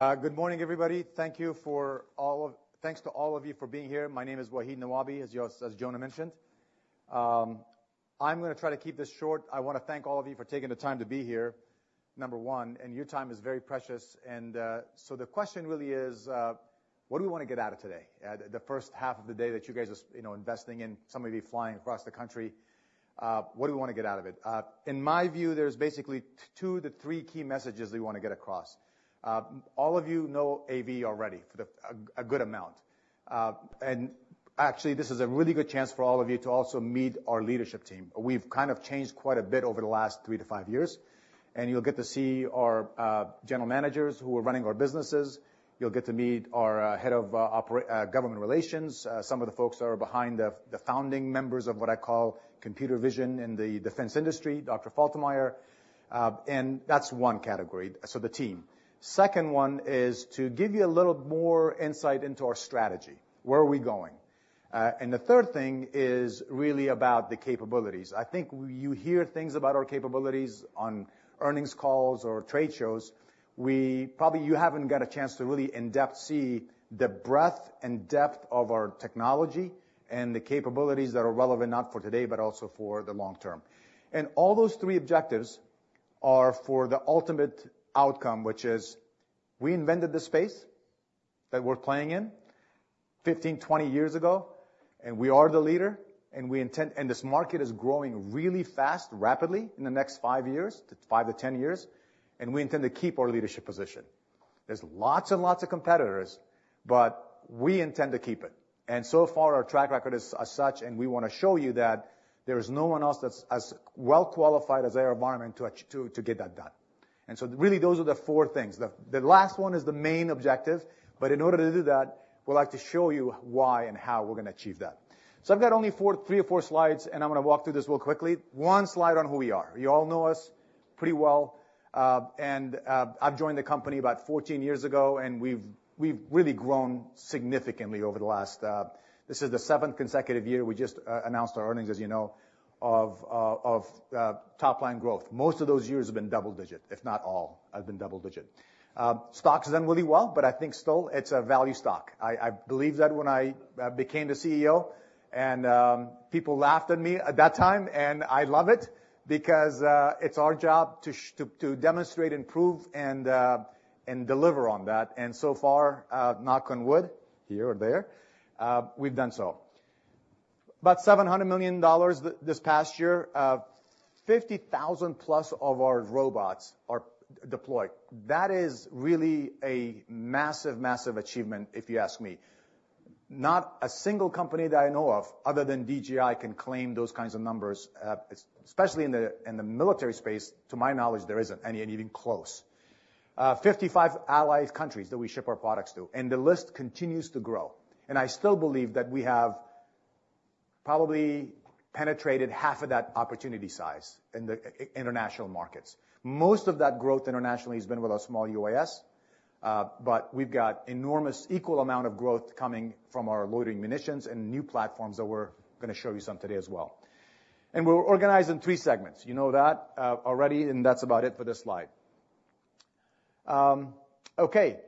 Good morning, everybody. Thank you for all of, thanks to all of you for being here. My name is Wahid Nawabi, as you all, as Jonah mentioned. I'm gonna try to keep this short. I wanna thank all of you for taking the time to be here, number one, and your time is very precious. And, so the question really is, what do we wanna get out of today? The first half of the day that you guys are, you know, investing in, some of you flying across the country, what do we wanna get out of it? In my view, there's basically 2-3 key messages we wanna get across. All of you know AV already for the, a good amount. And actually, this is a really good chance for all of you to also meet our leadership team. We've kind of changed quite a bit over the last 3-5 years, and you'll get to see our general managers who are running our businesses. You'll get to meet our head of government relations, some of the folks that are behind the founding members of what I call computer vision in the defense industry, Dr. Faltemier. And that's one category, so the team. Second one is to give you a little more insight into our strategy. Where are we going? And the third thing is really about the capabilities. I think you hear things about our capabilities on earnings calls or trade shows. We probably haven't got a chance to really in-depth see the breadth and depth of our technology and the capabilities that are relevant, not for today, but also for the long term. All those three objectives are for the ultimate outcome, which is, we invented the space that we're playing in 15, 20 years ago, and we are the leader, and we intend, and this market is growing really fast, rapidly in the next 5 years, to 5 to 10 years, and we intend to keep our leadership position. There's lots and lots of competitors, but we intend to keep it. So far, our track record is as such, and we wanna show you that there is no one else that's as well qualified as AeroVironment to get that done. So really, those are the four things. The last one is the main objective, but in order to do that, we'd like to show you why and how we're gonna achieve that. So I've got only 4, 3 or 4 slides, and I'm gonna walk through this real quickly. One slide on who we are. You all know us pretty well, and I've joined the company about 14 years ago, and we've really grown significantly over the last. This is the seventh consecutive year, we just announced our earnings, as you know, of top-line growth. Most of those years have been double-digit, if not all, have been double-digit. Stock's done really well, but I think still, it's a value stock. I believe that when I became the CEO and people laughed at me at that time, and I love it, because it's our job to demonstrate, improve, and deliver on that. And so far, knock on wood, here or there, we've done so. About $700 million this past year, 50,000 plus of our robots are deployed. That is really a massive, massive achievement, if you ask me. Not a single company that I know of, other than DJI, can claim those kinds of numbers, especially in the military space, to my knowledge, there isn't any, and even close. Fifty-five allied countries that we ship our products to, and the list continues to grow. I still believe that we have probably penetrated half of that opportunity size in the international markets. Most of that growth internationally has been with our small UAS, but we've got enormous, equal amount of growth coming from our loitering munitions and new platforms that we're gonna show you some today as well. And we're organized in three segments, you know that, already, and that's about it for this slide. Okay.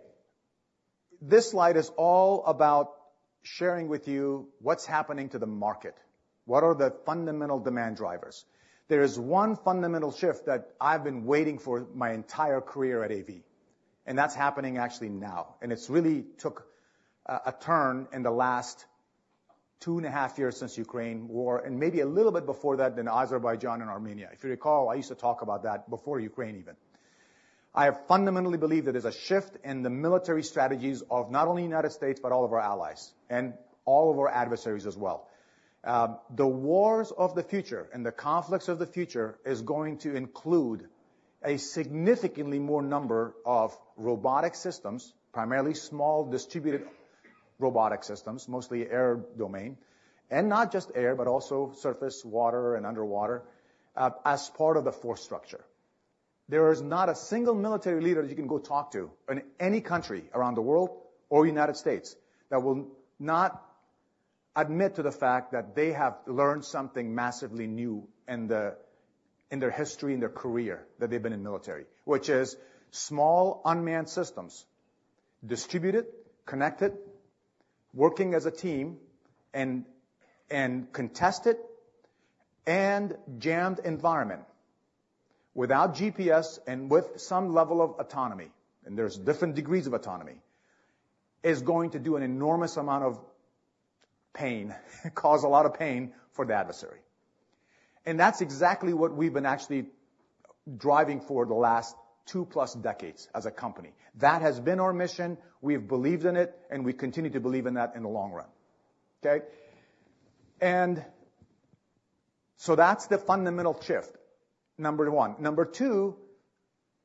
This slide is all about sharing with you what's happening to the market. What are the fundamental demand drivers? There is one fundamental shift that I've been waiting for my entire career at AV, and that's happening actually now, and it's really took a turn in the last two and a half years since Ukraine war, and maybe a little bit before that, in Azerbaijan and Armenia. If you recall, I used to talk about that before Ukraine even. I fundamentally believe there is a shift in the military strategies of not only United States, but all of our allies, and all of our adversaries as well. The wars of the future and the conflicts of the future is going to include a significantly more number of robotic systems, primarily small, distributed robotic systems, mostly air domain. And not just air, but also surface, water, and underwater, as part of the force structure. There is not a single military leader you can go talk to in any country around the world or United States that will not admit to the fact that they have learned something massively new in their history, in their career that they've been in military, which is small unmanned systems, distributed, connected, working as a team, and contested, and jammed environment without GPS and with some level of autonomy, and there's different degrees of autonomy, is going to do an enormous amount of pain. Cause a lot of pain for the adversary. And that's exactly what we've been actually driving for the last 2+ decades as a company. That has been our mission, we've believed in it, and we continue to believe in that in the long run, okay? And so that's the fundamental shift, number one. Number two,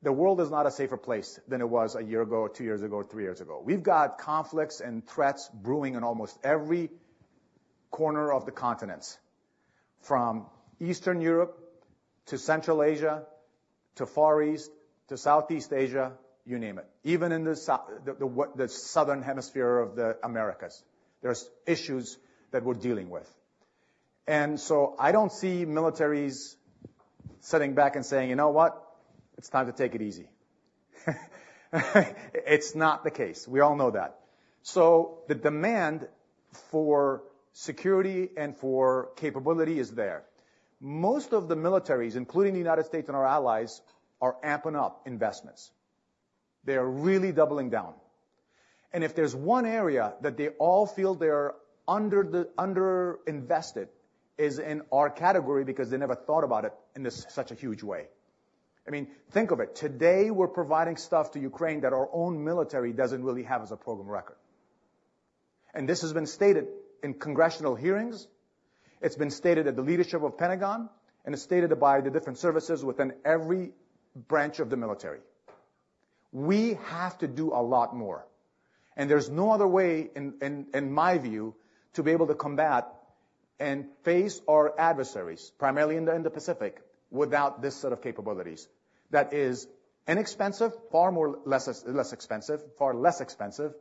the world is not a safer place than it was a year ago, two years ago, three years ago. We've got conflicts and threats brewing in almost every corner of the continents, from Eastern Europe to Central Asia, to Far East, to Southeast Asia, you name it. Even in the Southern Hemisphere of the Americas, there's issues that we're dealing with. And so I don't see militaries sitting back and saying, "You know what? It's time to take it easy." It's not the case. We all know that. So the demand for security and for capability is there. Most of the militaries, including the United States and our allies, are amping up investments. They are really doubling down, and if there's one area that they all feel they're underinvested, is in our category, because they never thought about it in this such a huge way. I mean, think of it. Today, we're providing stuff to Ukraine that our own military doesn't really have as a program of record. And this has been stated in congressional hearings, it's been stated at the leadership of the Pentagon, and it's stated by the different services within every branch of the military. We have to do a lot more, and there's no other way, in my view, to be able to combat and face our adversaries, primarily in the Pacific, without this set of capabilities. That is inexpensive, far less expensive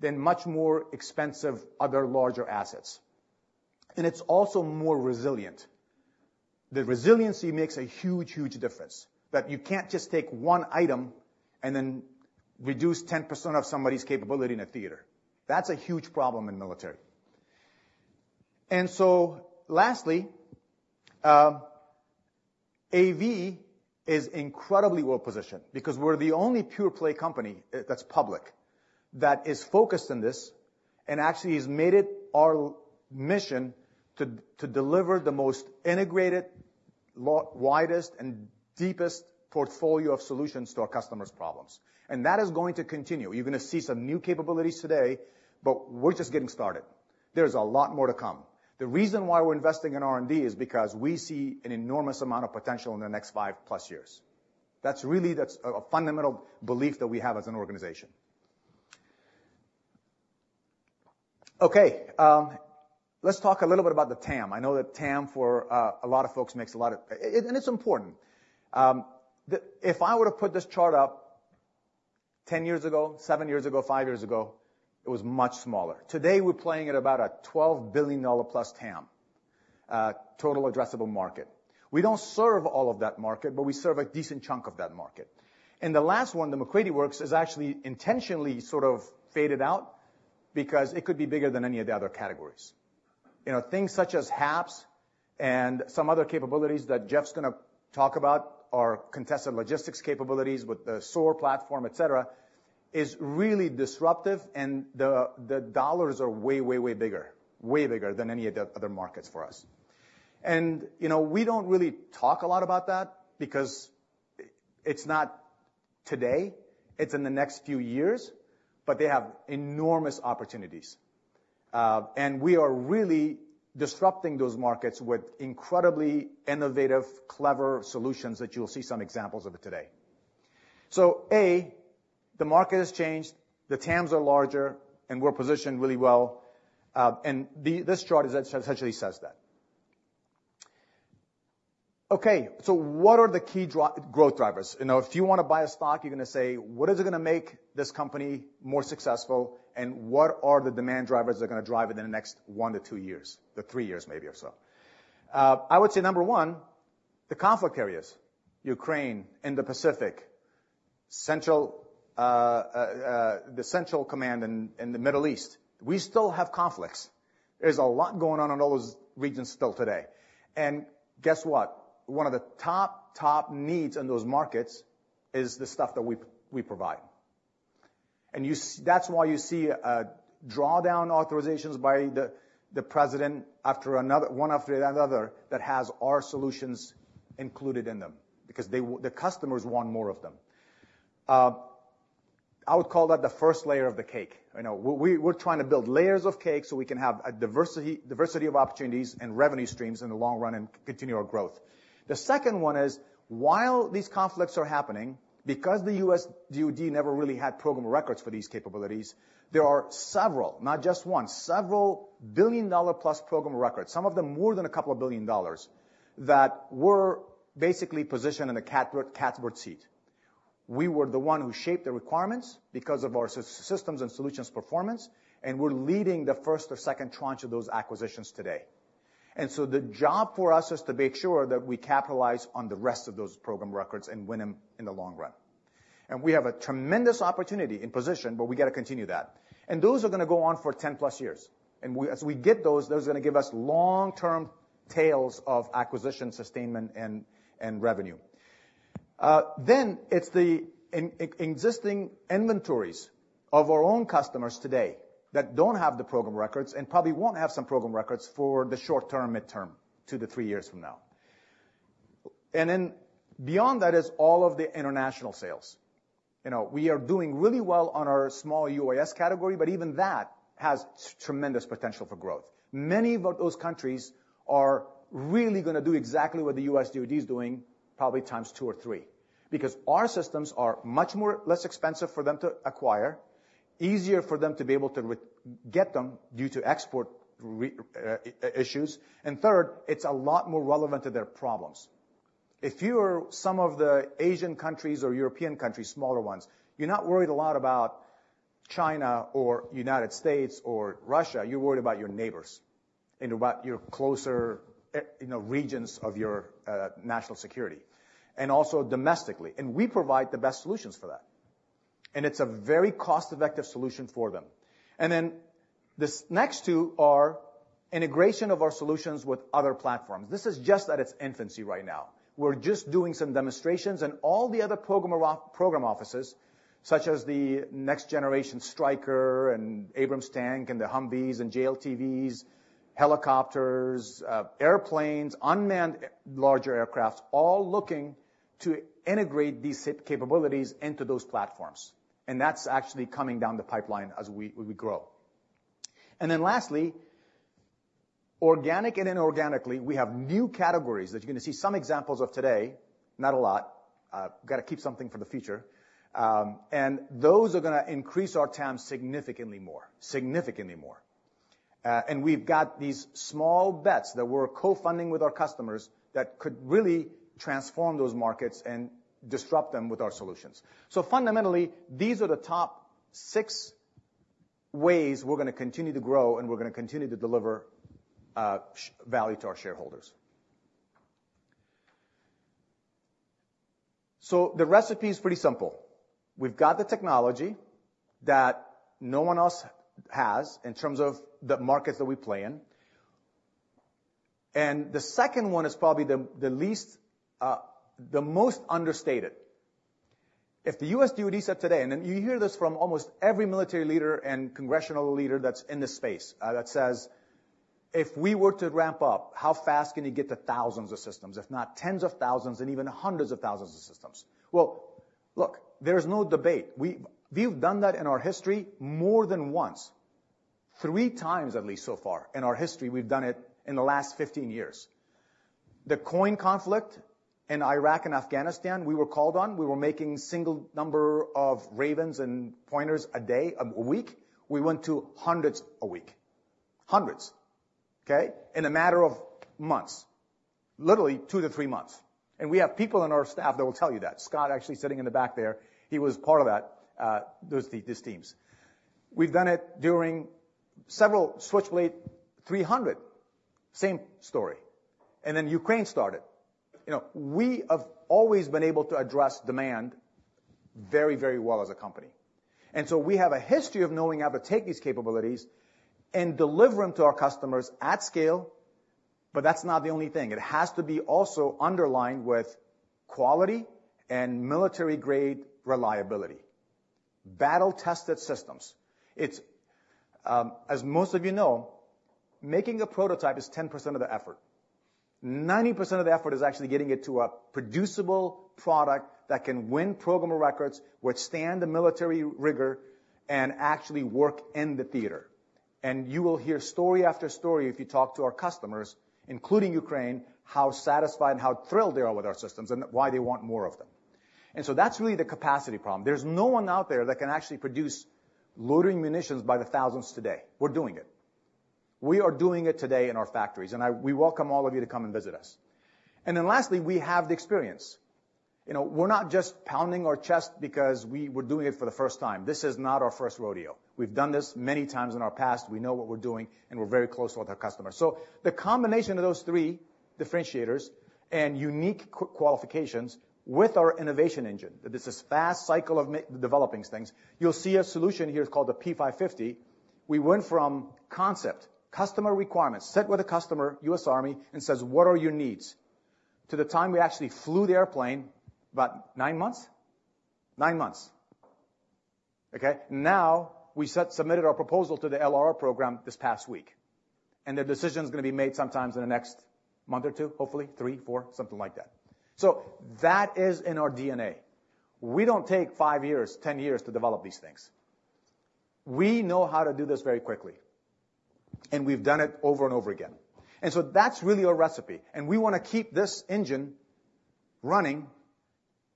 than much more expensive other larger assets. And it's also more resilient. The resiliency makes a huge, huge difference, that you can't just take one item and then reduce 10% of somebody's capability in a theater. That's a huge problem in military. And so lastly, AV is incredibly well-positioned because we're the only pure play company, that's public, that is focused on this, and actually has made it our mission to, to deliver the most integrated, widest and deepest portfolio of solutions to our customers' problems. And that is going to continue. You're gonna see some new capabilities today, but we're just getting started. There's a lot more to come. The reason why we're investing in R&D is because we see an enormous amount of potential in the next 5+ years. That's really, that's a, a fundamental belief that we have as an organization. Okay, let's talk a little bit about the TAM. I know that TAM for a lot of folks makes a lot of sense. And it's important. If I were to put this chart up 10 years ago, 7 years ago, 5 years ago, it was much smaller. Today, we're playing at about a $12 billion+ TAM, total addressable market. We don't serve all of that market, but we serve a decent chunk of that market. And the last one, the MacCready Works, is actually intentionally sort of faded out because it could be bigger than any of the other categories. You know, things such as HAPS and some other capabilities that Jeff's gonna talk about, are contested logistics capabilities with the solar platform, et cetera, is really disruptive and the dollars are way, way, way bigger. Way bigger than any of the other markets for us. You know, we don't really talk a lot about that because it's not today, it's in the next few years, but they have enormous opportunities. And we are really disrupting those markets with incredibly innovative, clever solutions that you'll see some examples of it today. So, A, the market has changed, the TAMs are larger, and we're positioned really well, and the, this chart essentially says that. Okay, so what are the key growth drivers? You know, if you wanna buy a stock, you're gonna say: What is it gonna make this company more successful, and what are the demand drivers that are gonna drive it in the next one to two years, or three years, maybe or so? I would say number one, the conflict areas, Ukraine and the Pacific, central, the Central Command in the Middle East, we still have conflicts. There's a lot going on in all those regions still today. And guess what? One of the top, top needs in those markets is the stuff that we, we provide. And you see, that's why you see drawdown authorizations by the president one after another, that has our solutions included in them, because the customers want more of them. I would call that the first layer of the cake. You know, we, we're trying to build layers of cake so we can have a diversity, diversity of opportunities and revenue streams in the long run and continue our growth. The second one is, while these conflicts are happening, because the U.S. DoD never really had programs of record for these capabilities, there are several, not just one, several billion-dollar-plus programs of record, some of them more than a couple of $ billion, that were basically positioned in the catbird seat. We were the one who shaped the requirements because of our systems and solutions performance, and we're leading the first or second tranche of those acquisitions today. So the job for us is to make sure that we capitalize on the rest of those programs of record and win them in the long run. We have a tremendous opportunity and position, but we got to continue that. Those are gonna go on for 10+ years. As we get those, those are gonna give us long-term tails of acquisition, sustainment, and revenue. Then it's the existing inventories of our own customers today that don't have the programs of record and probably won't have some programs of record for the short term, mid-term, 2-3 years from now. And then beyond that is all of the international sales. You know, we are doing really well on our small UAS category, but even that has tremendous potential for growth. Many of those countries are really gonna do exactly what the U.S. DoD is doing, probably times 2 or 3, because our systems are much more less expensive for them to acquire, easier for them to be able to get them due to export issues, and third, it's a lot more relevant to their problems. If you are some of the Asian countries or European countries, smaller ones, you're not worried a lot about-... China or United States or Russia, you're worried about your neighbors and about your closer, you know, regions of your national security, and also domestically. We provide the best solutions for that, and it's a very cost-effective solution for them. Then, this next two are integration of our solutions with other platforms. This is just at its infancy right now. We're just doing some demonstrations and all the other program offices, such as the next generation Stryker and Abrams tank, and the Humvees and JLTVs, helicopters, airplanes, unmanned larger aircraft, all looking to integrate these capabilities into those platforms, and that's actually coming down the pipeline as we, we grow. Then lastly, organic and inorganically, we have new categories that you're gonna see some examples of today, not a lot, gotta keep something for the future. And those are gonna increase our TAM significantly more, significantly more. And we've got these small bets that we're co-funding with our customers that could really transform those markets and disrupt them with our solutions. So fundamentally, these are the top six ways we're gonna continue to grow and we're gonna continue to deliver value to our shareholders. So the recipe is pretty simple. We've got the technology that no one else has in terms of the markets that we play in. And the second one is probably the most understated. If the U.S. DoD said today, and then you hear this from almost every military leader and congressional leader that's in this space, that says, "If we were to ramp up, how fast can you get to thousands of systems, if not tens of thousands and even hundreds of thousands of systems?" Well, look, there's no debate. We've, we've done that in our history more than once, three times, at least so far in our history, we've done it in the last 15 years. The COIN conflict in Iraq and Afghanistan, we were called on. We were making single number of Ravens and Pointers a day, a week. We went to hundreds a week. Hundreds, okay? In a matter of months. Literally, 2 to 3 months. And we have people on our staff that will tell you that. Scott actually sitting in the back there, he was part of that, those teams. We've done it during several Switchblade 300, same story. And then Ukraine started. You know, we have always been able to address demand very, very well as a company. And so we have a history of knowing how to take these capabilities and deliver them to our customers at scale, but that's not the only thing. It has to be also underlined with quality and military-grade reliability. Battle-tested systems. It's, as most of you know, making a prototype is 10% of the effort. 90% of the effort is actually getting it to a producible product that can win program of record, withstand the military rigor, and actually work in the theater. You will hear story after story if you talk to our customers, including Ukraine, how satisfied and how thrilled they are with our systems and why they want more of them. So that's really the capacity problem. There's no one out there that can actually produce loitering munitions by the thousands today. We're doing it. We are doing it today in our factories, and we welcome all of you to come and visit us. Then lastly, we have the experience. You know, we're not just pounding our chest because we were doing it for the first time. This is not our first rodeo. We've done this many times in our past. We know what we're doing, and we're very close with our customers. So the combination of those three differentiators and unique qualifications with our innovation engine, that is this fast cycle of developing things. You'll see a solution here, it's called the P550. We went from concept, customer requirements, sit with a customer, U.S. Army, and says, "What are your needs?" To the time we actually flew the airplane, about 9 months? 9 months. Okay? Now, we submitted our proposal to the LRR program this past week, and the decision is gonna be made sometime in the next month or two, hopefully 3, 4, something like that. So that is in our DNA. We don't take 5 years, 10 years to develop these things. We know how to do this very quickly, and we've done it over and over again. So that's really our recipe, and we wanna keep this engine running,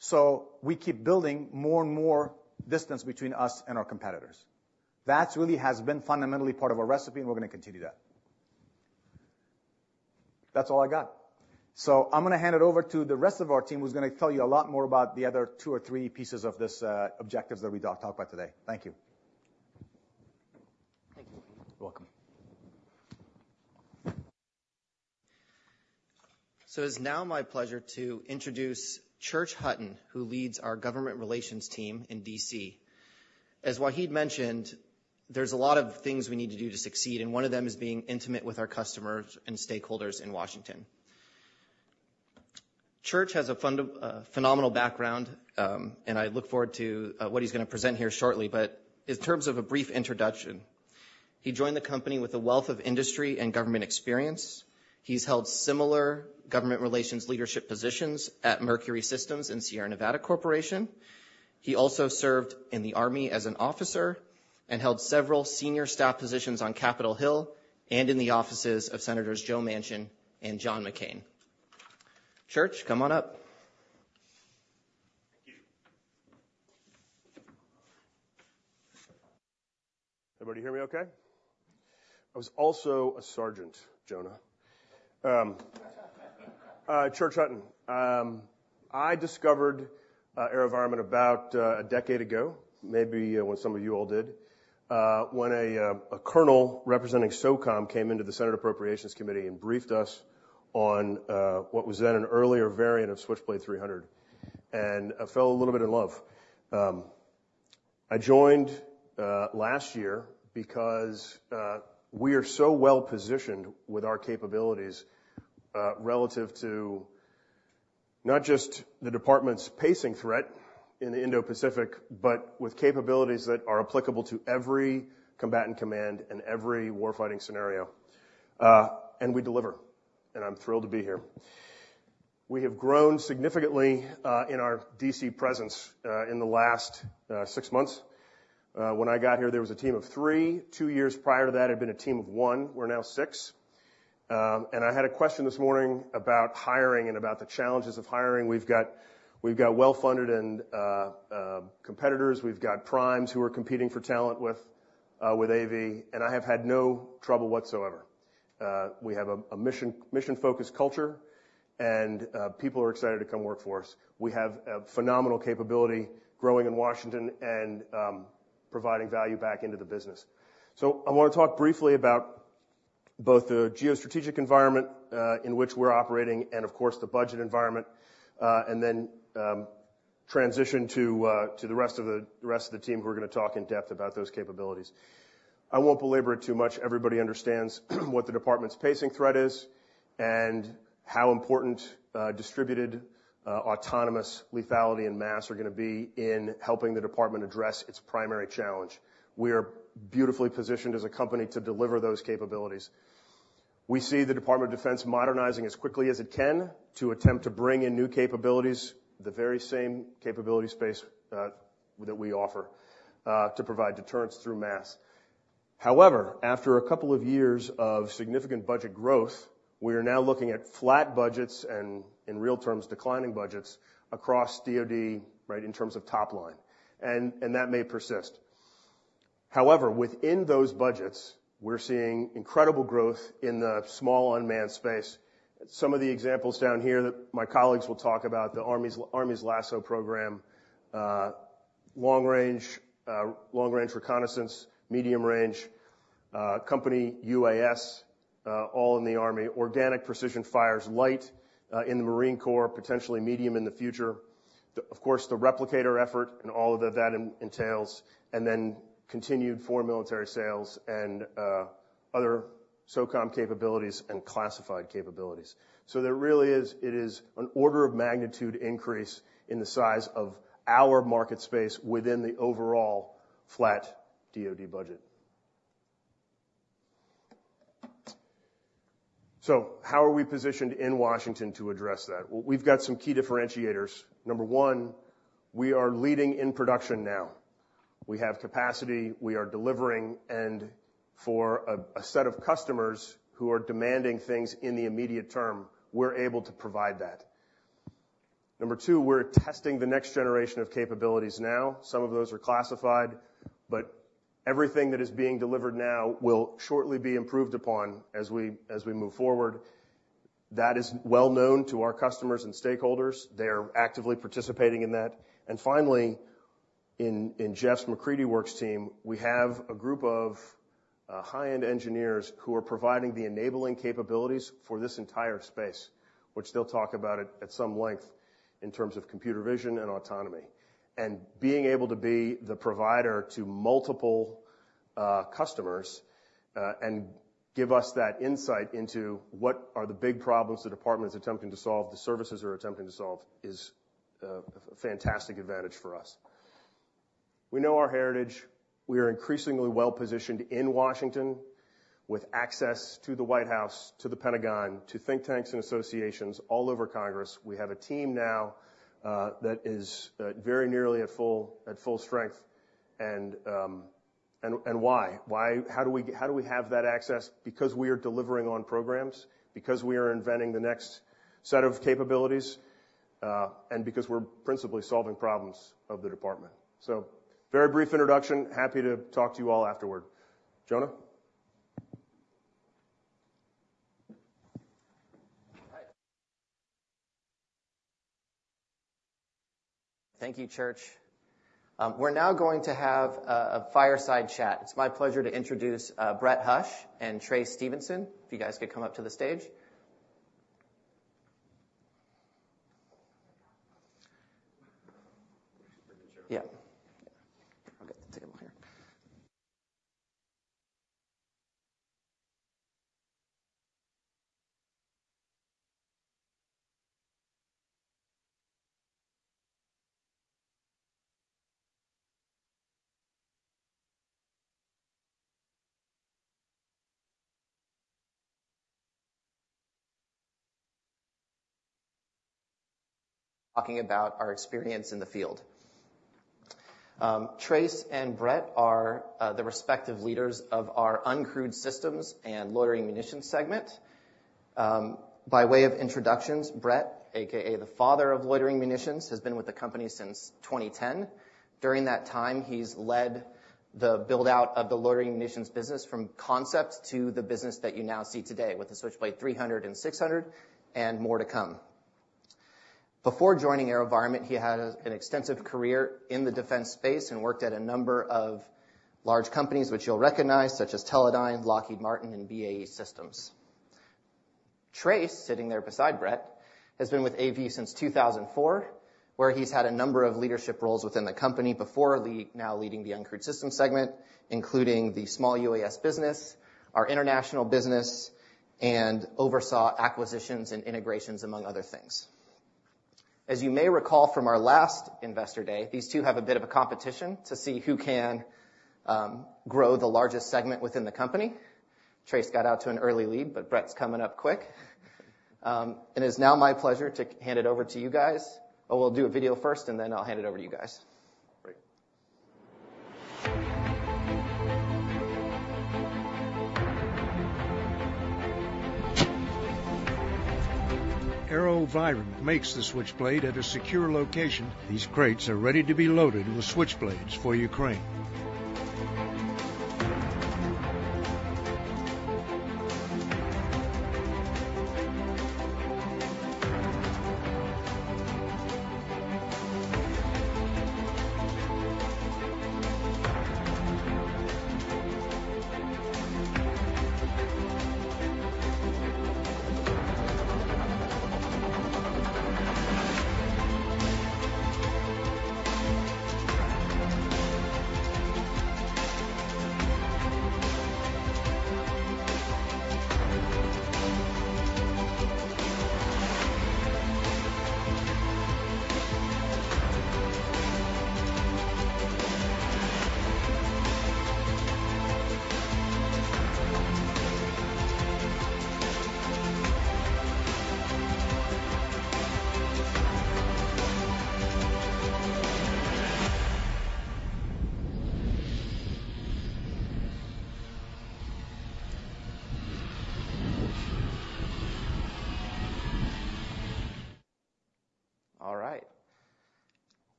so we keep building more and more distance between us and our competitors. That's really has been fundamentally part of our recipe, and we're gonna continue that. That's all I got. So I'm gonna hand it over to the rest of our team, who's gonna tell you a lot more about the other two or three pieces of this, objectives that we talked about today. Thank you. Thank you. You're welcome. So it's now my pleasure to introduce Church Hutton, who leads our government relations team in D.C. As Wahid mentioned, there's a lot of things we need to do to succeed, and one of them is being intimate with our customers and stakeholders in Washington. Church has a phenomenal background, and I look forward to what he's gonna present here shortly. But in terms of a brief introduction, he joined the company with a wealth of industry and government experience. He's held similar government relations leadership positions at Mercury Systems and Sierra Nevada Corporation. He also served in the Army as an officer and held several senior staff positions on Capitol Hill and in the offices of Senators Joe Manchin and John McCain. Church, come on up. Thank you. Everybody hear me okay?... I was also a sergeant, Jonah. Church Hutton. I discovered AeroVironment about a decade ago, maybe, when some of you all did. When a colonel representing SOCOM came into the Senate Appropriations Committee and briefed us on what was then an earlier variant of Switchblade 300, and I fell a little bit in love. I joined last year because we are so well-positioned with our capabilities relative to not just the department's pacing threat in the Indo-Pacific, but with capabilities that are applicable to every combatant command and every war fighting scenario. We deliver, and I'm thrilled to be here. We have grown significantly in our D.C. presence in the last six months. When I got here, there was a team of three. Two years prior to that, it had been a team of one. We're now six. I had a question this morning about hiring and about the challenges of hiring. We've got, we've got well-funded and competitors, we've got primes who we're competing for talent with, with AV, and I have had no trouble whatsoever. We have a, a mission, mission-focused culture, and people are excited to come work for us. We have a phenomenal capability growing in Washington and providing value back into the business. I wanna talk briefly about both the geostrategic environment, in which we're operating and, of course, the budget environment, and then transition to to the rest of the, the rest of the team, who are gonna talk in depth about those capabilities. I won't belabor it too much. Everybody understands what the department's pacing threat is and how important, distributed, autonomous lethality and mass are gonna be in helping the department address its primary challenge. We are beautifully positioned as a company to deliver those capabilities. We see the Department of Defense modernizing as quickly as it can to attempt to bring in new capabilities, the very same capability space, that we offer, to provide deterrence through mass. However, after a couple of years of significant budget growth, we are now looking at flat budgets and, in real terms, declining budgets across DOD, right, in terms of top line, and, and that may persist. However, within those budgets, we're seeing incredible growth in the small unmanned space. Some of the examples down here that my colleagues will talk about, the Army's LASSO program, long range reconnaissance, medium range company UAS, all in the Army. Organic Precision Fires-Light in the Marine Corps, potentially medium in the future. Of course, the Replicator effort and all of that entails, and then continued foreign military sales and other SOCOM capabilities and classified capabilities. So there really is, it is an order of magnitude increase in the size of our market space within the overall flat DoD budget. So how are we positioned in Washington to address that? Well, we've got some key differentiators. Number one, we are leading in production now. We have capacity, we are delivering, and for a set of customers who are demanding things in the immediate term, we're able to provide that. Number two, we're testing the next generation of capabilities now. Some of those are classified, but everything that is being delivered now will shortly be improved upon as we, as we move forward. That is well known to our customers and stakeholders. They are actively participating in that. And finally, in MacCready Works team, we have a group of high-end engineers who are providing the enabling capabilities for this entire space, which they'll talk about at, at some length in terms of computer vision and autonomy. And being able to be the provider to multiple customers and give us that insight into what are the big problems the department is attempting to solve, the services are attempting to solve, is a fantastic advantage for us. We know our heritage. We are increasingly well-positioned in Washington with access to the White House, to the Pentagon, to think tanks and associations all over Congress. We have a team now that is very nearly at full strength. And why? How do we have that access? Because we are delivering on programs, because we are inventing the next set of capabilities, and because we're principally solving problems of the department. So very brief introduction. Happy to talk to you all afterward. Jonah? Hi. Thank you, Church. We're now going to have a fireside chat. It's my pleasure to introduce Brett Hush and Trace Stevenson. If you guys could come up to the stage. Yeah. I'll get the table here. Talking about our experience in the field. Trace and Brett are the respective leaders of our uncrewed systems and loitering munitions segment. By way of introductions, Brett, AKA the father of loitering munitions, has been with the company since 2010. During that time, he's led the build-out of the loitering munitions business from concept to the business that you now see today, with the Switchblade 300 and 600, and more to come. Before joining AeroVironment, he had an extensive career in the defense space and worked at a number of large companies, which you'll recognize, such as Teledyne, Lockheed Martin, and BAE Systems. Trace, sitting there beside Brett, has been with AV since 2004, where he's had a number of leadership roles within the company before now leading the Uncrewed Systems segment, including the small UAS business, our international business, and oversaw acquisitions and integrations, among other things. As you may recall from our last Investor Day, these two have a bit of a competition to see who can grow the largest segment within the company. Trace got out to an early lead, but Brett's coming up quick. It is now my pleasure to hand it over to you guys. Oh, we'll do a video first, and then I'll hand it over to you guys. Great. AeroVironment makes the Switchblade at a secure location. These crates are ready to be loaded with Switchblades for Ukraine.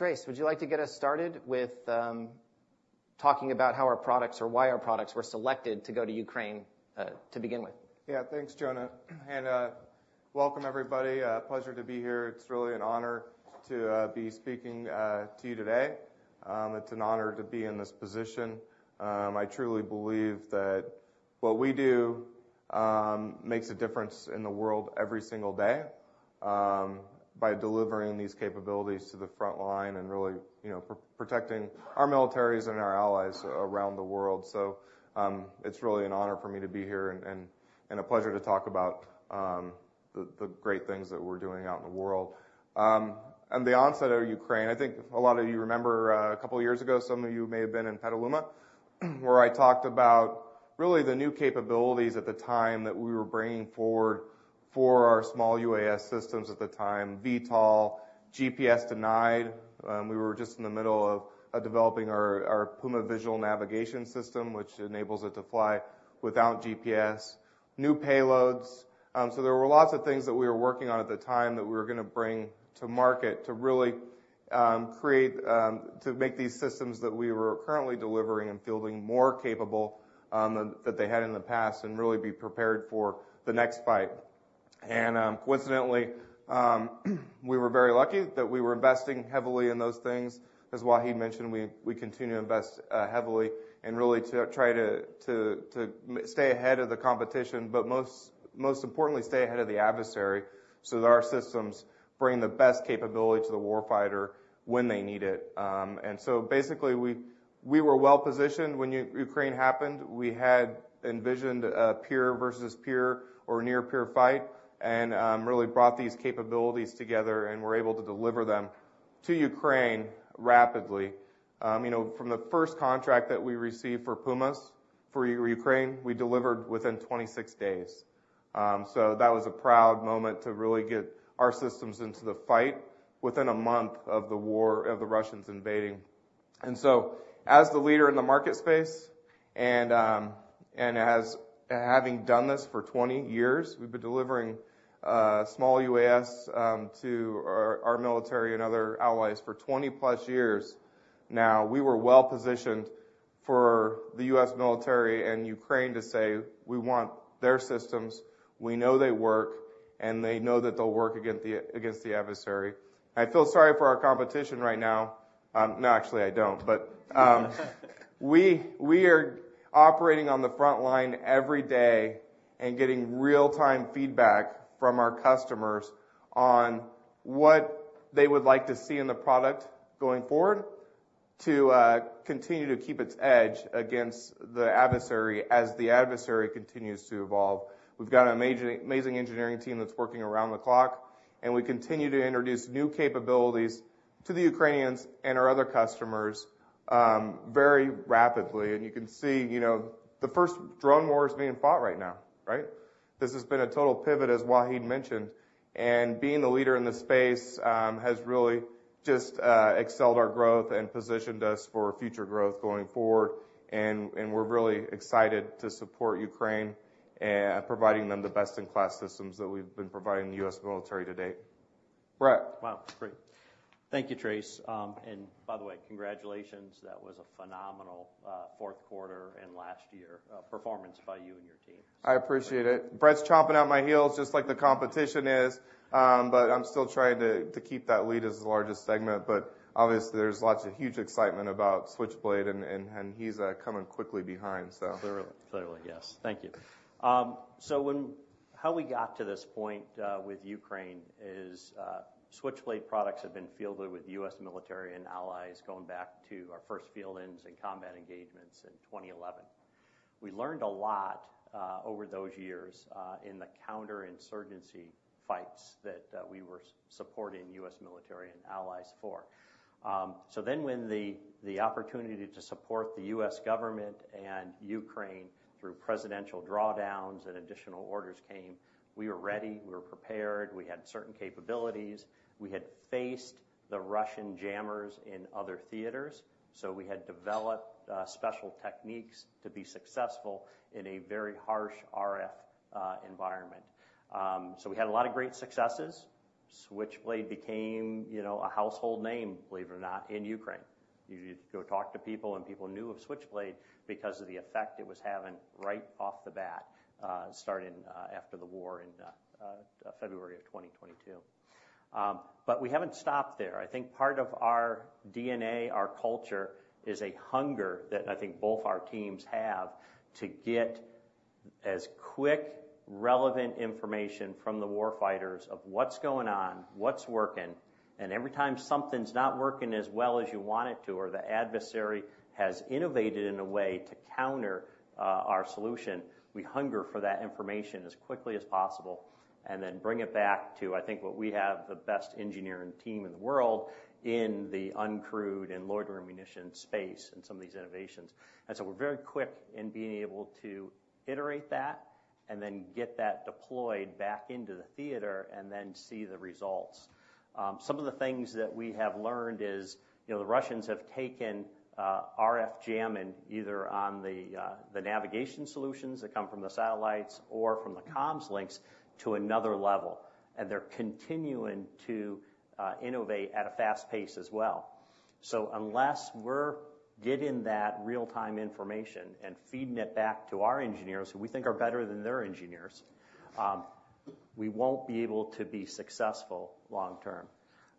All right. Trace, would you like to get us started with talking about how our products or why our products were selected to go to Ukraine, to begin with? Yeah, thanks, Jonah, and welcome, everybody. Pleasure to be here. It's really an honor to be speaking to you today. It's an honor to be in this position. I truly believe that what we do makes a difference in the world every single day by delivering these capabilities to the front line and really, you know, protecting our militaries and our allies around the world. So, it's really an honor for me to be here and a pleasure to talk about the great things that we're doing out in the world. On the onset of Ukraine, I think a lot of you remember a couple of years ago, some of you may have been in Petaluma, where I talked about really the new capabilities at the time that we were bringing forward for our small UAS systems at the time, VTOL, GPS-denied. We were just in the middle of developing our Puma Visual Navigation System, which enables it to fly without GPS, new payloads. So there were lots of things that we were working on at the time that we were gonna bring to market to really create -- to make these systems that we were currently delivering and fielding more capable than that they had in the past, and really be prepared for the next fight. And, coincidentally, we were very lucky that we were investing heavily in those things. As Wahid mentioned, we continue to invest heavily and really to try to stay ahead of the competition, but most importantly, stay ahead of the adversary, so that our systems bring the best capability to the war fighter when they need it. And so basically, we were well-positioned when Ukraine happened. We had envisioned a peer versus peer or near peer fight and really brought these capabilities together and were able to deliver them to Ukraine rapidly. You know, from the first contract that we received for Pumas for Ukraine, we delivered within 26 days. So that was a proud moment to really get our systems into the fight within a month of the war, of the Russians invading. And so, as the leader in the market space and having done this for 20 years, we've been delivering small UAS to our, our military and other allies for 20+ years now. We were well-positioned for the U.S. military and Ukraine to say: "We want their systems. We know they work, and they know that they'll work against the adversary." I feel sorry for our competition right now. No, actually, I don't. But we are operating on the front line every day and getting real-time feedback from our customers on what they would like to see in the product going forward to continue to keep its edge against the adversary as the adversary continues to evolve. We've got an amazing, amazing engineering team that's working around the clock, and we continue to introduce new capabilities to the Ukrainians and our other customers very rapidly. You can see, you know, the first drone war is being fought right now, right? This has been a total pivot, as Wahid mentioned, and being the leader in this space has really just excelled our growth and positioned us for future growth going forward. We're really excited to support Ukraine and providing them the best-in-class systems that we've been providing the U.S. military to date.... Correct. Wow, great. Thank you, Trace. And by the way, congratulations, that was a phenomenal Q4 and last year performance by you and your team. I appreciate it. Brett's chomping at my heels, just like the competition is, but I'm still trying to keep that lead as the largest segment. But obviously, there's lots of huge excitement about Switchblade, and he's coming quickly behind, so. Clearly. Clearly, yes. Thank you. How we got to this point with Ukraine is, Switchblade products have been fielded with U.S. military and allies going back to our first fieldings in combat engagements in 2011. We learned a lot over those years in the counterinsurgency fights that we were supporting U.S. military and allies for. So then when the opportunity to support the U.S. government and Ukraine through presidential drawdowns and additional orders came, we were ready, we were prepared, we had certain capabilities. We had faced the Russian jammers in other theaters, so we had developed special techniques to be successful in a very harsh RF environment. So we had a lot of great successes. Switchblade became, you know, a household name, believe it or not, in Ukraine. You go talk to people, and people knew of Switchblade because of the effect it was having right off the bat, starting after the war in February of 2022. But we haven't stopped there. I think part of our DNA, our culture, is a hunger that I think both our teams have to get as quick, relevant information from the warfighters of what's going on, what's working, and every time something's not working as well as you want it to, or the adversary has innovated in a way to counter our solution, we hunger for that information as quickly as possible, and then bring it back to, I think, what we have the best engineering team in the world in the uncrewed and loitering munition space and some of these innovations. So we're very quick in being able to iterate that and then get that deployed back into the theater and then see the results. Some of the things that we have learned is, you know, the Russians have taken RF jamming, either on the navigation solutions that come from the satellites or from the comms links, to another level, and they're continuing to innovate at a fast pace as well. So unless we're getting that real-time information and feeding it back to our engineers, who we think are better than their engineers, we won't be able to be successful long term.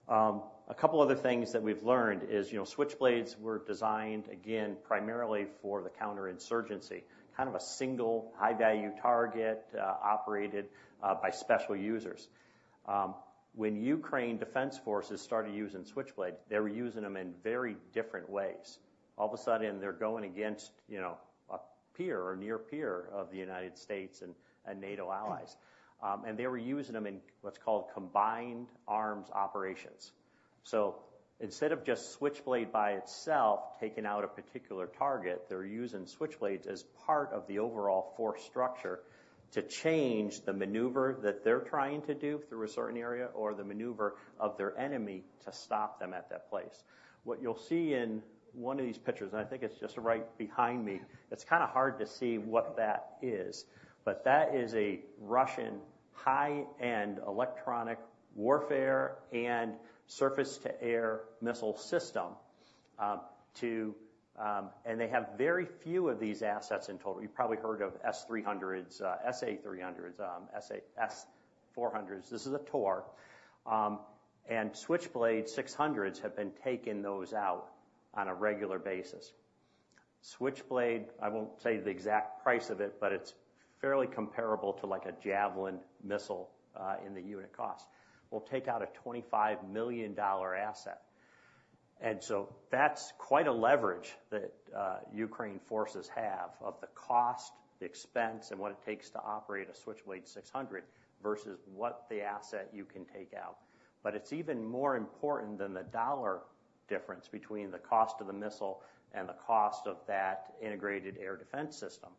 A couple other things that we've learned is, you know, Switchblades were designed, again, primarily for the counterinsurgency, kind of a single high-value target, operated by special users. When Ukraine defense forces started using Switchblade, they were using them in very different ways. All of a sudden, they're going against, you know, a peer or near peer of the United States and NATO allies. And they were using them in what's called combined arms operations. So instead of just Switchblade by itself, taking out a particular target, they're using Switchblades as part of the overall force structure to change the maneuver that they're trying to do through a certain area, or the maneuver of their enemy to stop them at that place. What you'll see in one of these pictures, and I think it's just right behind me, it's kind of hard to see what that is, but that is a Russian high-end electronic warfare and surface-to-air missile system. And they have very few of these assets in total. You've probably heard of S-300s, S-300s, S-400s. This is a Tor, and Switchblade 600s have been taking those out on a regular basis. Switchblade, I won't say the exact price of it, but it's fairly comparable to like a Javelin missile, in the unit cost, will take out a $25 million asset. And so that's quite a leverage that, Ukraine forces have of the cost, the expense, and what it takes to operate a Switchblade 600 versus what the asset you can take out. But it's even more important than the dollar difference between the cost of the missile and the cost of that integrated air defense system.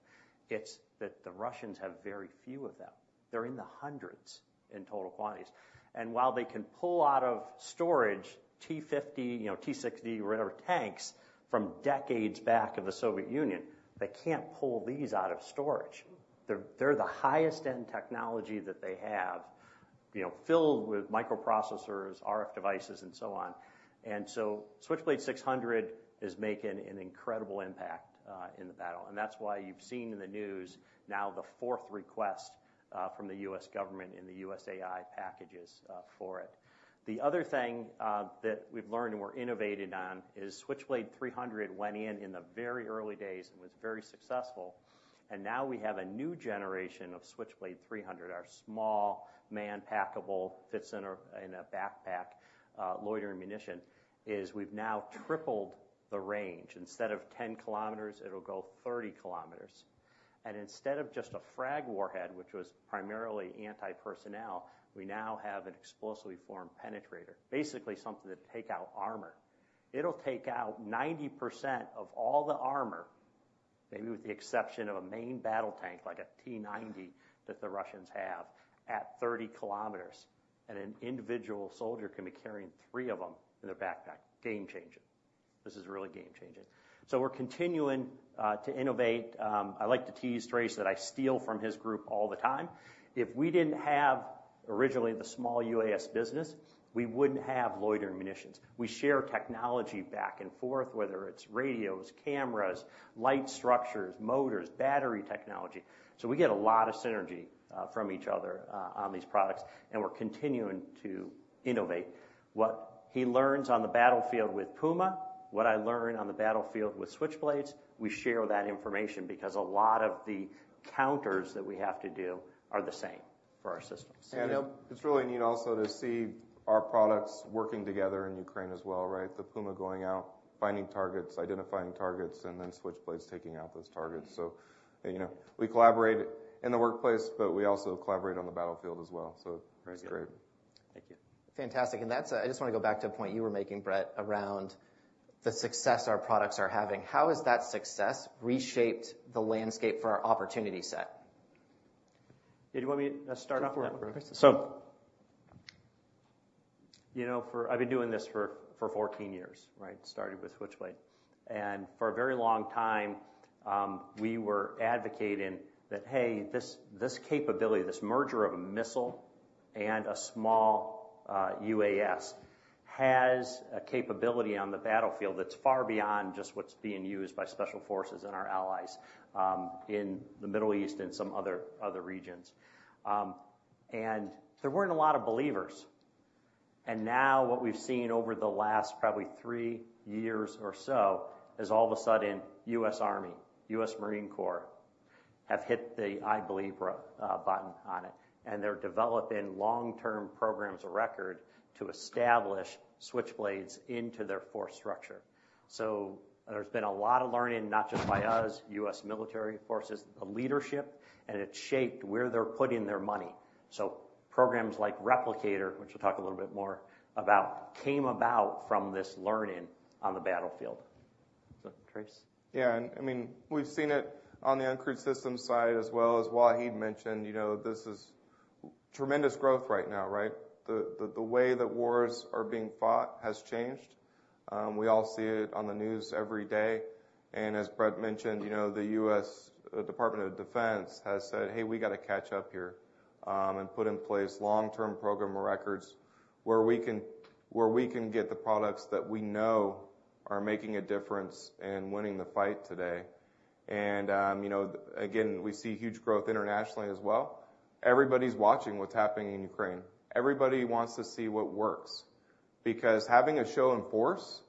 It's that the Russians have very few of them. They're in the hundreds in total quantities. And while they can pull out of storage T-50, you know, T-60 or whatever, tanks from decades back in the Soviet Union, they can't pull these out of storage. They're, they're the highest-end technology that they have, you know, filled with microprocessors, RF devices, and so on. And so, Switchblade 600 is making an incredible impact in the battle, and that's why you've seen in the news now the fourth request from the U.S. government in the USAI packages for it. The other thing that we've learned and we're innovated on is Switchblade 300 went in in the very early days and was very successful. And now we have a new generation of Switchblade 300, our small, man-packable, fits in a, in a backpack, loitering munition, is we've now tripled the range. Instead of 10 kilometers, it'll go 30 kilometers. And instead of just a frag warhead, which was primarily anti-personnel, we now have an explosively formed penetrator, basically something to take out armor. It'll take out 90% of all the armor, maybe with the exception of a main battle tank, like a T-90, that the Russians have at 30 kilometers, and an individual soldier can be carrying three of them in a backpack. Game changer... This is really game-changing. We're continuing to innovate. I like to tease Trace that I steal from his group all the time. If we didn't have originally the small UAS business, we wouldn't have loitering munitions. We share technology back and forth, whether it's radios, cameras, light structures, motors, battery technology. So we get a lot of synergy from each other on these products, and we're continuing to innovate. What he learns on the battlefield with Puma, what I learn on the battlefield with Switchblades, we share that information because a lot of the counters that we have to do are the same for our systems. It's really neat also to see our products working together in Ukraine as well, right? The Puma going out, finding targets, identifying targets, and then Switchblades taking out those targets. So, you know, we collaborate in the workplace, but we also collaborate on the battlefield as well. So it's great. Thank you. Fantastic. And that's, I just wanna go back to a point you were making, Brett, around the success our products are having. How has that success reshaped the landscape for our opportunity set? Hey, do you want me to start off with that? So, you know, I've been doing this for 14 years, right? Started with Switchblade. And for a very long time, we were advocating that, "Hey, this capability, this merger of a missile and a small UAS, has a capability on the battlefield that's far beyond just what's being used by Special Forces and our allies in the Middle East and some other regions." And there weren't a lot of believers. And now what we've seen over the last probably 3 years or so is all of a sudden, U.S. Army, U.S. Marine Corps, have hit the, I believe, button on it, and they're developing long-term programs of record to establish Switchblades into their force structure. So there's been a lot of learning, not just by us, U.S. military forces, the leadership, and it's shaped where they're putting their money. So programs like Replicator, which we'll talk a little bit more about, came about from this learning on the battlefield. So, Trace? Yeah, and I mean, we've seen it on the uncrewed systems side as well. As Wahid mentioned, you know, this is tremendous growth right now, right? The way that wars are being fought has changed. We all see it on the news every day, and as Brett mentioned, you know, the U.S. Department of Defense has said, "Hey, we got to catch up here, and put in place long-term programs of record where we can get the products that we know are making a difference in winning the fight today." And, you know, again, we see huge growth internationally as well. Everybody's watching what's happening in Ukraine. Everybody wants to see what works, because having a show in force,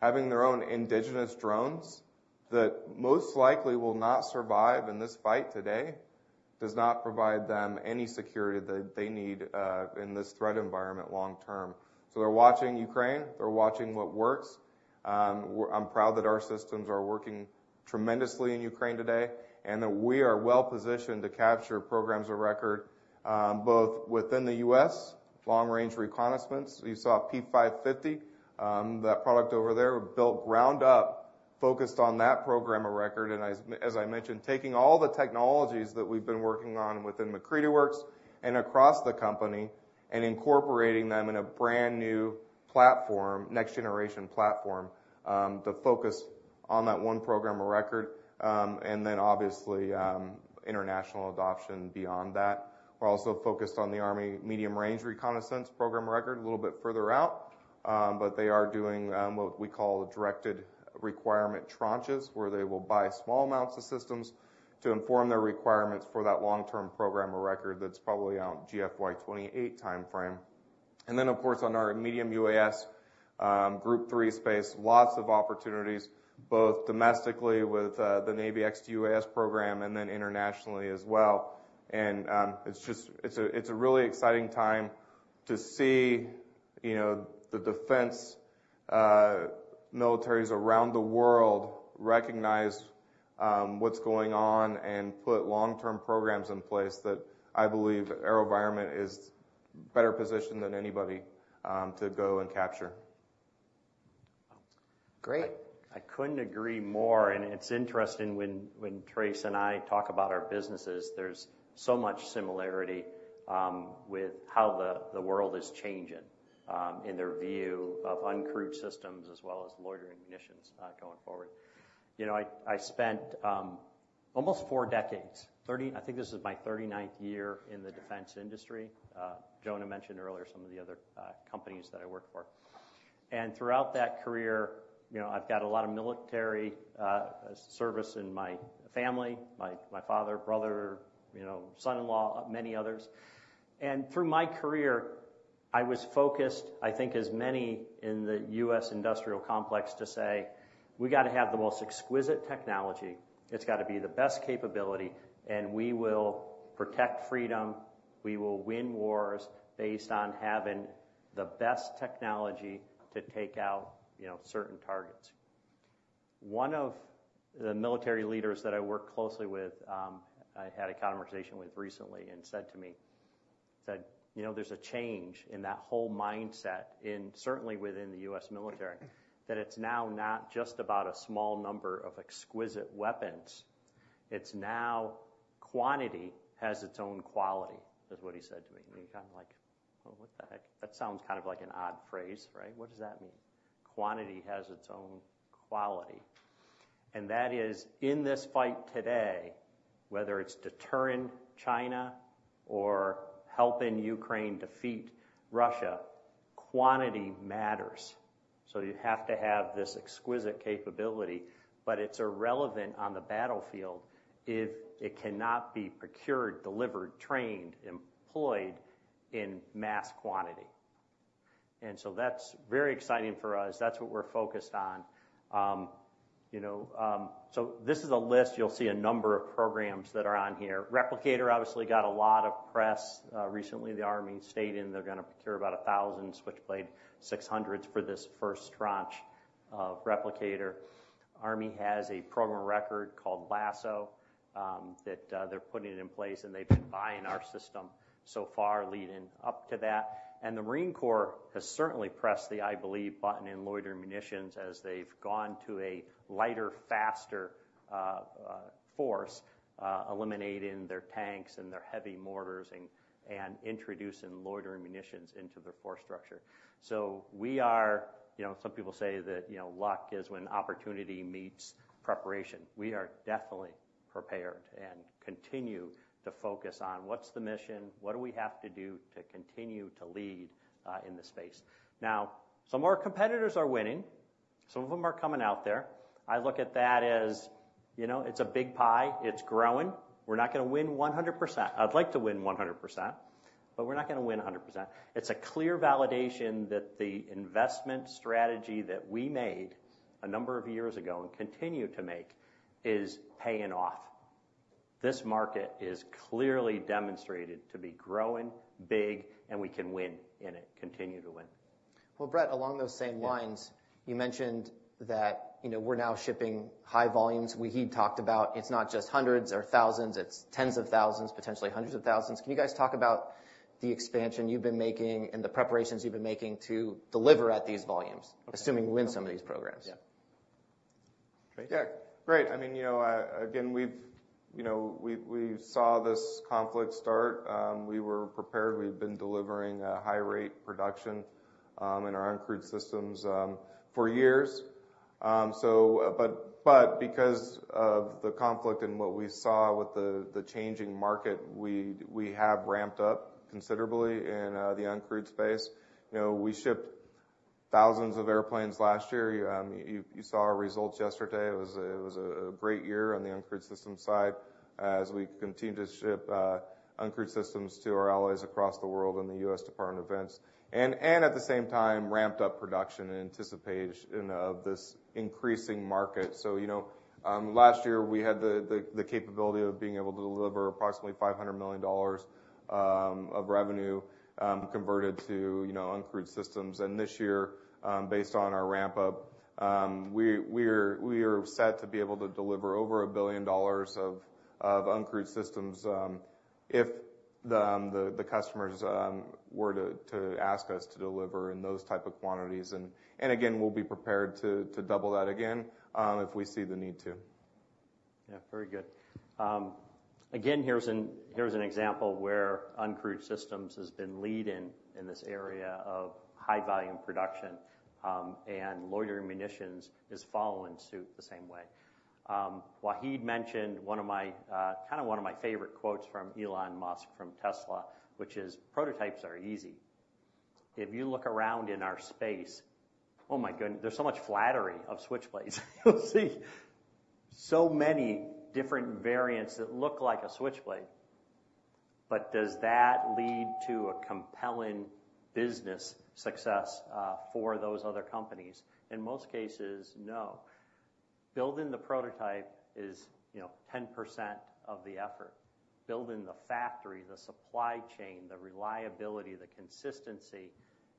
having their own indigenous drones, that most likely will not survive in this fight today, does not provide them any security that they need in this threat environment long term. So they're watching Ukraine. They're watching what works. I'm proud that our systems are working tremendously in Ukraine today, and that we are well positioned to capture programs of record, both within the U.S., long-range reconnaissance. You saw P550, that product over there built ground up, focused on that program of record. And as I mentioned, taking all the technologies that we've been working on within MacCready Works and across the company, and incorporating them in a brand-new platform, next-generation platform, to focus on that one program of record, and then obviously, international adoption beyond that. We're also focused on the Army Medium-Range Reconnaissance program of record, a little bit further out, but they are doing what we call directed requirement tranches, where they will buy small amounts of systems to inform their requirements for that long-term program of record that's probably out FY 2028 timeframe. And then, of course, on our medium UAS, Group 3 space, lots of opportunities, both domestically with the Navy STUAS program and then internationally as well. And, it's just it's a, it's a really exciting time to see, you know, the defense militaries around the world recognize what's going on and put long-term programs in place that I believe AeroVironment is better positioned than anybody to go and capture. Great. I couldn't agree more, and it's interesting when Trace and I talk about our businesses, there's so much similarity with how the world is changing in their view of uncrewed systems as well as loitering munitions going forward. You know, I spent almost four decades. I think this is my thirty-ninth year in the defense industry. Jonah mentioned earlier some of the other companies that I worked for. And throughout that career, you know, I've got a lot of military service in my family, my father, brother, you know, son-in-law, many others. And through my career, I was focused, I think, as many in the U.S. industrial complex, to say: We got to have the most exquisite technology. It's got to be the best capability, and we will protect freedom, we will win wars based on having the best technology to take out, you know, certain targets. One of the military leaders that I work closely with, I had a conversation with recently and said to me, said: "You know, there's a change in that whole mindset in, certainly within the U.S. military, that it's now not just about a small number of exquisite weapons. It's now, quantity has its own quality, is what he said to me. And you're kind of like, "Well, what the heck?" That sounds kind of like an odd phrase, right? What does that mean? Quantity has its own quality. And that is, in this fight today, whether it's deterring China or helping Ukraine defeat Russia, quantity matters. So you have to have this exquisite capability, but it's irrelevant on the battlefield if it cannot be procured, delivered, trained, employed in mass quantity. And so that's very exciting for us. That's what we're focused on. You know, so this is a list. You'll see a number of programs that are on here. Replicator obviously got a lot of press, recently. The Army stated they're gonna procure about 1,000 Switchblade 600s for this first tranche of Replicator. Army has a program of record called LASSO, that, they're putting it in place, and they've been buying our system so far, leading up to that. The Marine Corps has certainly pressed the, I believe, button in loiter munitions as they've gone to a lighter, faster, force, eliminating their tanks and their heavy mortars and introducing loiter munitions into their force structure. So we are, you know, some people say that, you know, luck is when opportunity meets preparation. We are definitely prepared and continue to focus on what's the mission, what do we have to do to continue to lead in this space. Now, some of our competitors are winning, some of them are coming out there. I look at that as, you know, it's a big pie, it's growing. We're not gonna win 100%. I'd like to win 100%, but we're not gonna win 100%. It's a clear validation that the investment strategy that we made a number of years ago, and continue to make, is paying off. This market is clearly demonstrated to be growing, big, and we can win in it, continue to win. Well, Brett, along those same lines- Yeah. You mentioned that, you know, we're now shipping high volumes. Wahid talked about it's not just hundreds or thousands, it's tens of thousands, potentially hundreds of thousands. Can you guys talk about the expansion you've been making and the preparations you've been making to deliver at these volumes, assuming you win some of these programs? Yeah. Trace? Yeah. Great. I mean, you know, again, we've, you know, we saw this conflict start. We were prepared. We've been delivering a high rate production in our uncrewed systems for years. So, but because of the conflict and what we saw with the changing market, we have ramped up considerably in the uncrewed space. You know, we shipped thousands of airplanes last year. You saw our results yesterday. It was a great year on the uncrewed system side, as we continued to ship uncrewed systems to our allies across the world and the U.S. Department of Defense. And at the same time, ramped up production in anticipation of this increasing market. So, you know, last year, we had the capability of being able to deliver approximately $500 million of revenue, converted to, you know, uncrewed systems. And this year, based on our ramp up, we are set to be able to deliver over $1 billion of uncrewed systems, if the customers were to ask us to deliver in those type of quantities. And again, we'll be prepared to double that again, if we see the need to. Yeah, very good. Again, here's an example where uncrewed systems has been leading in this area of high volume production, and loitering munitions is following suit the same way. Wahid mentioned one of my kind of one of my favorite quotes from Elon Musk, from Tesla, which is: "Prototypes are easy." If you look around in our space, oh, my goodness, there's so much flattery of Switchblades. You'll see so many different variants that look like a Switchblade. But does that lead to a compelling business success for those other companies? In most cases, no. Building the prototype is, you know, 10% of the effort. Building the factory, the supply chain, the reliability, the consistency,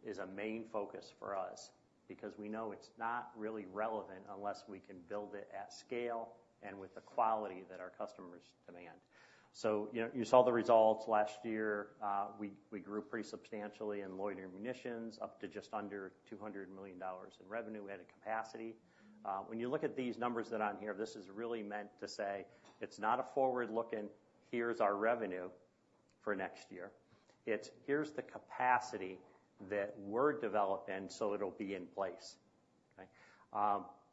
is a main focus for us, because we know it's not really relevant unless we can build it at scale and with the quality that our customers demand. So, you know, you saw the results last year. We grew pretty substantially in loitering munitions, up to just under $200 million in revenue. We had a capacity. When you look at these numbers that are on here, this is really meant to say, it's not a forward-looking, "Here's our revenue for next year." It's, "Here's the capacity that we're developing, so it'll be in place." Okay,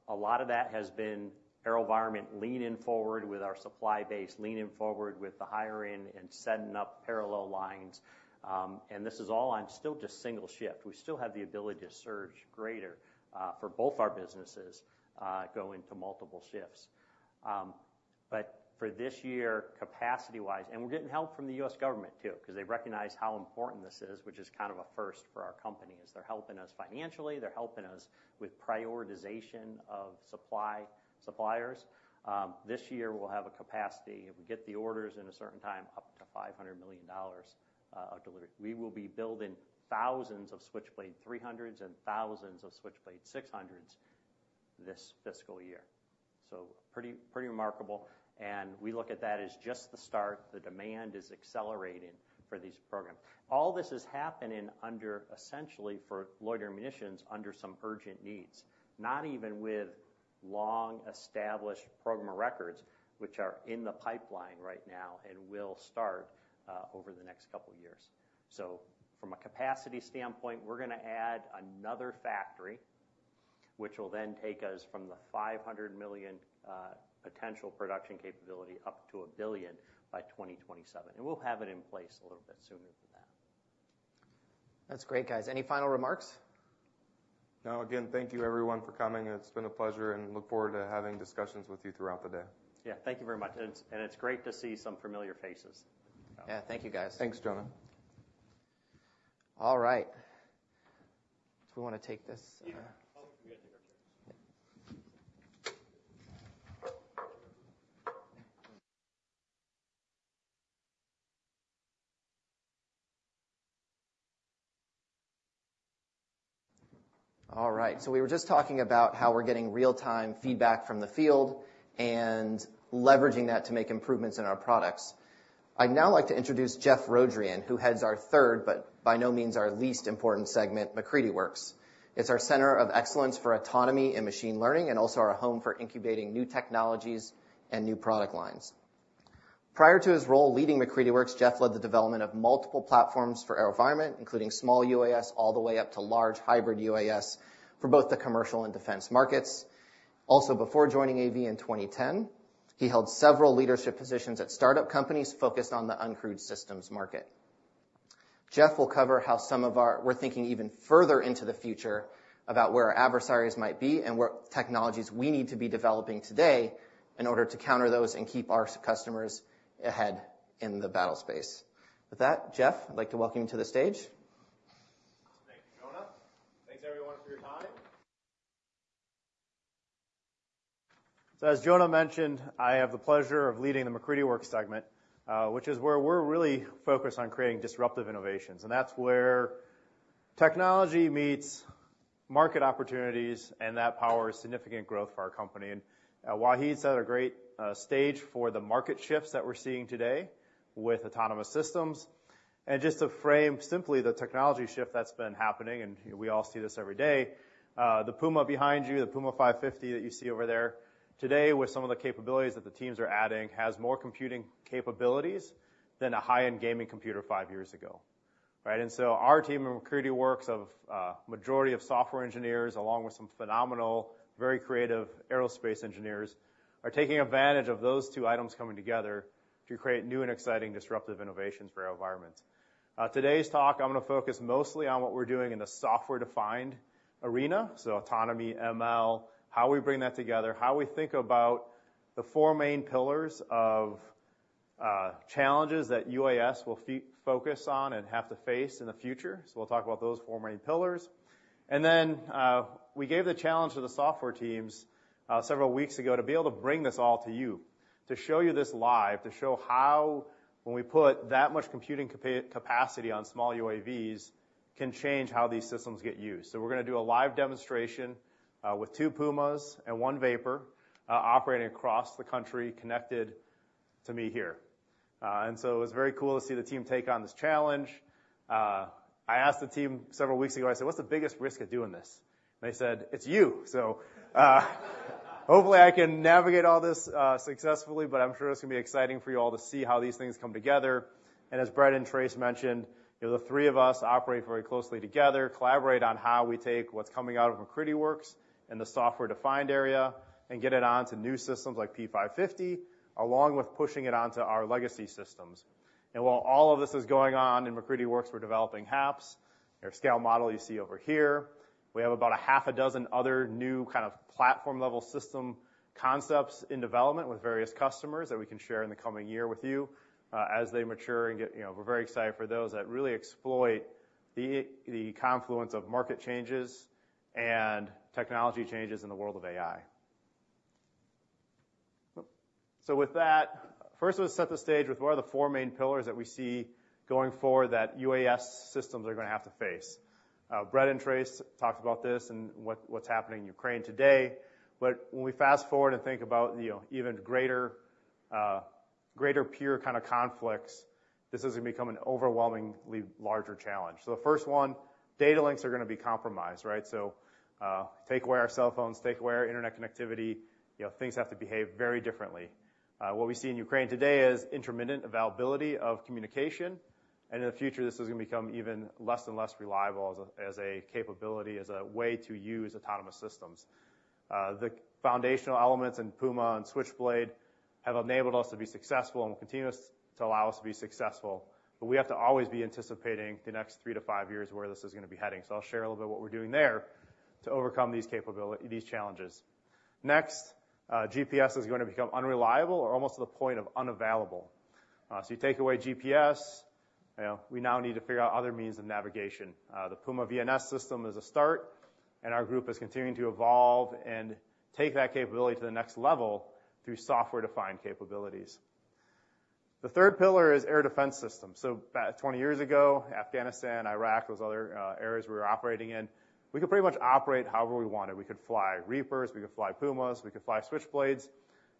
a lot of that has been AeroVironment leaning forward with our supply base, leaning forward with the hiring and setting up parallel lines. And this is all on still just single shift. We still have the ability to surge greater for both our businesses, going to multiple shifts. But for this year, capacity-wise, and we're getting help from the U.S. government, too, because they recognize how important this is, which is kind of a first for our company, is they're helping us financially, they're helping us with prioritization of supply, suppliers. This year, we'll have a capacity, if we get the orders in a certain time, up to $500 million of delivery. We will be building thousands of Switchblade 300s and thousands of Switchblade 600s... this fiscal year. So pretty, pretty remarkable, and we look at that as just the start. The demand is accelerating for these programs. All this is happening under, essentially, for Loitering Munitions, under some urgent needs, not even with long-established programs of record, which are in the pipeline right now and will start over the next couple of years. So from a capacity standpoint, we're gonna add another factory, which will then take us from the $500 million potential production capability up to $1 billion by 2027, and we'll have it in place a little bit sooner than that. That's great, guys. Any final remarks? No. Again, thank you everyone for coming, and it's been a pleasure, and look forward to having discussions with you throughout the day. Yeah, thank you very much. And it's great to see some familiar faces. Yeah. Thank you, guys. Thanks, Jonah. All right. Do we wanna take this? Yeah. Oh, we gotta take our chairs. Yeah. All right. So we were just talking about how we're getting real-time feedback from the field and leveraging that to make improvements in our products. I'd now like to introduce Jeff Rodrian, who heads our third, but by no means, our least important segment, MacCready Works. It's our center of excellence for autonomy and machine learning, and also our home for incubating new technologies and new product lines. Prior to his role, leading MacCready Works, Jeff led the development of multiple platforms for AeroVironment, including small UAS, all the way up to large hybrid UAS for both the commercial and defense markets. Also, before joining AV in 2010, he held several leadership positions at startup companies focused on the uncrewed systems market. Jeff will cover how we're thinking even further into the future about where our adversaries might be and what technologies we need to be developing today in order to counter those and keep our customers ahead in the battle space. With that, Jeff, I'd like to welcome you to the stage. Thank you, Jonah. Thanks, everyone, for your time. So as Jonah mentioned, I have the pleasure of leading the MacCready Works segment, which is where we're really focused on creating disruptive innovations, and that's where technology meets market opportunities, and that powers significant growth for our company. And while he set a great stage for the market shifts that we're seeing today with autonomous systems. And just to frame simply the technology shift that's been happening, and we all see this every day, the Puma behind you, the Puma 550 that you see over there, today, with some of the capabilities that the teams are adding, has more computing capabilities than a high-end gaming computer 5 years ago, right? Our team of MacCready Works, majority of software engineers, along with some phenomenal, very creative aerospace engineers, are taking advantage of those two items coming together to create new and exciting disruptive innovations for AeroVironment. Today's talk, I'm gonna focus mostly on what we're doing in the software-defined arena. So autonomy, ML, how we bring that together, how we think about the four main pillars of challenges that UAS will focus on and have to face in the future. So we'll talk about those four main pillars. And then, we gave the challenge to the software teams, several weeks ago to be able to bring this all to you, to show you this live, to show how when we put that much computing capacity on small UAVs, can change how these systems get used. So we're gonna do a live demonstration, with two Pumas and one VAPOR, operating across the country, connected to me here. It was very cool to see the team take on this challenge. I asked the team several weeks ago, I said, "What's the biggest risk of doing this?" They said, "It's you." So, hopefully, I can navigate all this, successfully, but I'm sure it's gonna be exciting for you all to see how these things come together. And as Brett and Trace mentioned, you know, the three of us operate very closely together, collaborate on how we take what's coming out of MacCready Works and the software-defined area, and get it on to new systems like P550, along with pushing it on to our legacy systems. While all of this is going on in MacCready Works, we're developing HAPS, our scale model you see over here. We have about a half a dozen other new kind of platform-level system concepts in development with various customers that we can share in the coming year with you, as they mature and get... You know, we're very excited for those that really exploit the confluence of market changes and technology changes in the world of AI. So with that, first, let's set the stage with what are the four main pillars that we see going forward that UAS systems are gonna have to face. Brett and Trace talked about this and what's happening in Ukraine today. But when we fast-forward and think about, you know, even greater, greater peer kind of conflicts, this is gonna become an overwhelmingly larger challenge. So the first one, data links are gonna be compromised, right? So, take away our cell phones, take away our internet connectivity, you know, things have to behave very differently. What we see in Ukraine today is intermittent availability of communication, and in the future, this is gonna become even less and less reliable as a capability, as a way to use autonomous systems. The foundational elements in Puma and Switchblade have enabled us to be successful and continue to allow us to be successful, but we have to always be anticipating the next 3-5 years where this is gonna be heading. So I'll share a little bit what we're doing there to overcome these challenges. Next, GPS is gonna become unreliable or almost to the point of unavailable. So you take away GPS, we now need to figure out other means of navigation. The Puma VNS system is a start, and our group is continuing to evolve and take that capability to the next level through software-defined capabilities. The third pillar is air defense system. So about 20 years ago, Afghanistan, Iraq, those other areas we were operating in, we could pretty much operate however we wanted. We could fly Reapers, we could fly Pumas, we could fly Switchblades,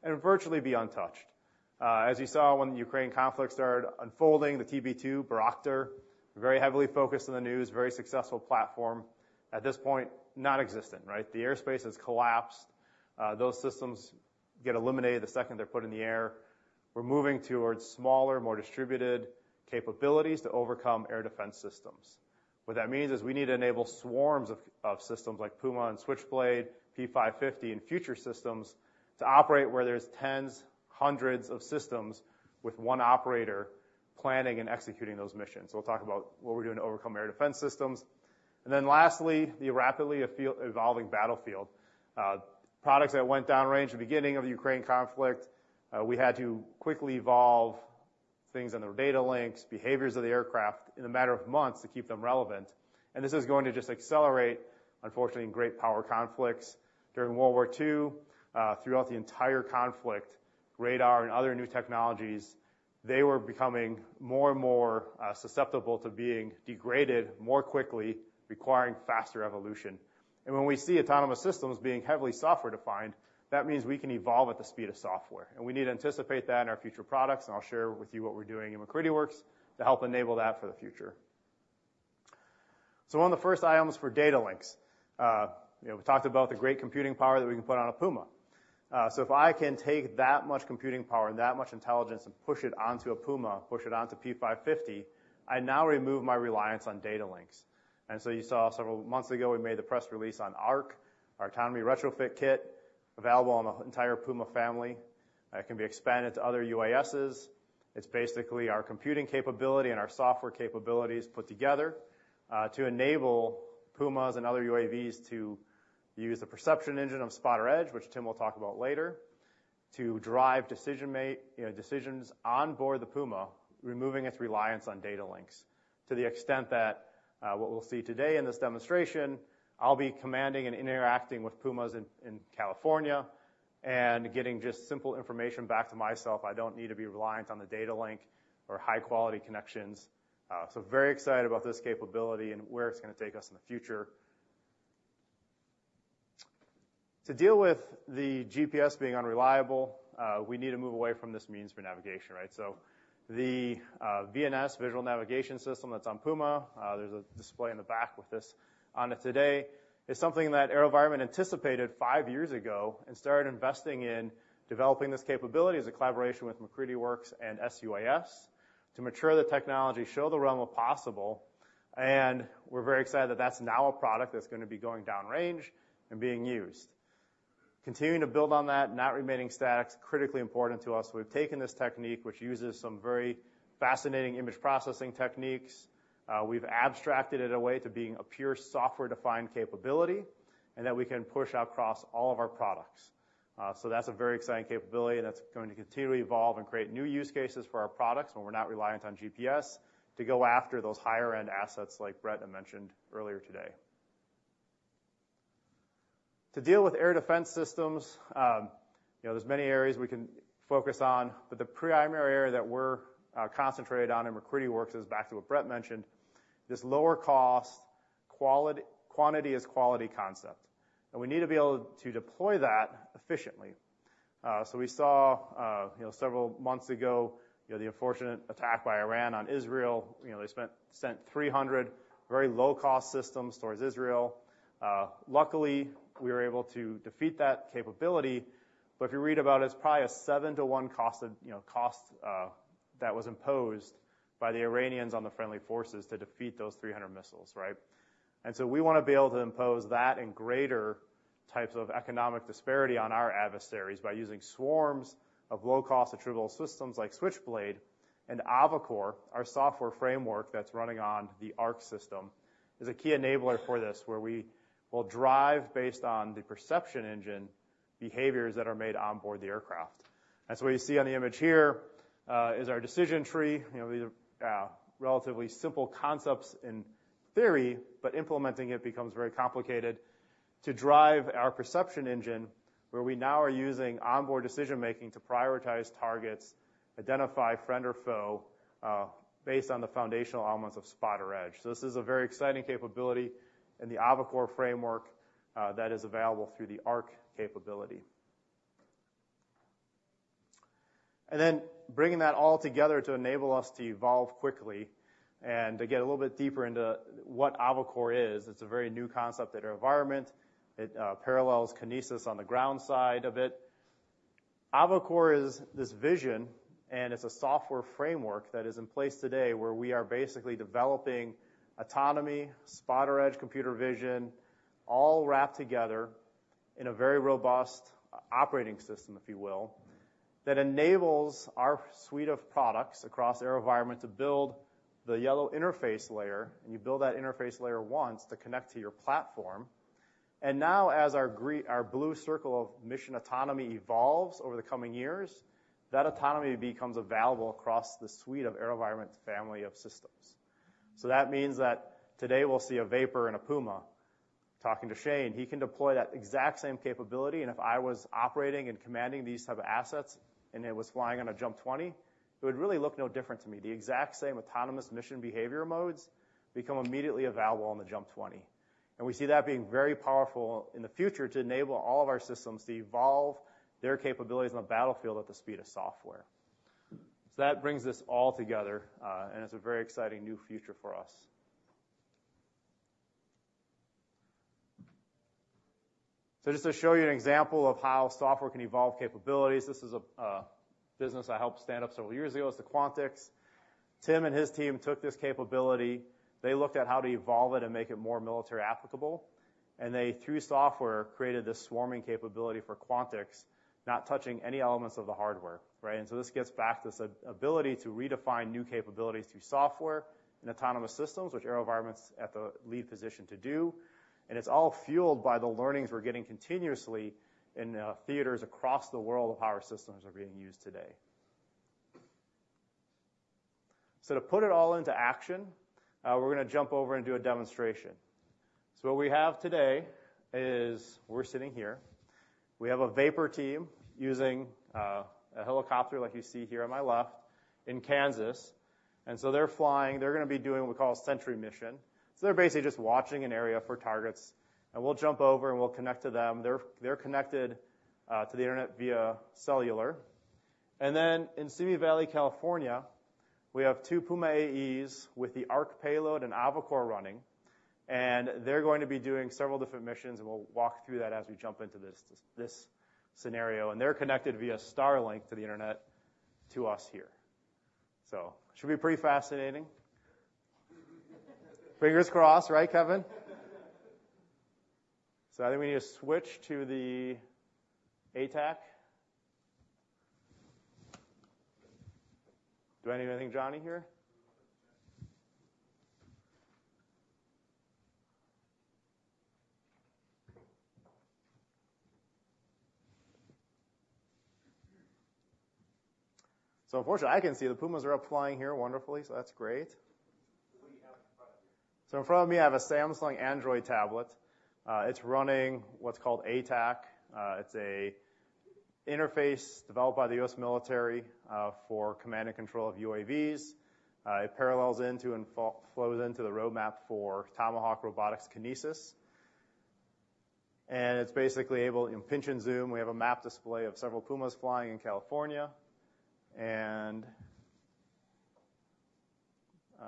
and virtually be untouched. As you saw, when the Ukraine conflict started unfolding, the TB2 Bayraktar, very heavily focused in the news, very successful platform, at this point, non-existent, right? The airspace has collapsed. Those systems get eliminated the second they're put in the air. We're moving towards smaller, more distributed capabilities to overcome air defense systems. What that means is we need to enable swarms of systems like Puma and Switchblade, P550, and future systems, to operate where there's tens, hundreds of systems with one operator planning and executing those missions. We'll talk about what we're doing to overcome air defense systems. And then lastly, the rapidly field-evolving battlefield. Products that went downrange the beginning of the Ukraine conflict, we had to quickly evolve things in the data links, behaviors of the aircraft, in a matter of months to keep them relevant, and this is going to just accelerate, unfortunately, in great power conflicts. During World War II, throughout the entire conflict, radar and other new technologies, they were becoming more and more susceptible to being degraded more quickly, requiring faster evolution. And when we see autonomous systems being heavily software-defined, that means we can evolve at the speed of software, and we need to anticipate that in our future products. And I'll share with you what we're doing in MacCready Works to help enable that for the future. So one of the first items for data links. You know, we talked about the great computing power that we can put on a Puma. So if I can take that much computing power and that much intelligence and push it onto a Puma, push it onto P550, I now remove my reliance on data links. And so you saw several months ago, we made the press release on ARC, our autonomy retrofit kit, available on the entire Puma family. It can be expanded to other UASs. It's basically our computing capability and our software capabilities put together to enable Pumas and other UAVs to use the perception engine of SPOTR-Edge, which Tim will talk about later, to drive decision you know, decisions onboard the Puma, removing its reliance on data links. To the extent that what we'll see today in this demonstration, I'll be commanding and interacting with Pumas in California and getting just simple information back to myself. I don't need to be reliant on the data link or high-quality connections. So very excited about this capability and where it's gonna take us in the future. To deal with the GPS being unreliable, we need to move away from this means for navigation, right? So the VNS, Visual Navigation System, that's on Puma, there's a display in the back with this on it today, is something that AeroVironment anticipated five years ago and started investing in developing this capability as a collaboration with MacCready Works and SUAS, to mature the technology, show the realm of possible, and we're very excited that that's now a product that's gonna be going downrange and being used. Continuing to build on that, not remaining static, is critically important to us. We've taken this technique, which uses some very fascinating image processing techniques. We've abstracted it away to being a pure software-defined capability and that we can push across all of our products. So that's a very exciting capability, and that's going to continue to evolve and create new use cases for our products, when we're not reliant on GPS to go after those higher-end assets like Brett had mentioned earlier today. To deal with air defense systems, you know, there's many areas we can focus on, but the primary area that we're concentrated on in MacCready Works is back to what Brett mentioned, this lower cost, quantity is quality concept, and we need to be able to deploy that efficiently. So we saw, you know, several months ago, you know, the unfortunate attack by Iran on Israel. You know, they sent 300 very low-cost systems towards Israel. Luckily, we were able to defeat that capability, but if you read about it, it's probably a 7-to-1 cost of-- you know, cost, that was imposed by the Iranians on the friendly forces to defeat those 300 missiles, right? And so we wanna be able to impose that and greater types of economic disparity on our adversaries by using swarms of low-cost, attributable systems like Switchblade and AVACORE. Our software framework that's running on the ARC system is a key enabler for this, where we will drive based on the perception engine, behaviors that are made onboard the aircraft. As what you see on the image here, is our decision tree. You know, these are, relatively simple concepts in theory, but implementing it becomes very complicated. To drive our perception engine, where we now are using onboard decision-making to prioritize targets, identify friend or foe, based on the foundational elements of SPOTR-Edge. So this is a very exciting capability in the AVACORE framework that is available through the ARC capability. And then bringing that all together to enable us to evolve quickly and to get a little bit deeper into what AVACORE is. It's a very new concept at AeroVironment. It parallels Kinesis on the ground side of it. AVACORE is this vision, and it's a software framework that is in place today, where we are basically developing autonomy, SPOTR-Edge, computer vision, all wrapped together in a very robust operating system, if you will, that enables our suite of products across AeroVironment to build the yellow interface layer, and you build that interface layer once to connect to your platform. And now, as our blue circle of mission autonomy evolves over the coming years, that autonomy becomes available across the suite of AeroVironment's family of systems. So that means that today we'll see a VAPOR and a Puma.... Talking to Shane, he can deploy that exact same capability, and if I was operating and commanding these type of assets, and it was flying on a JUMP 20, it would really look no different to me. The exact same autonomous mission behavior modes become immediately available on the JUMP 20, and we see that being very powerful in the future to enable all of our systems to evolve their capabilities on the battlefield at the speed of software. So that brings us all together, and it's a very exciting new future for us. So just to show you an example of how software can evolve capabilities, this is a business I helped stand up several years ago, it's the Quantix. Tim and his team took this capability. They looked at how to evolve it and make it more military applicable, and they, through software, created this swarming capability for Quantix, not touching any elements of the hardware, right? And so this gets back to this ability to redefine new capabilities through software and autonomous systems, which AeroVironment's at the lead position to do, and it's all fueled by the learnings we're getting continuously in theaters across the world of how our systems are being used today. So to put it all into action, we're gonna jump over and do a demonstration. So what we have today is we're sitting here. We have a VAPOR team using a helicopter like you see here on my left in Kansas, and so they're flying. They're gonna be doing what we call a sentry mission. So they're basically just watching an area for targets, and we'll jump over, and we'll connect to them. They're connected to the internet via cellular. Then in Simi Valley, California, we have 2 Puma AEs with the ARC payload and AVACORE running, and they're going to be doing several different missions, and we'll walk through that as we jump into this, this scenario, and they're connected via Starlink to the internet to us here. So it should be pretty fascinating. Fingers crossed, right, Kevin? So I think we need to switch to the ATAK. Do I need anything, Johnny, here? So unfortunately, I can see the Pumas are up flying here wonderfully, so that's great. So what do you have in front of you? So in front of me, I have a Samsung Android tablet. It's running what's called ATAK. It's an interface developed by the U.S. military for command and control of UAVs. It parallels into and flows into the roadmap for Tomahawk Robotics Kinesis, and it's basically able... You can pinch and zoom. We have a map display of several Pumas flying in California, and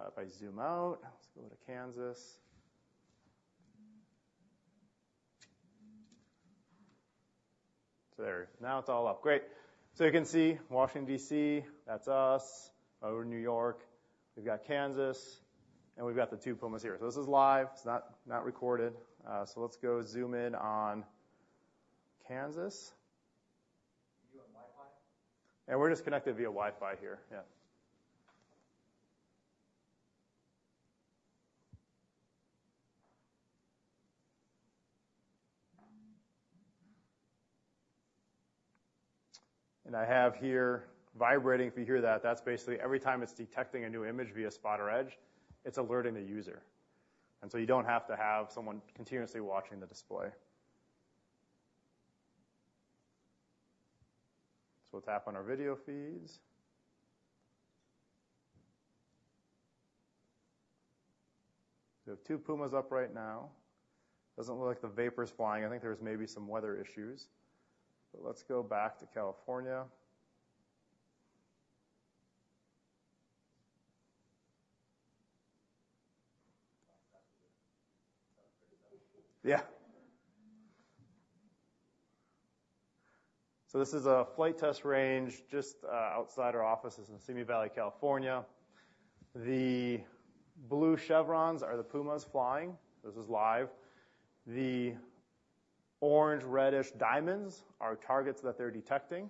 if I zoom out, let's go to Kansas. There, now it's all up. Great. So you can see Washington, D.C., that's us, over New York. We've got Kansas, and we've got the two Pumas here. So this is live. It's not recorded. So let's go zoom in on Kansas. You on Wi-Fi? And we're just connected via Wi-Fi here. Yeah. And I have here vibrating. If you hear that, that's basically every time it's detecting a new image via SPOTR-Edge, it's alerting the user, and so you don't have to have someone continuously watching the display. So we'll tap on our video feeds. We have two Pumas up right now. Doesn't look like the VAPOR's flying. I think there's maybe some weather issues, but let's go back to California. Yeah. So this is a flight test range just outside our offices in Simi Valley, California. The blue chevrons are the Pumas flying. This is live. The orange, reddish diamonds are targets that they're detecting.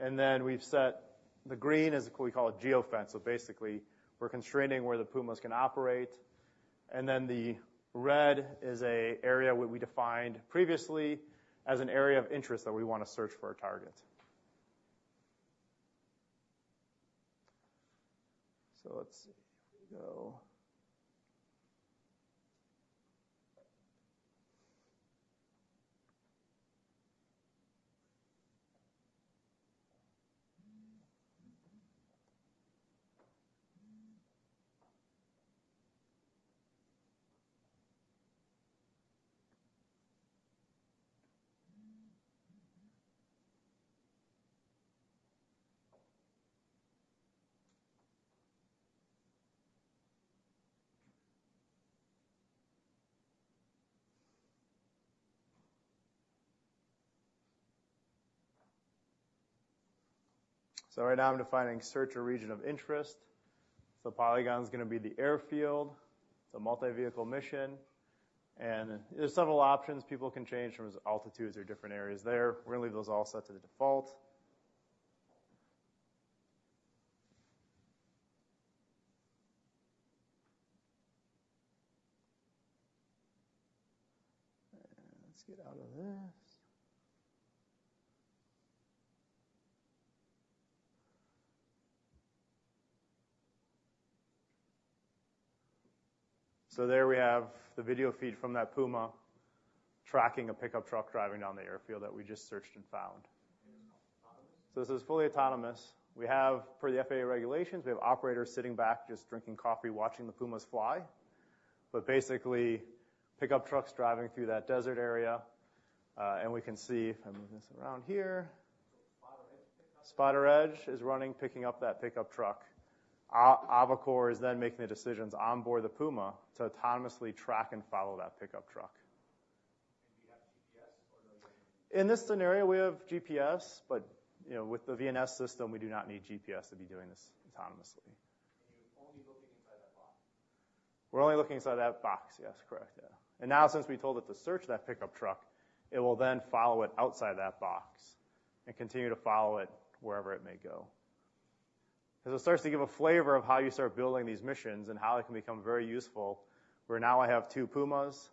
And then we've set the green as we call it, geofence. So basically, we're constraining where the Pumas can operate, and then the red is an area where we defined previously as an area of interest that we want to search for a target. So let's see. Here we go. So right now, I'm defining search or region of interest. So polygon is gonna be the airfield, it's a multi-vehicle mission, and there's several options people can change from altitudes or different areas there. We're gonna leave those all set to the default. Let's get out of this... So there we have the video feed from that Puma tracking a pickup truck driving down the airfield that we just searched and found. Autonomous? So this is fully autonomous. We have, per the FAA regulations, we have operators sitting back just drinking coffee, watching the Pumas fly. But basically, pickup trucks driving through that desert area, and we can see if I move this around here. SPOTR-Edge. SPOTR-Edge is running, picking up that pickup truck. ARC is then making the decisions on board the Puma to autonomously track and follow that pickup truck. We have GPS or no GPS? In this scenario, we have GPS, but, you know, with the VNS system, we do not need GPS to be doing this autonomously. You're only looking inside that box? We're only looking inside that box. Yes, correct. Yeah. And now, since we told it to search that pickup truck, it will then follow it outside that box and continue to follow it wherever it may go. As it starts to give a flavor of how you start building these missions and how it can become very useful, where now I have two Pumas.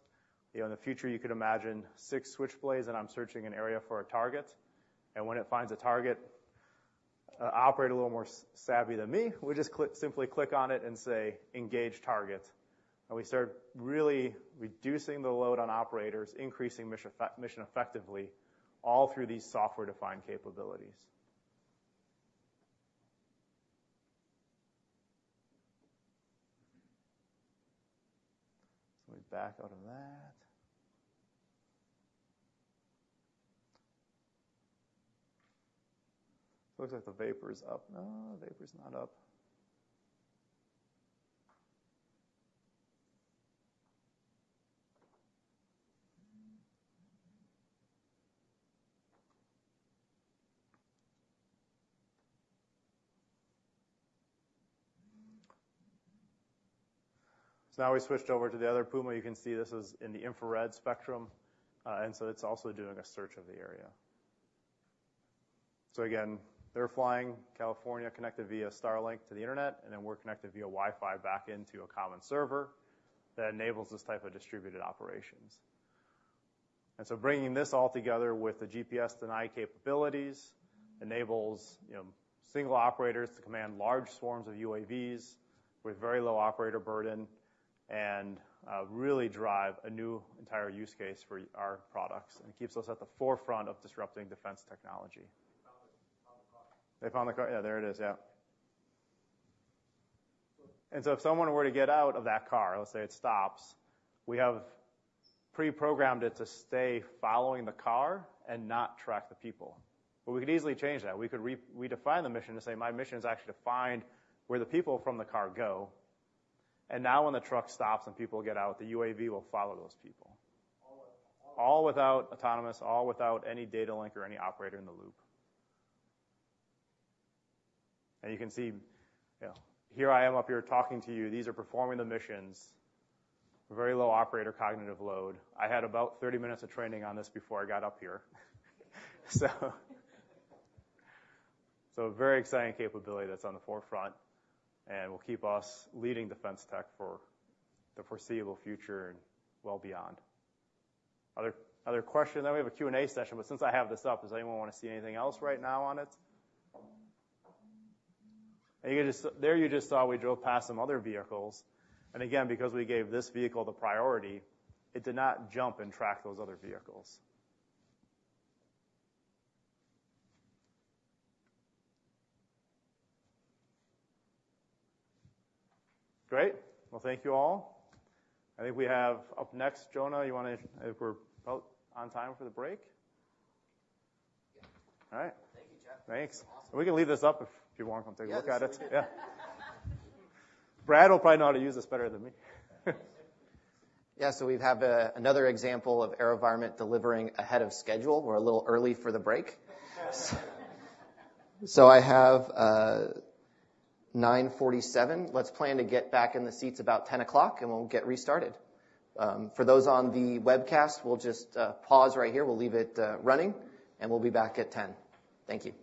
You know, in the future, you could imagine six Switchblades, and I'm searching an area for a target, and when it finds a target, operate a little more savvy than me, we just click—simply click on it and say, "Engage target." And we start really reducing the load on operators, increasing mission effectiveness, all through these software-defined capabilities. So we back out of that. Looks like the VAPOR is up. No, the VAPOR is not up. So now we switched over to the other Puma. You can see this is in the infrared spectrum, and so it's also doing a search of the area. So again, they're flying California, connected via Starlink to the Internet, and then we're connected via Wi-Fi back into a common server that enables this type of distributed operations. And so bringing this all together with the GPS deny capabilities enables, you know, single operators to command large swarms of UAVs with very low operator burden and really drive a new entire use case for our products, and it keeps us at the forefront of disrupting defense technology. They found the car. They found the car? Yeah, there it is. Yeah. And so if someone were to get out of that car, let's say it stops, we have preprogrammed it to stay following the car and not track the people. But we could easily change that. We could redefine the mission to say, "My mission is actually to find where the people from the car go." And now, when the truck stops and people get out, the UAV will follow those people. All without- All without autonomy, all without any data link or any operator in the loop. And you can see, yeah, here I am up here talking to you. These are performing the missions, very low operator cognitive load. I had about 30 minutes of training on this before I got up here. So, so a very exciting capability that's on the forefront and will keep us leading defense tech for the foreseeable future and well beyond. Other, other questions? Then we have a Q&A session, but since I have this up, does anyone want to see anything else right now on it? And you just—There you just saw we drove past some other vehicles, and again, because we gave this vehicle the priority, it did not jump and track those other vehicles. Great. Well, thank you, all. I think we have up next, Jonah, you want to... If we're about on time for the break? Yeah. All right. Thank you, Jeff. Thanks. Awesome. We can leave this up if people want to come take a look at it. Yeah. Brad will probably know how to use this better than me. Yeah, so we have another example of AeroVironment delivering ahead of schedule. We're a little early for the break. So I have 9:47. Let's plan to get back in the seats about 10:00 A.M., and we'll get restarted. For those on the webcast, we'll just pause right here. We'll leave it running, and we'll be back at 10:00 A.M. Thank you.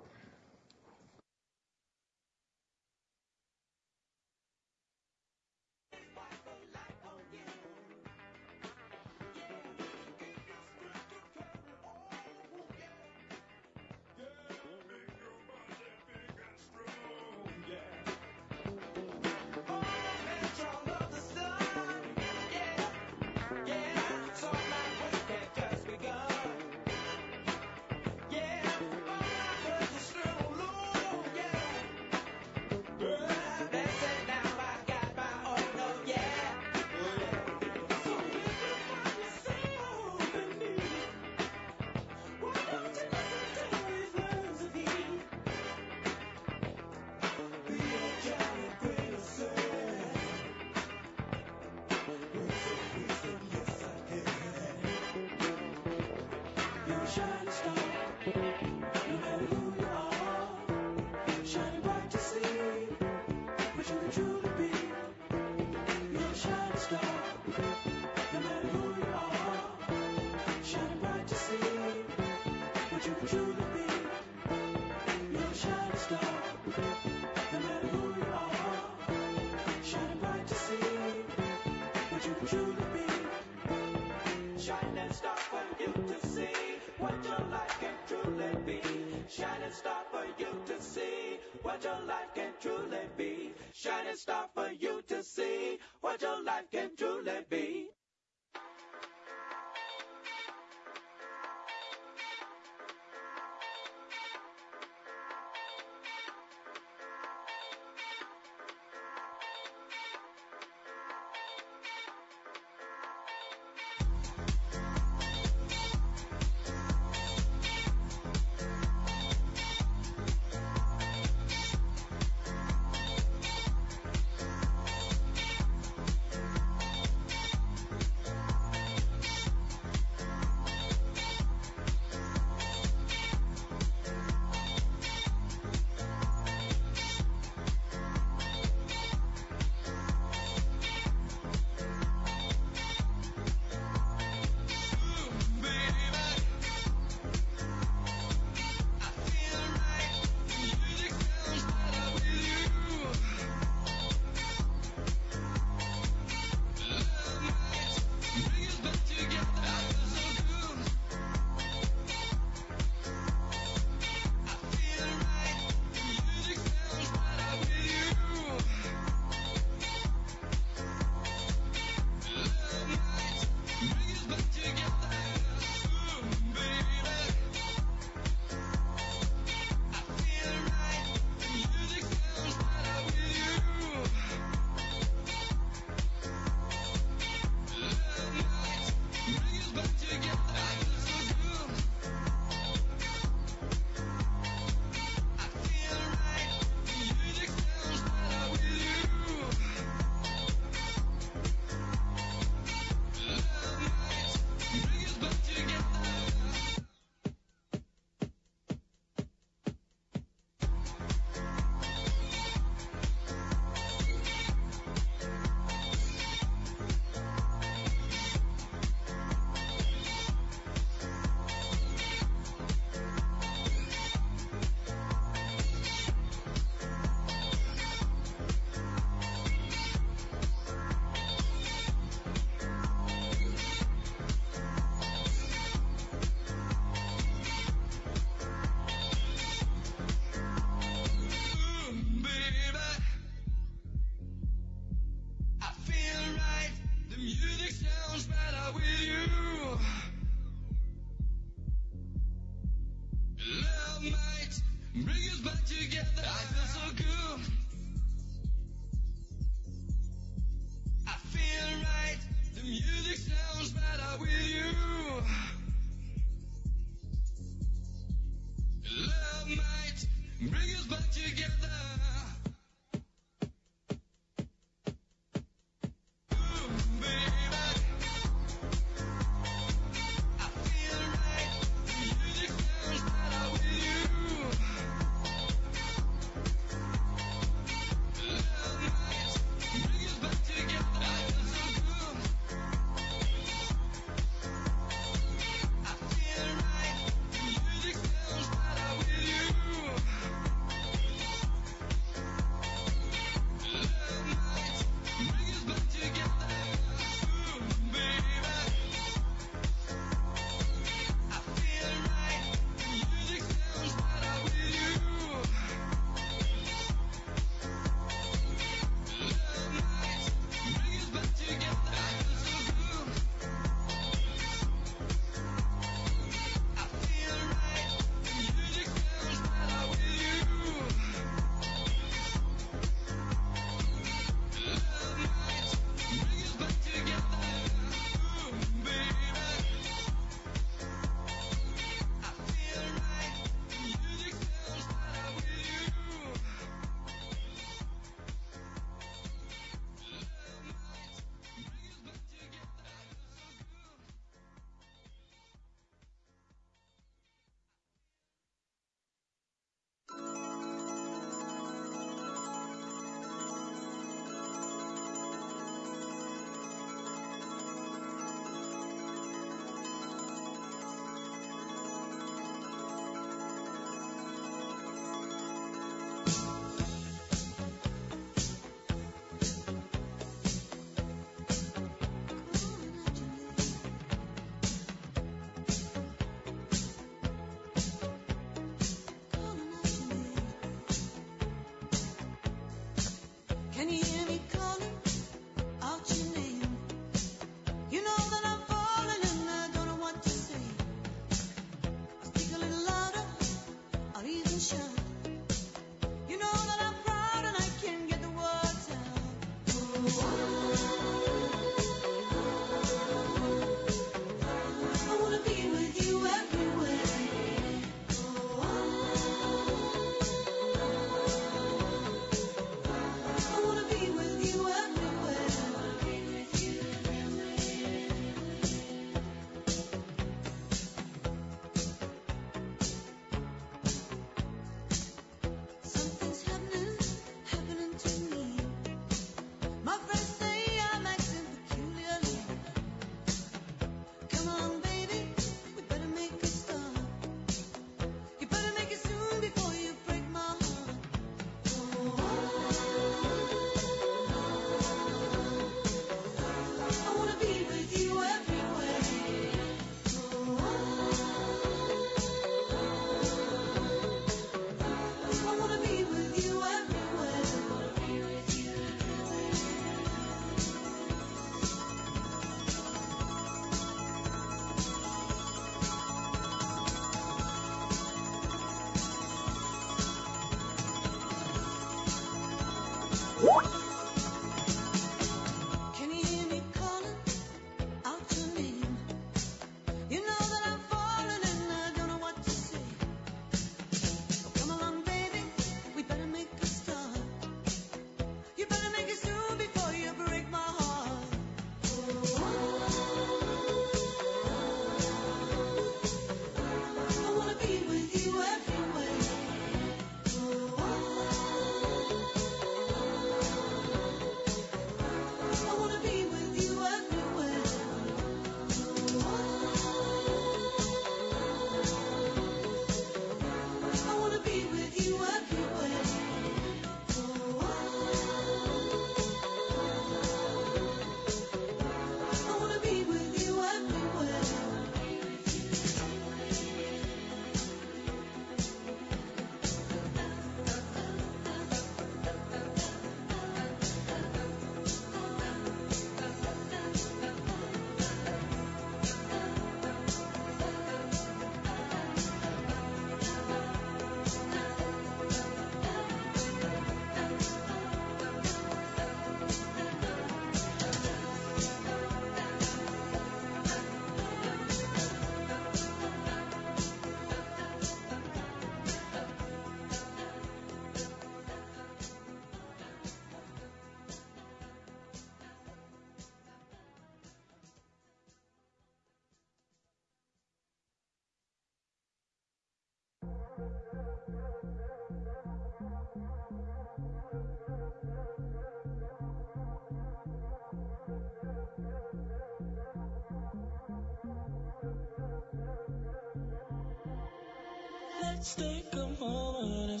We're gonna get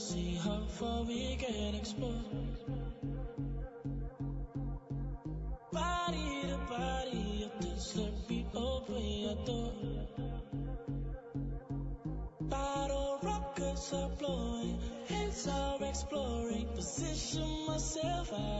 started again in another minute....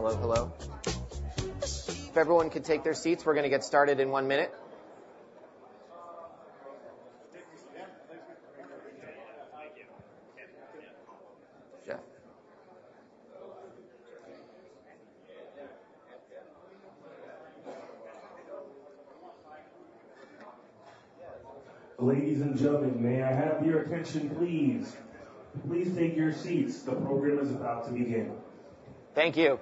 Hello, hello. If everyone could take their seats, we're going to get started in one minute. Ladies and gentlemen, may I have your attention please? Please take your seats. The program is about to begin. Thank you.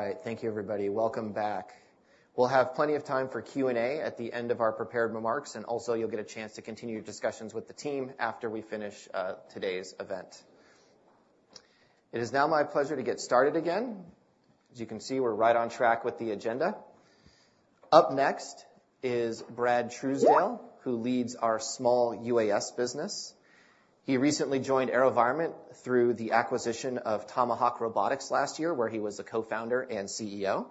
All right. Thank you, everybody. Welcome back. We'll have plenty of time for Q&A at the end of our prepared remarks, and also you'll get a chance to continue discussions with the team after we finish, today's event. It is now my pleasure to get started again. As you can see, we're right on track with the agenda. Up next is Brad Truesdell, who leads our small UAS business. He recently joined AeroVironment through the acquisition of Tomahawk Robotics last year, where he was the co-founder and CEO.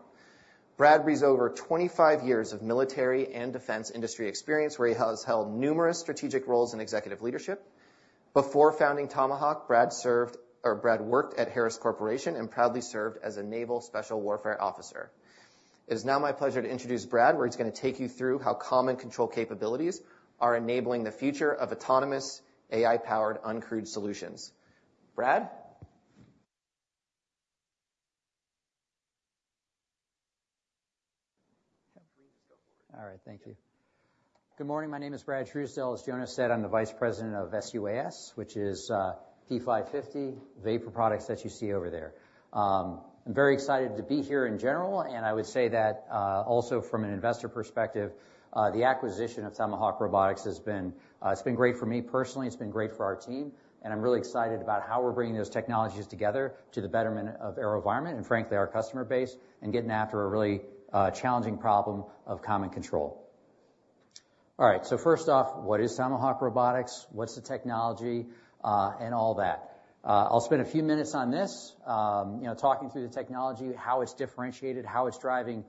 Brad brings over 25 years of military and defense industry experience, where he has held numerous strategic roles in executive leadership. Before founding Tomahawk Robotics, Brad worked at Harris Corporation and proudly served as a naval special warfare officer. It is now my pleasure to introduce Brad, where he's going to take you through how common control capabilities are enabling the future of autonomous AI-powered, uncrewed solutions. Brad? All right, thank you. Good morning. My name is Brad Truesdell. As Jonas said, I'm the Vice President of SUAS, which is, P550 VAPOR products that you see over there. I'm very excited to be here in general, and I would say that, also from an investor perspective, the acquisition of Tomahawk Robotics has been, it's been great for me personally, it's been great for our team, and I'm really excited about how we're bringing those technologies together to the betterment of AeroVironment and frankly, our customer base, and getting after a really, challenging problem of common control. All right, so first off, what is Tomahawk Robotics? What's the technology, and all that? I'll spend a few minutes on this, you know, talking through the technology, how it's differentiated, how it's driving,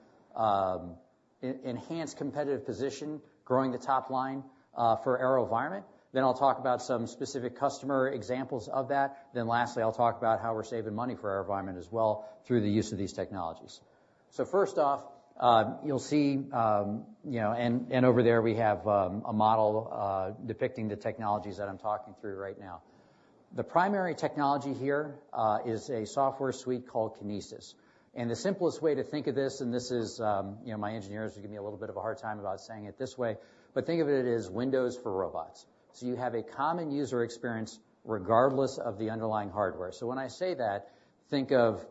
enhanced competitive position, growing the top line, for AeroVironment. Then I'll talk about some specific customer examples of that. Then lastly, I'll talk about how we're saving money for AeroVironment as well through the use of these technologies. So first off, you'll see, you know, and over there, we have, a model, depicting the technologies that I'm talking through right now. The primary technology here, is a software suite called Kinesis. And the simplest way to think of this, and this is, you know, my engineers will give me a little bit of a hard time about saying it this way, but think of it as Windows for robots. So you have a common user experience regardless of the underlying hardware. So when I say that, think of,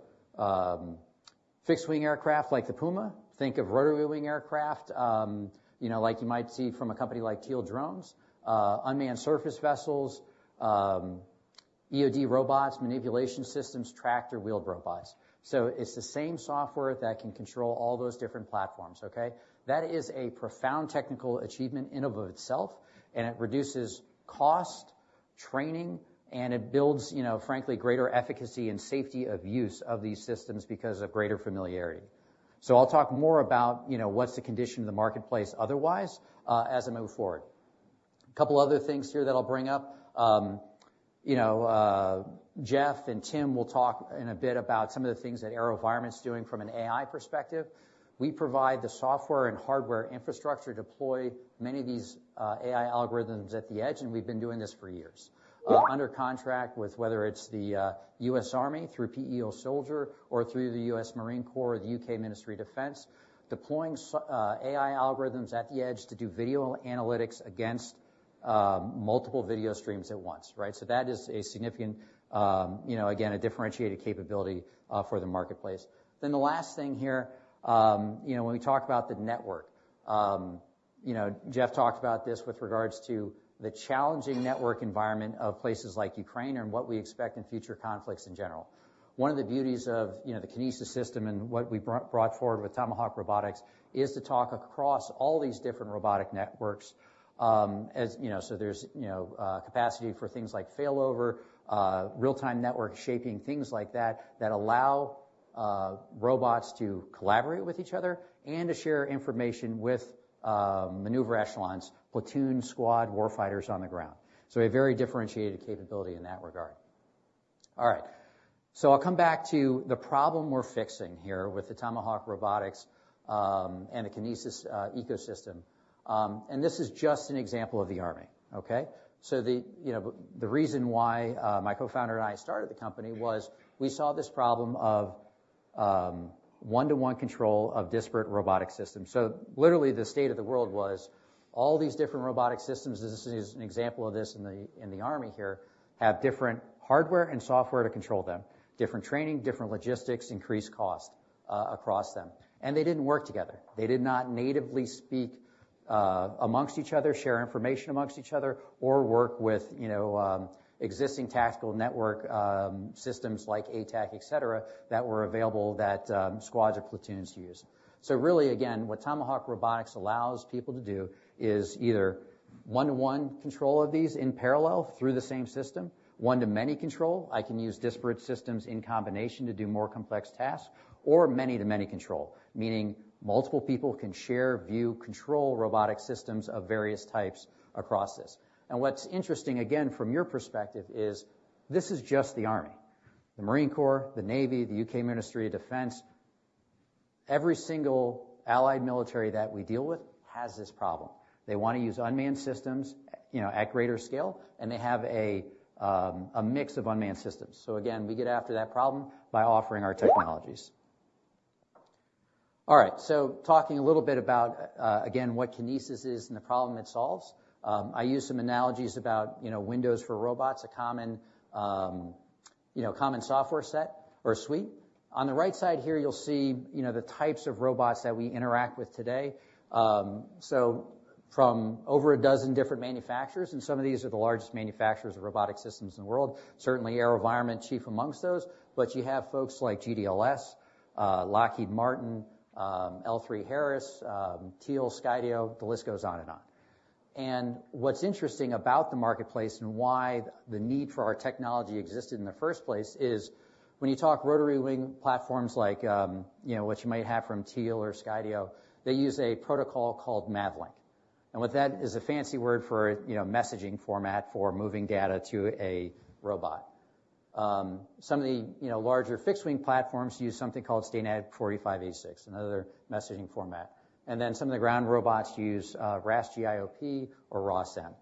fixed-wing aircraft like the Puma, think of rotary-wing aircraft, you know, like you might see from a company like Teal Drones, unmanned surface vessels, EOD robots, manipulation systems, tracked or wheeled robots. So it's the same software that can control all those different platforms, okay? That is a profound technical achievement in and of itself, and it reduces cost, training, and it builds, you know, frankly, greater efficacy and safety of use of these systems because of greater familiarity. So I'll talk more about, you know, what's the condition of the marketplace otherwise, as I move forward. A couple other things here that I'll bring up. You know, Jeff and Tim will talk in a bit about some of the things that AeroVironment is doing from an AI perspective. We provide the software and hardware infrastructure to deploy many of these AI algorithms at the edge, and we've been doing this for years. Under contract with whether it's the U.S. Army through PEO Soldier or through the U.S. Marine Corps or the U.K. Ministry of Defense, deploying AI algorithms at the edge to do video analytics against multiple video streams at once, right? So that is a significant, you know, again, a differentiated capability for the marketplace. Then the last thing here, you know, when we talk about the network, you know, Jeff talked about this with regards to the challenging network environment of places like Ukraine and what we expect in future conflicts in general. One of the beauties of, you know, the Kinesis system and what we brought, brought forward with Tomahawk Robotics is the talk across all these different robotic networks, as, you know, so there's, you know, capacity for things like failover, real-time network shaping, things like that, that allow robots to collaborate with each other and to share information with maneuver echelons, platoon, squad, warfighters on the ground. So a very differentiated capability in that regard. All right, so I'll come back to the problem we're fixing here with the Tomahawk Robotics and the Kinesis ecosystem. And this is just an example of the Army, okay? So the, you know, the reason why my co-founder and I started the company was we saw this problem of one-to-one control of disparate robotic systems. So literally, the state of the world was all these different robotic systems, this is an example of this in the Army here, have different hardware and software to control them, different training, different logistics, increased cost across them. And they didn't work together. They did not natively speak amongst each other, share information amongst each other, or work with, you know, existing tactical network systems like ATAK, et cetera, that were available, that squads or platoons use. So really, again, what Tomahawk Robotics allows people to do is either one-to-one control of these in parallel through the same system, one-to-many control. I can use disparate systems in combination to do more complex tasks, or many-to-many control, meaning multiple people can share, view, control robotic systems of various types across this. And what's interesting, again, from your perspective, is this is just the Army, the Marine Corps, the Navy, the UK Ministry of Defense. Every single allied military that we deal with has this problem. They want to use unmanned systems, you know, at greater scale, and they have a mix of unmanned systems. So again, we get after that problem by offering our technologies. All right, so talking a little bit about, again, what Kinesis is and the problem it solves. I use some analogies about, you know, Windows for robots, a common, you know, common software set or suite. On the right side here, you'll see, you know, the types of robots that we interact with today. So from over a dozen different manufacturers, and some of these are the largest manufacturers of robotic systems in the world, certainly AeroVironment, chief amongst those. But you have folks like GDLS, Lockheed Martin, L3Harris, Teal, Skydio, the list goes on and on. And what's interesting about the marketplace and why the need for our technology existed in the first place is when you talk rotary wing platforms like, you know, what you might have from Teal or Skydio, they use a protocol called MAVLink. And what that is a fancy word for, you know, messaging format for moving data to a robot. Some of the, you know, larger fixed-wing platforms use something called STANAG 4586, another messaging format. Then some of the ground robots use RAS-G IOP or ROS-M.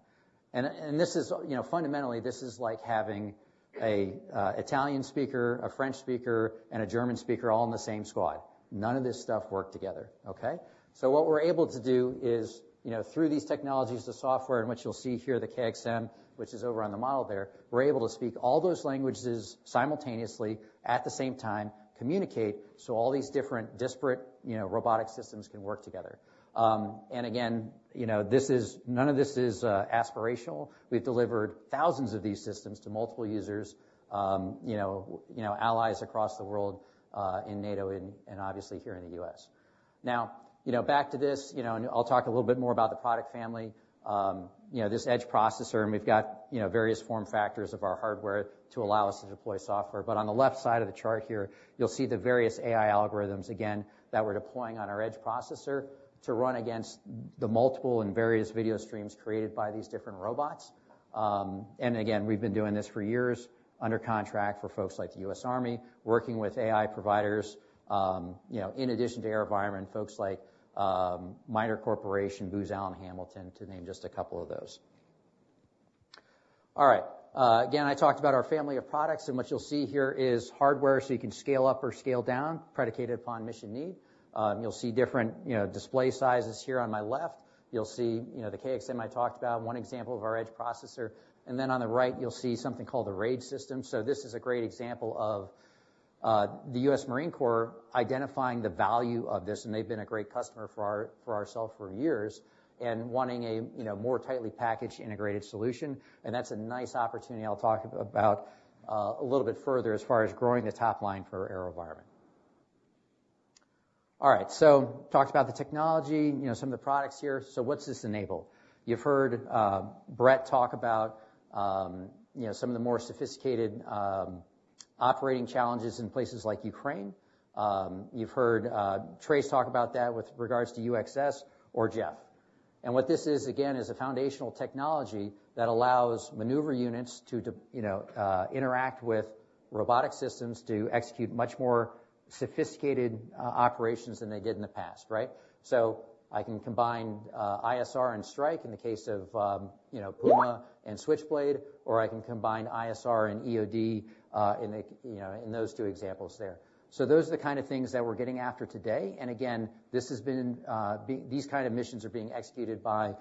And this is, you know, fundamentally, this is like having a Italian speaker, a French speaker, and a German speaker all in the same squad. None of this stuff work together, okay? So what we're able to do is, you know, through these technologies, the software, and what you'll see here, the KXM, which is over on the model there, we're able to speak all those languages simultaneously, at the same time, communicate, so all these different disparate, you know, robotic systems can work together. And again, you know, this is, none of this is aspirational. We've delivered thousands of these systems to multiple users, you know, you know, allies across the world, in NATO and obviously here in the U.S. Now, you know, back to this, you know, and I'll talk a little bit more about the product family. You know, this edge processor, and we've got, you know, various form factors of our hardware to allow us to deploy software. But on the left side of the chart here, you'll see the various AI algorithms again, that we're deploying on our edge processor to run against the multiple and various video streams created by these different robots. And again, we've been doing this for years under contract for folks like the U.S. Army, working with AI providers, you know, in addition to AeroVironment, folks like, MITRE Corporation, Booz Allen Hamilton, to name just a couple of those. All right, again, I talked about our family of products, and what you'll see here is hardware, so you can scale up or scale down, predicated upon mission need. You'll see different, you know, display sizes here on my left. You'll see, you know, the KXM I talked about, one example of our edge processor, and then on the right, you'll see something called the RAID system. So this is a great example of the U.S. Marine Corps identifying the value of this, and they've been a great customer for our, for ourselves for years, and wanting a, you know, more tightly packaged, integrated solution. And that's a nice opportunity I'll talk about a little bit further as far as growing the top line for AeroVironment. All right, so talked about the technology, you know, some of the products here. So what's this enable? You've heard, Brett talk about, you know, some of the more sophisticated, operating challenges in places like Ukraine. You've heard, Trace talk about that with regards to UxS or Jeff. And what this is, again, is a foundational technology that allows maneuver units to, you know, interact with robotic systems to execute much more sophisticated, operations than they did in the past, right? So I can combine, ISR and strike in the case of, you know, Puma and Switchblade, or I can combine ISR and EOD, in the, you know, in those two examples there. So those are the kind of things that we're getting after today. And again, this has been, these kind of missions are being executed by,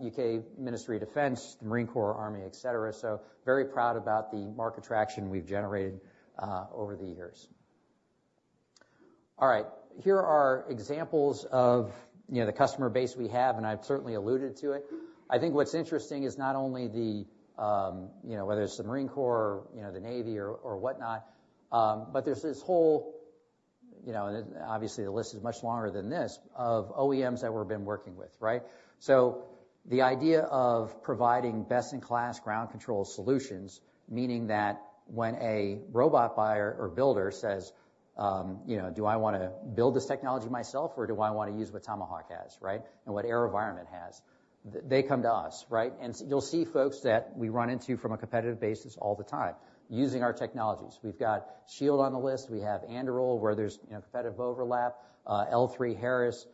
U.K. Ministry of Defense, the Marine Corps, Army, et cetera. So very proud about the market traction we've generated over the years. All right, here are examples of, you know, the customer base we have, and I've certainly alluded to it. I think what's interesting is not only the, you know, whether it's the Marine Corps, you know, the Navy or, or whatnot, but there's this whole, you know, obviously, the list is much longer than this, of OEMs that we've been working with, right? So the idea of providing best-in-class ground control solutions, meaning that when a robot buyer or builder says, you know, "Do I want to build this technology myself, or do I want to use what Tomahawk Robotics has, right? And what AeroVironment has?" They come to us, right? And you'll see folks that we run into from a competitive basis all the time using our technologies. We've got Shield on the list. We have Anduril, where there's, you know, competitive overlap, L3Harris,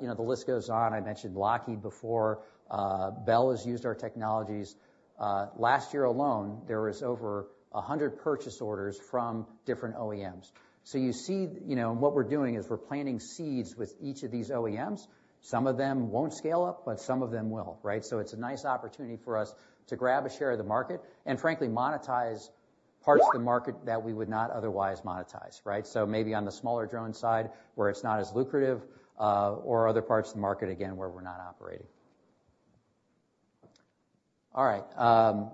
you know, the list goes on. I mentioned Lockheed before. Bell has used our technologies. Last year alone, there was over 100 purchase orders from different OEMs. So you see, you know, what we're doing is we're planting seeds with each of these OEMs. Some of them won't scale up, but some of them will, right? So it's a nice opportunity for us to grab a share of the market and frankly, monetize parts of the market that we would not otherwise monetize, right? So maybe on the smaller drone side, where it's not as lucrative, or other parts of the market, again, where we're not operating. All right,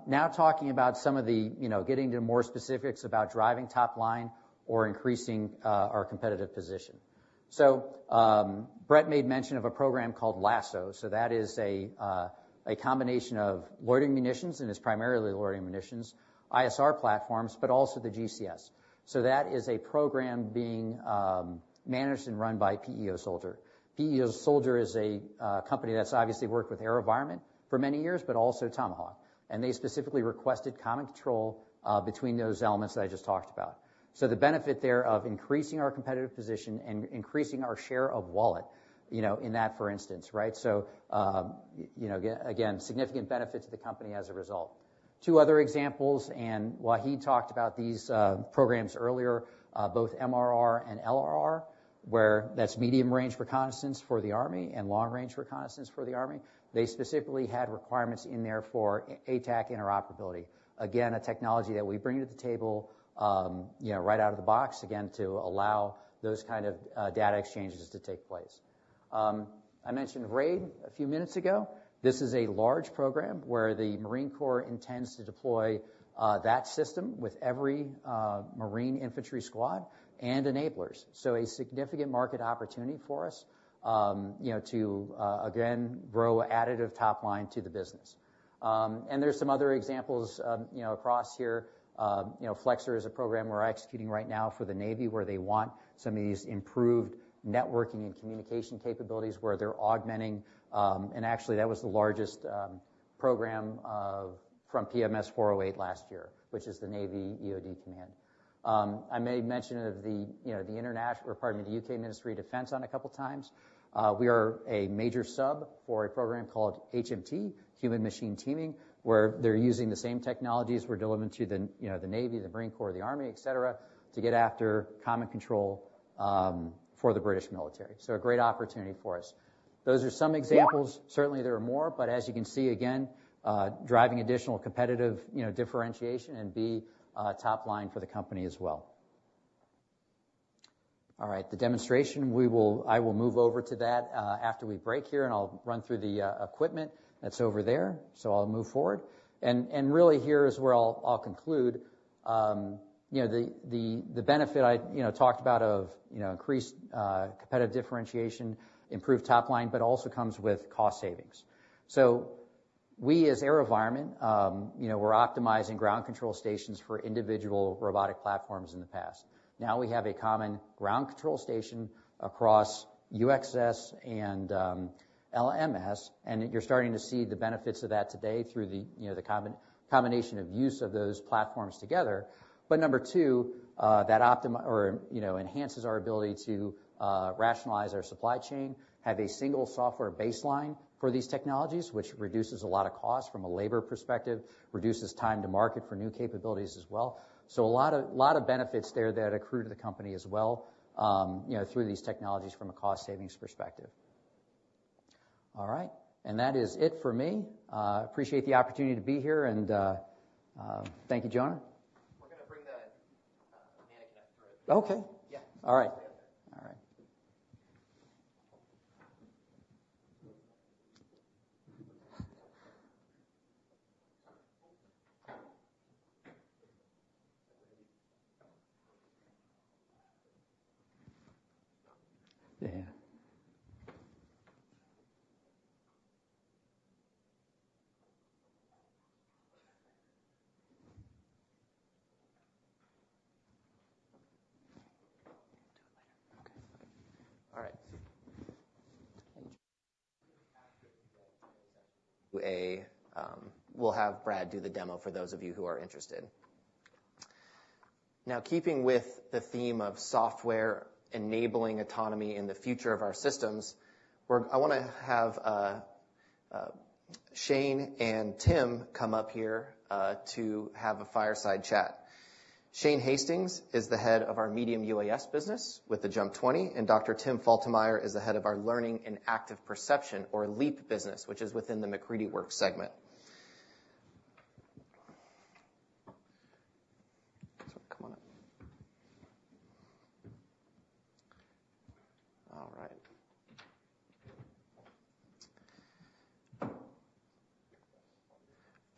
now talking about some of the, you know, getting to more specifics about driving top line or increasing, our competitive position. So, Brett made mention of a program called LASSO. So that is a combination of loitering munitions, and it's primarily loitering munitions, ISR platforms, but also the GCS. So that is a program being managed and run by PEO Soldier. PEO Soldier is a company that's obviously worked with AeroVironment for many years, but also Tomahawk Robotics, and they specifically requested common control between those elements that I just talked about. So the benefit there of increasing our competitive position and increasing our share of wallet, you know, in that, for instance, right? So, you know, again, significant benefit to the company as a result. Two other examples, and Wahid talked about these programs earlier, both MRR and LRR, where that's Medium Range Reconnaissance for the Army and Long Range Reconnaissance for the Army. They specifically had requirements in there for ATAK interoperability. Again, a technology that we bring to the table, you know, right out of the box, again, to allow those kind of data exchanges to take place. I mentioned RAID a few minutes ago. This is a large program where the Marine Corps intends to deploy that system with every marine infantry squad and enablers. So a significant market opportunity for us, you know, to again grow additive top line to the business. And there's some other examples, you know, across here. You know, FLEXOR is a program we're executing right now for the Navy, where they want some of these improved networking and communication capabilities, where they're augmenting. And actually, that was the largest program of from PMS 408 last year, which is the Navy EOD command. I made mention of the, you know, the international, pardon me, the UK Ministry of Defense on a couple times. We are a major sub for a program called HMT, Human-Machine Teaming, where they're using the same technologies we're delivering to the, you know, the Navy, the Marine Corps, the Army, et cetera, to get after common control, for the British military. So a great opportunity for us. Those are some examples. Certainly, there are more, but as you can see, again, driving additional competitive, you know, differentiation and top line for the company as well. All right, the demonstration, I will move over to that, after we break here, and I'll run through the equipment that's over there. So I'll move forward. And really here is where I'll conclude. You know, the benefit I you know talked about of you know increased competitive differentiation, improved top line, but also comes with cost savings. So we, as AeroVironment, you know, we're optimizing ground control stations for individual robotic platforms in the past. Now, we have a common ground control station across UxS and LMS, and you're starting to see the benefits of that today through the you know the combination of use of those platforms together. But number two, that or you know enhances our ability to rationalize our supply chain, have a single software baseline for these technologies, which reduces a lot of costs from a labor perspective, reduces time to market for new capabilities as well. So a lot of benefits there that accrue to the company as well, you know, through these technologies from a cost savings perspective. All right, and that is it for me. Appreciate the opportunity to be here and, thank you, Jonah. We're gonna bring the man connect through. Okay. Yeah. All right. Stay up there. All right. Yeah. Do it later. Okay, fine. All right. We'll have Brad do the demo for those of you who are interested. Now, keeping with the theme of software enabling autonomy in the future of our systems, we're—I wanna have Shane and Tim come up here to have a fireside chat. Shane Hastings is the head of our medium UAS business with the JUMP 20, and Dr. Tim Faltemier is the head of our Learning and Active Perception, or LEAP, business, which is within the MacCready Works segment.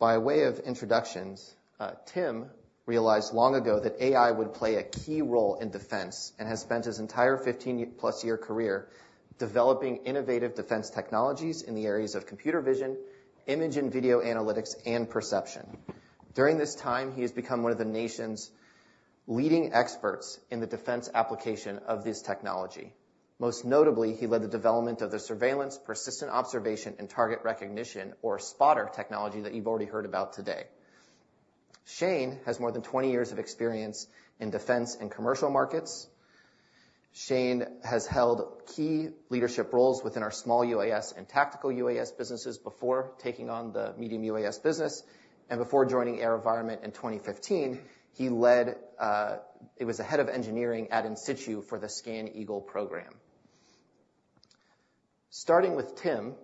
So come on up. All right. By way of introductions, Tim realized long ago that AI would play a key role in defense and has spent his entire 15-year-plus-year career developing innovative defense technologies in the areas of computer vision, image and video analytics, and perception. During this time, he has become one of the nation's leading experts in the defense application of this technology. Most notably, he led the development of the Surveillance Persistent Observation and Target Recognition, or SPOTR, technology that you've already heard about today. Shane has more than 20 years of experience in defense and commercial markets. Shane has held key leadership roles within our small UAS and tactical UAS businesses before taking on the medium UAS business. Before joining AeroVironment in 2015, he led, he was the head of engineering at Insitu for the ScanEagle program.... Starting with Tim,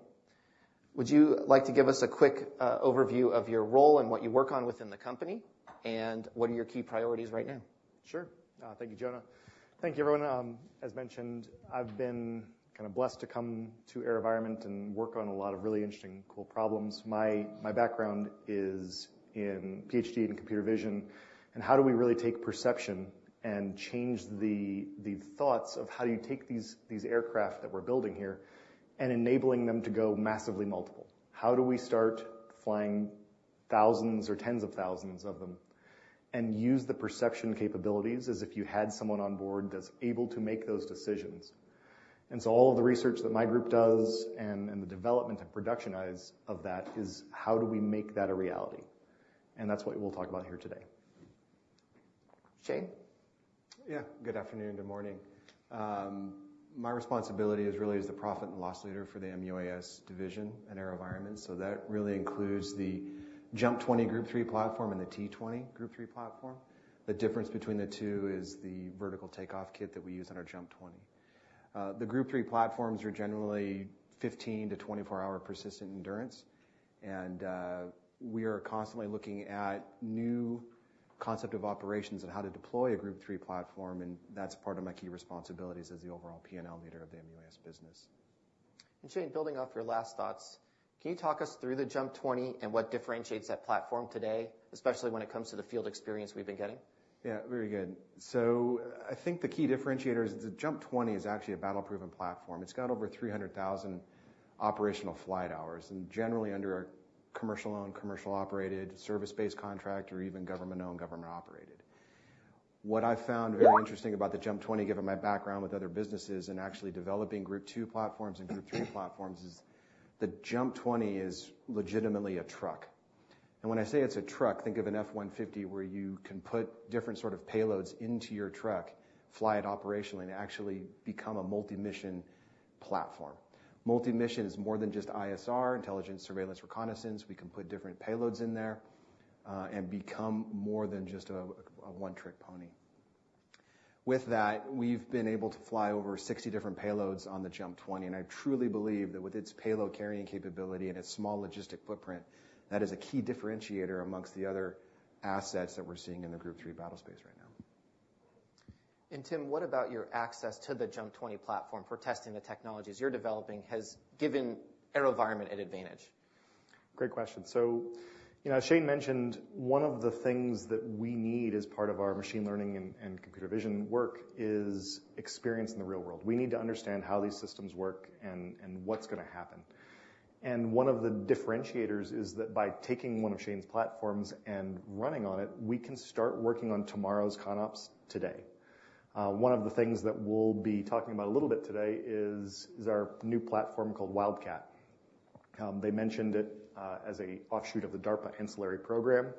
would you like to give us a quick overview of your role and what you work on within the company, and what are your key priorities right now? Sure. Thank you, Jonah. Thank you, everyone. As mentioned, I've been kind of blessed to come to AeroVironment and work on a lot of really interesting cool problems. My, my background is in Ph.D. in computer vision, and how do we really take perception and change the, the thoughts of how do you take these, these aircraft that we're building here and enabling them to go massively multiple? How do we start flying thousands or tens of thousands of them and use the perception capabilities as if you had someone on board that's able to make those decisions? And so all of the research that my group does and, and the development and productionize of that is, how do we make that a reality? And that's what we'll talk about here today. Shane? Yeah. Good afternoon, good morning. My responsibility is really as the profit and loss leader for the MUAS division at AeroVironment, so that really includes the JUMP 20 Group 3 platform and the T-20 Group 3 platform. The difference between the two is the vertical takeoff kit that we use on our JUMP 20. The Group 3 platforms are generally 15-24-hour persistent endurance, and we are constantly looking at new concept of operations on how to deploy a Group 3 platform, and that's part of my key responsibilities as the overall P&L leader of the MUAS business. Shane, building off your last thoughts, can you talk us through the JUMP 20 and what differentiates that platform today, especially when it comes to the field experience we've been getting? Yeah, very good. So I think the key differentiator is the JUMP 20 is actually a battle-proven platform. It's got over 300,000 operational flight hours, and generally under a commercial-owned, commercial-operated, service-based contract or even government-owned, government-operated. What I found very interesting about the JUMP 20, given my background with other businesses and actually developing Group 2 platforms and Group 3 platforms, is the JUMP 20 is legitimately a truck. And when I say it's a truck, think of an F-150, where you can put different sort of payloads into your truck, fly it operationally, and actually become a multi-mission platform. Multi-mission is more than just ISR, intelligence, surveillance, reconnaissance. We can put different payloads in there and become more than just a one-trick pony. With that, we've been able to fly over 60 different payloads on the JUMP 20, and I truly believe that with its payload carrying capability and its small logistic footprint, that is a key differentiator among the other assets that we're seeing in the Group 3 battlespace right now. Tim, what about your access to the JUMP 20 platform for testing the technologies you're developing has given AeroVironment an advantage? Great question. So, you know, as Shane mentioned, one of the things that we need as part of our machine learning and computer vision work is experience in the real world. We need to understand how these systems work and what's gonna happen. And one of the differentiators is that by taking one of Shane's platforms and running on it, we can start working on tomorrow's ConOps today. One of the things that we'll be talking about a little bit today is our new platform called Wildcat. They mentioned it as an offshoot of the DARPA ANCILLARY program.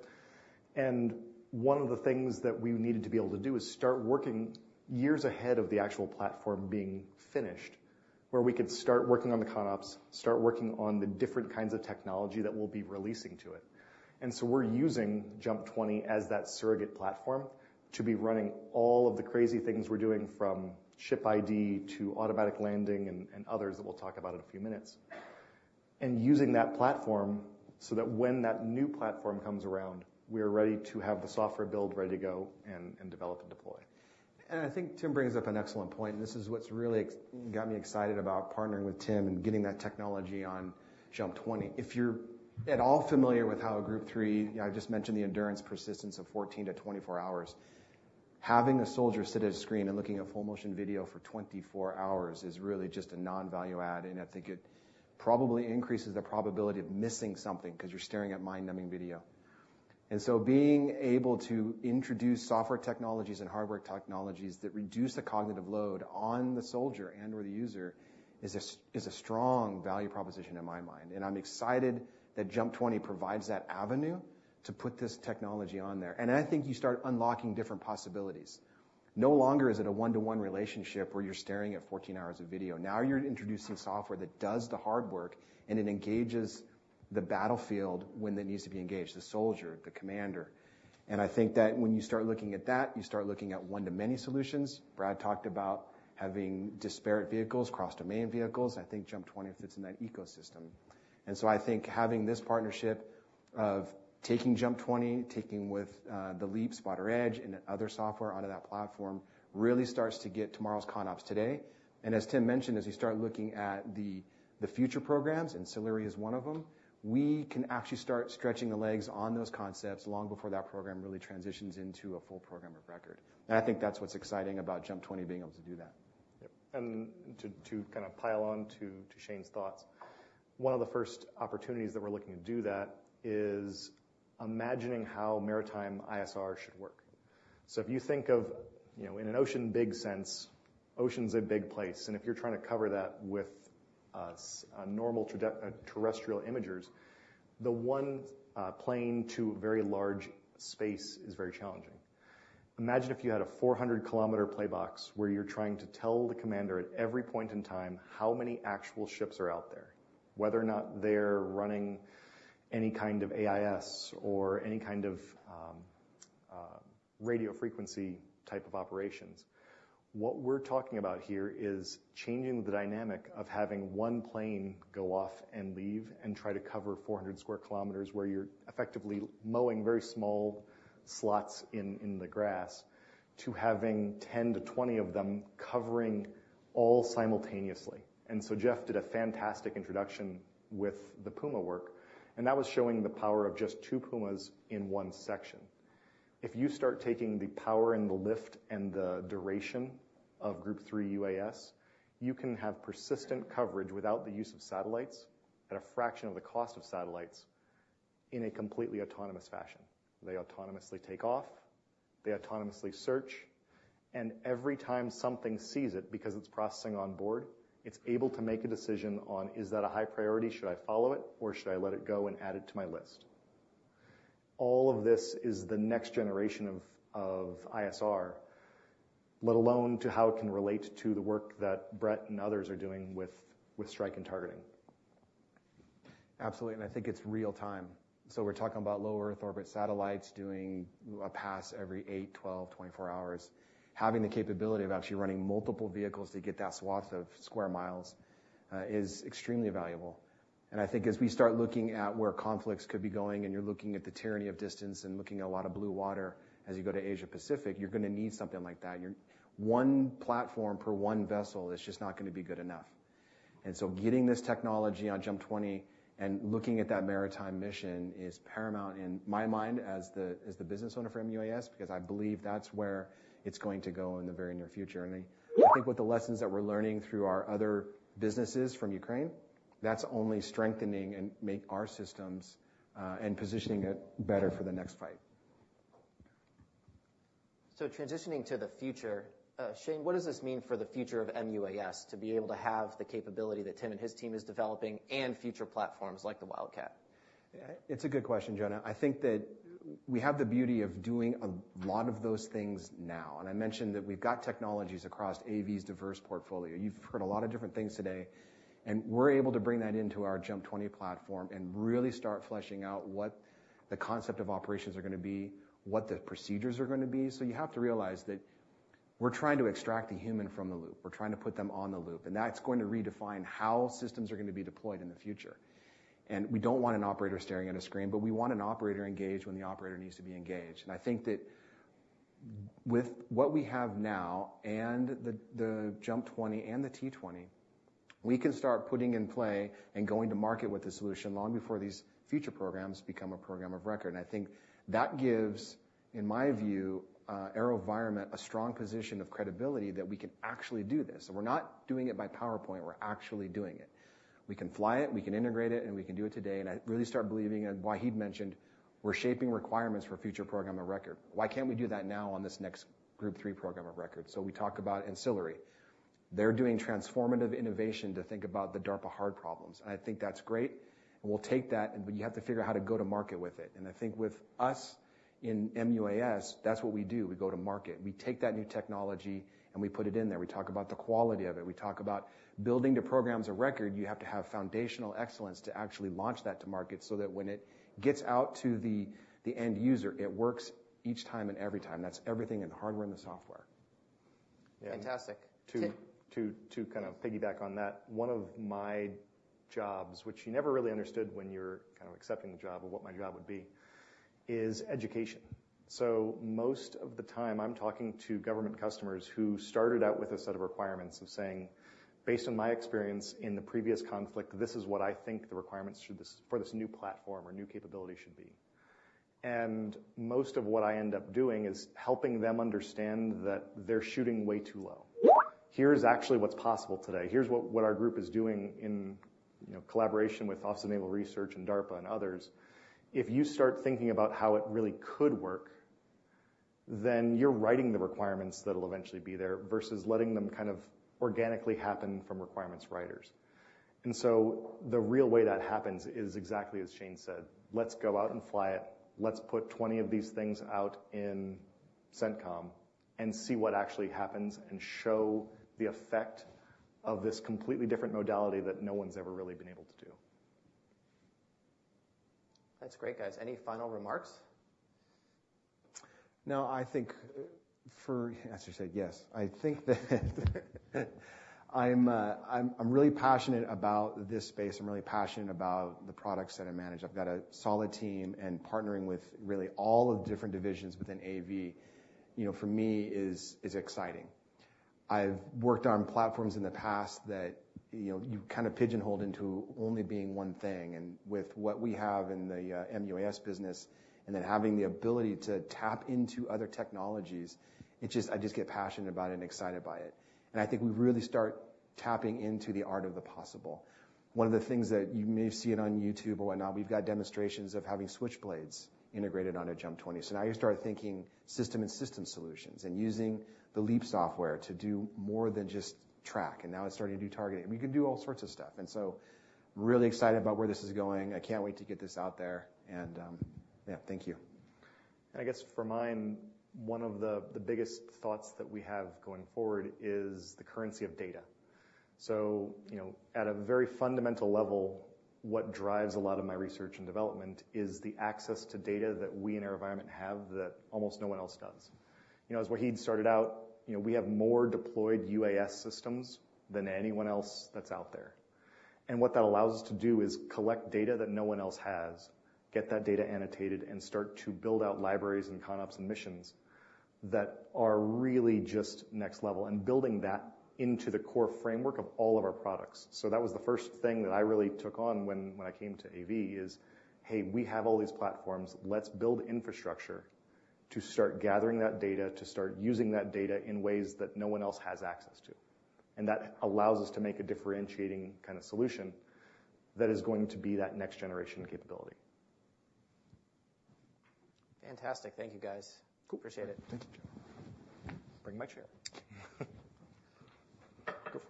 And one of the things that we needed to be able to do is start working years ahead of the actual platform being finished, where we could start working on the ConOps, start working on the different kinds of technology that we'll be releasing to it. We're using JUMP 20 as that surrogate platform to be running all of the crazy things we're doing, from ship ID to automatic landing, and, and others that we'll talk about in a few minutes. Using that platform so that when that new platform comes around, we are ready to have the software build ready to go and, and develop and deploy. I think Tim brings up an excellent point, and this is what's really excited me about partnering with Tim and getting that technology on JUMP 20. If you're at all familiar with how a Group 3... I just mentioned the endurance persistence of 14-24 hours. Having a soldier sit at a screen and looking at full motion video for 24 hours is really just a non-value add, and I think it probably increases the probability of missing something, 'cause you're staring at mind-numbing video. So being able to introduce software technologies and hardware technologies that reduce the cognitive load on the soldier and or the user is a strong value proposition in my mind. I'm excited that JUMP 20 provides that avenue to put this technology on there. I think you start unlocking different possibilities. No longer is it a one-to-one relationship where you're staring at 14 hours of video. Now, you're introducing software that does the hard work, and it engages the battlefield when it needs to be engaged, the soldier, the commander. I think that when you start looking at that, you start looking at one-to-many solutions. Brad talked about having disparate vehicles, cross-domain vehicles. I think JUMP 20 fits in that ecosystem. So I think having this partnership of taking JUMP 20, taking with the LEAP SPOTR-Edge and other software onto that platform, really starts to get tomorrow's ConOps today. As Tim mentioned, as you start looking at the future programs, ANCILLARY is one of them, we can actually start stretching the legs on those concepts long before that program really transitions into a full program of record. I think that's what's exciting about JUMP 20 being able to do that. Yep, and to kind of pile on to Shane's thoughts, one of the first opportunities that we're looking to do that is imagining how maritime ISR should work. So if you think of, you know, in an ocean big sense, ocean's a big place, and if you're trying to cover that with normal terrestrial imagers, the one plane to a very large space is very challenging. Imagine if you had a 400-kilometer play box, where you're trying to tell the commander at every point in time how many actual ships are out there, whether or not they're running any kind of AIS or any kind of radio frequency type of operations. What we're talking about here is changing the dynamic of having one plane go off and leave and try to cover 400 square kilometers, where you're effectively mowing very small swaths in the grass, to having 10-20 of them covering all simultaneously. And so Jeff did a fantastic introduction with the Puma work, and that was showing the power of just two Pumas in one section. If you start taking the power and the lift and the duration of Group 3 UAS, you can have persistent coverage without the use of satellites, at a fraction of the cost of satellites, in a completely autonomous fashion. They autonomously take off, they autonomously search, and every time something sees it, because it's processing on board, it's able to make a decision on: Is that a high priority? Should I follow it, or should I let it go and add it to my list? All of this is the next generation of, of ISR, let alone to how it can relate to the work that Brett and others are doing with, with strike and targeting. Absolutely, and I think it's real time. So we're talking about low Earth orbit satellites doing a pass every 8, 12, 24 hours. Having the capability of actually running multiple vehicles to get that swath of square miles is extremely valuable. I think as we start looking at where conflicts could be going, and you're looking at the tyranny of distance and looking at a lot of blue water as you go to Asia Pacific, you're going to need something like that. You're one platform per one vessel is just not going to be good enough. So getting this technology on JUMP 20 and looking at that maritime mission is paramount in my mind as the business owner for MUAS, because I believe that's where it's going to go in the very near future. I, I think with the lessons that we're learning through our other businesses from Ukraine, that's only strengthening and make our systems, and positioning it better for the next fight. Transitioning to the future, Shane, what does this mean for the future of MUAS to be able to have the capability that Tim and his team is developing and future platforms like the Wildcat? It's a good question, Jonah. I think that we have the beauty of doing a lot of those things now, and I mentioned that we've got technologies across AV's diverse portfolio. You've heard a lot of different things today, and we're able to bring that into our JUMP 20 platform and really start fleshing out what the concept of operations are going to be, what the procedures are going to be. So you have to realize that we're trying to extract the human from the loop. We're trying to put them on the loop, and that's going to redefine how systems are going to be deployed in the future. And we don't want an operator staring at a screen, but we want an operator engaged when the operator needs to be engaged. I think that with what we have now and the JUMP 20 and the T-20, we can start putting in play and going to market with a solution long before these future programs become a program of record. I think that gives, in my view, AeroVironment a strong position of credibility that we can actually do this. So we're not doing it by PowerPoint, we're actually doing it. We can fly it, we can integrate it, and we can do it today. I really start believing, and Wahid mentioned we're shaping requirements for future program of record. Why can't we do that now on this next Group 3 program of record? So we talk aboutANCILLARY. They're doing transformative innovation to think about the DARPA hard problems, and I think that's great, and we'll take that, and - but you have to figure out how to go to market with it. I think with us in MUAS, that's what we do, we go to market. We take that new technology, and we put it in there. We talk about the quality of it. We talk about building the programs of record. You have to have foundational excellence to actually launch that to market so that when it gets out to the end user, it works each time and every time. That's everything in the hardware and the software. Fantastic. To kind of piggyback on that, one of my jobs, which you never really understood when you're kind of accepting the job of what my job would be, is education. So most of the time, I'm talking to government customers who started out with a set of requirements of saying, "Based on my experience in the previous conflict, this is what I think the requirements for this new platform or new capability should be." And most of what I end up doing is helping them understand that they're shooting way too low. Here's actually what's possible today. Here's what our group is doing in, you know, collaboration with Office of Naval Research and DARPA and others. If you start thinking about how it really could work, then you're writing the requirements that'll eventually be there versus letting them kind of organically happen from requirements writers. So the real way that happens is exactly as Shane said: Let's go out and fly it. Let's put 20 of these things out in CENTCOM and see what actually happens, and show the effect of this completely different modality that no one's ever really been able to do. That's great, guys. Any final remarks? No, I think for... As you said, yes, I think that, I'm, I'm really passionate about this space. I'm really passionate about the products that I manage. I've got a solid team and partnering with really all the different divisions within AV, you know, for me is exciting. I've worked on platforms in the past that, you know, you kind of pigeonhole into only being one thing, and with what we have in the MUAS business and then having the ability to tap into other technologies, it just. I just get passionate about it and excited by it, and I think we really start tapping into the art of the possible. One of the things that you may have seen on YouTube or whatnot, we've got demonstrations of having Switchblades integrated on a JUMP 20. So now you start thinking system and system solutions and using the LEAP software to do more than just track, and now it's starting to do targeting. We can do all sorts of stuff, and so really excited about where this is going. I can't wait to get this out there, and yeah, thank you. I guess for mine, one of the biggest thoughts that we have going forward is the currency of data. So, you know, at a very fundamental level, what drives a lot of my research and development is the access to data that we in AeroVironment have that almost no one else does. You know, as Wahid started out, you know, we have more deployed UAS systems than anyone else that's out there. And what that allows us to do is collect data that no one else has, get that data annotated, and start to build out libraries and ConOps and missions that are really just next level, and building that into the core framework of all of our products. So that was the first thing that I really took on when I came to AV: "Hey, we have all these platforms. Let's build infrastructure to start gathering that data, to start using that data in ways that no one else has access to. That allows us to make a differentiating kind of solution that is going to be that next-generation capability. Fantastic. Thank you, guys. Cool. Appreciate it. Thank you. Bring my chair. Cool.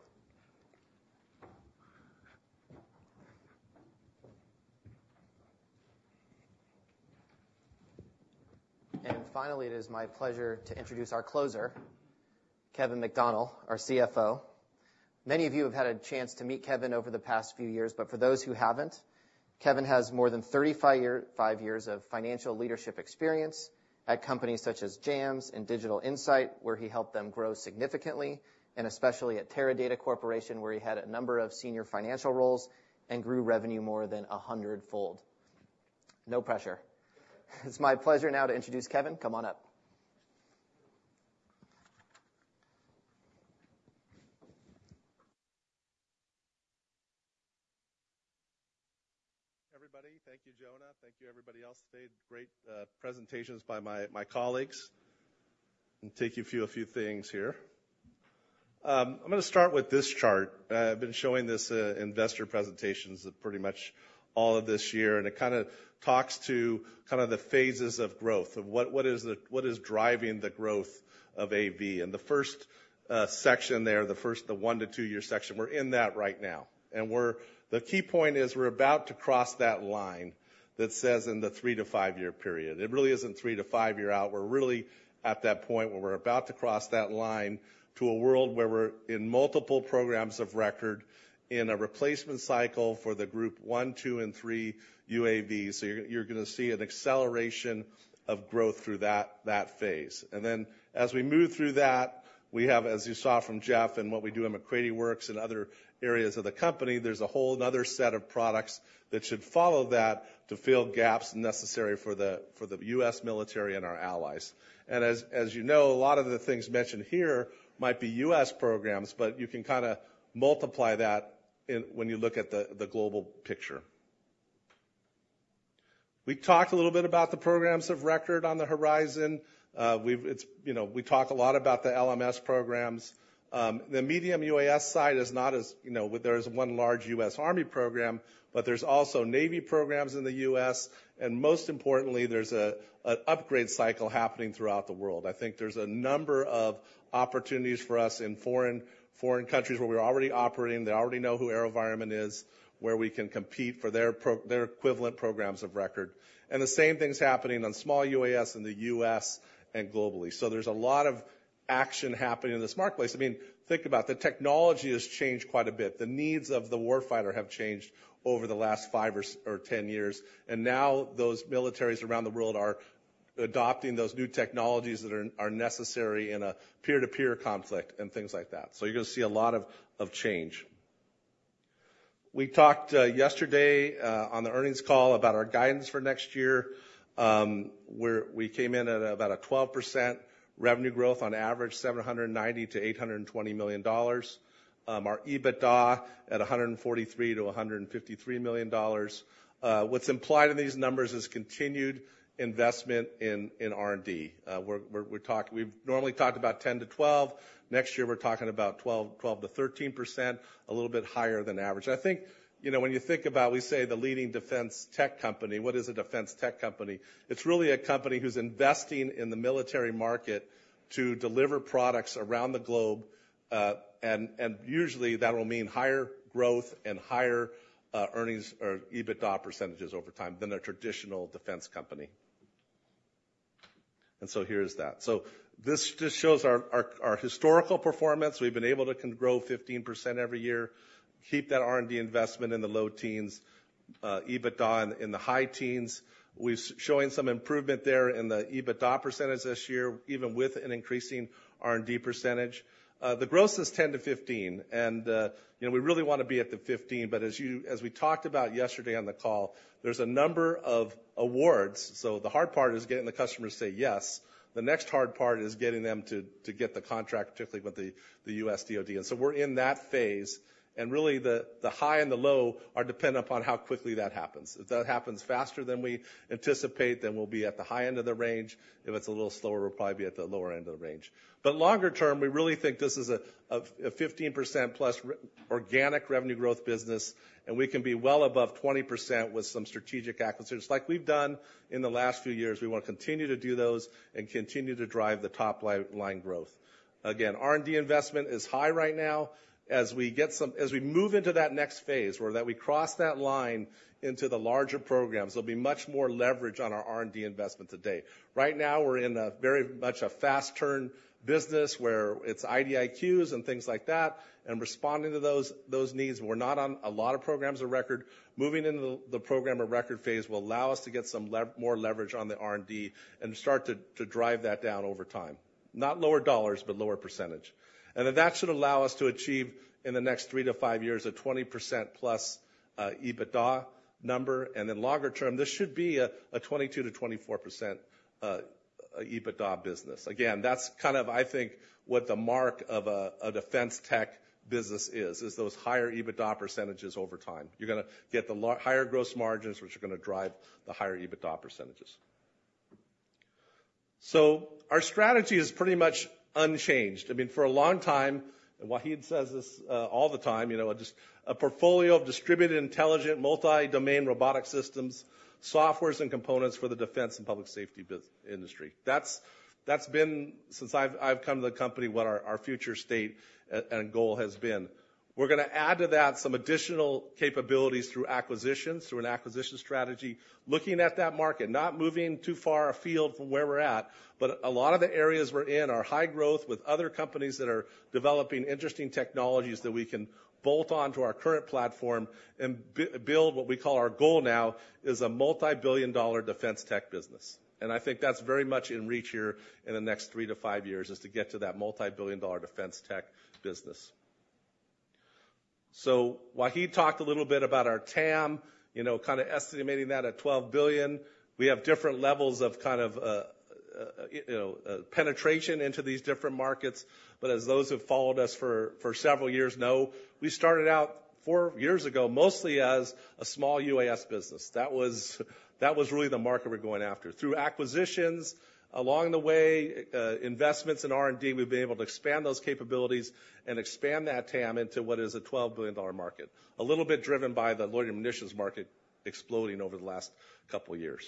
And finally, it is my pleasure to introduce our closer, Kevin McDonnell, our CFO. Many of you have had a chance to meet Kevin over the past few years, but for those who haven't, Kevin has more than 35 years of financial leadership experience at companies such as JAMS and Digital Insight, where he helped them grow significantly, and especially at Teradata Corporation, where he had a number of senior financial roles and grew revenue more than 100-fold. No pressure. It is my pleasure now to introduce Kevin. Come on up. Everybody, thank you, Jonah. Thank you, everybody else. My colleagues made great presentations. I'm gonna take you through a few things here. I'm gonna start with this chart. I've been showing this in investor presentations pretty much all of this year, and it kinda talks to kind of the phases of growth, of what is driving the growth of AV. The first section there, the 1- to 2-year section, we're in that right now. The key point is, we're about to cross that line that says in the 3- to 5-year period. It really isn't 3- to 5-year out. We're really at that point where we're about to cross that line to a world where we're in multiple programs of record in a replacement cycle for the Group 1, 2, and 3 UAVs. So you're gonna see an acceleration of growth through that phase. And then as we move through that, we have, as you saw from Jeff and what we do in MacCready Works and other areas of the company, there's a whole other set of products that should follow that to fill gaps necessary for the U.S. military and our allies. And as you know, a lot of the things mentioned here might be U.S. programs, but you can kinda multiply that in when you look at the global picture. We talked a little bit about the programs of record on the horizon. It's, you know, we talk a lot about the LMS programs. The medium UAS side is not as, you know... But there is 1 large U.S. Army program, but there's also Navy programs in the U.S., and most importantly, there's an upgrade cycle happening throughout the world. I think there's a number of opportunities for us in foreign, foreign countries where we're already operating, they already know who AeroVironment is, where we can compete for their their equivalent programs of record. And the same thing is happening on small UAS in the U.S. and globally. So there's a lot of action happening in this marketplace. I mean, think about, the technology has changed quite a bit. The needs of the war fighter have changed over the last 5 or 10 years, and now those militaries around the world are adopting those new technologies that are, are necessary in a peer-to-peer conflict and things like that. So you're gonna see a lot of, of change. We talked yesterday on the earnings call about our guidance for next year, where we came in at about a 12% revenue growth on average, $790 million-$820 million. Our EBITDA at $143 million-$153 million. What's implied in these numbers is continued investment in R&D. We're, we've normally talked about 10%-12%. Next year, we're talking about 12%-13%, a little bit higher than average. I think, you know, when you think about, we say, the leading defense tech company, what is a defense tech company? It's really a company who's investing in the military market to deliver products around the globe, and usually, that will mean higher growth and higher earnings or EBITDA percentages over time than a traditional defense company. So here's that. So this just shows our historical performance. We've been able to grow 15% every year, keep that R&D investment in the low teens, EBITDA in the high teens. We've showing some improvement there in the EBITDA percentage this year, even with an increasing R&D percentage. The growth is 10%-15%, and you know, we really wanna be at the 15%, but as you- as we talked about yesterday on the call, there's a number of awards. So the hard part is getting the customer to say yes. The next hard part is getting them to get the contract, particularly with the U.S. DoD. So we're in that phase, and really, the high and the low are dependent upon how quickly that happens. If that happens faster than we anticipate, then we'll be at the high end of the range. If it's a little slower, we'll probably be at the lower end of the range. But longer term, we really think this is a 15% plus organic revenue growth business, and we can be well above 20% with some strategic acquisitions like we've done in the last few years. We wanna continue to do those and continue to drive the top line growth. Again, R&D investment is high right now. As we move into that next phase, where we cross that line into the larger programs, there'll be much more leverage on our R&D investment to date. Right now, we're in a very much a fast turn business where it's IDIQs and things like that, and responding to those, those needs, we're not on a lot of programs of record. Moving into the program of record phase will allow us to get some more leverage on the R&D and start to drive that down over time. Not lower dollars, but lower percentage. And then that should allow us to achieve, in the next three to five years, a 20%+ EBITDA number, and then longer term, this should be a 22%-24% EBITDA business. Again, that's kind of, I think, what the mark of a defense tech business is, is those higher EBITDA percentages over time. You're gonna get the higher gross margins, which are gonna drive the higher EBITDA percentages. So our strategy is pretty much unchanged. I mean, for a long time, and Wahid says this all the time, you know, just a portfolio of distributed, intelligent, multi-domain robotic systems, softwares, and components for the defense and public safety industry. That's, that's been, since I've come to the company, what our future state and goal has been. We're gonna add to that some additional capabilities through acquisitions, through an acquisition strategy, looking at that market, not moving too far afield from where we're at. But a lot of the areas we're in are high growth with other companies that are developing interesting technologies that we can bolt on to our current platform and build what we call our goal now, is a multibillion-dollar defense tech business. I think that's very much in reach here in the next three to five years, is to get to that multibillion-dollar defense tech business. Wahid talked a little bit about our TAM, you know, kind of estimating that at $12 billion. We have different levels of kind of, you know, penetration into these different markets. But as those who've followed us for several years know, we started out four years ago, mostly as a small UAS business. That was really the market we're going after. Through acquisitions, along the way, investments in R&D, we've been able to expand those capabilities and expand that TAM into what is a $12 billion market, a little bit driven by the loitering munitions market exploding over the last couple of years.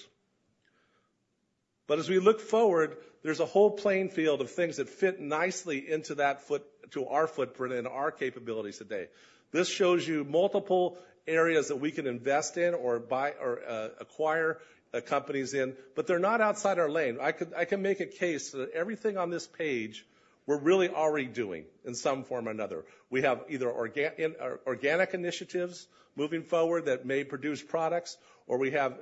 But as we look forward, there's a whole playing field of things that fit nicely into that footprint and our capabilities today. This shows you multiple areas that we can invest in or buy or acquire the companies in, but they're not outside our lane. I can make a case that everything on this page, we're really already doing in some form or another. We have either organic initiatives moving forward that may produce products, or we have,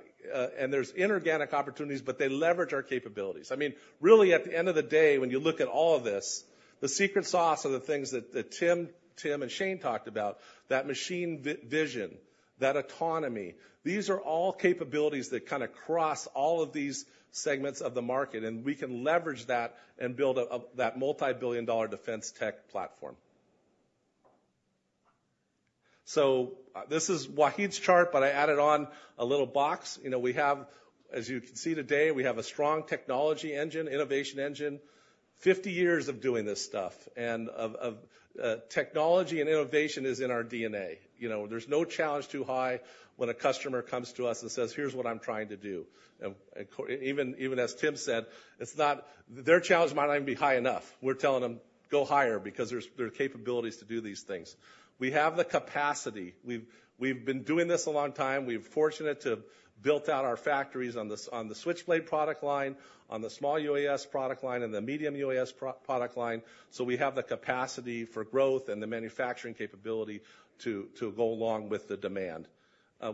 and there's inorganic opportunities, but they leverage our capabilities. I mean, really, at the end of the day, when you look at all of this, the secret sauce are the things that Tim and Shane talked about, that machine vision, that autonomy. These are all capabilities that kind of cross all of these segments of the market, and we can leverage that and build a that multibillion-dollar defense tech platform. So this is Wahid's chart, but I added on a little box. You know, as you can see today, we have a strong technology engine, innovation engine, 50 years of doing this stuff, and technology and innovation is in our DNA. You know, there's no challenge too high when a customer comes to us and says, "Here's what I'm trying to do." And even as Tim said, it's not—their challenge might not even be high enough. We're telling them, "Go higher," because there are capabilities to do these things. We have the capacity. We've been doing this a long time. We've been fortunate to build out our factories on the Switchblade product line, on the small UAS product line, and the medium UAS product line. So we have the capacity for growth and the manufacturing capability to go along with the demand.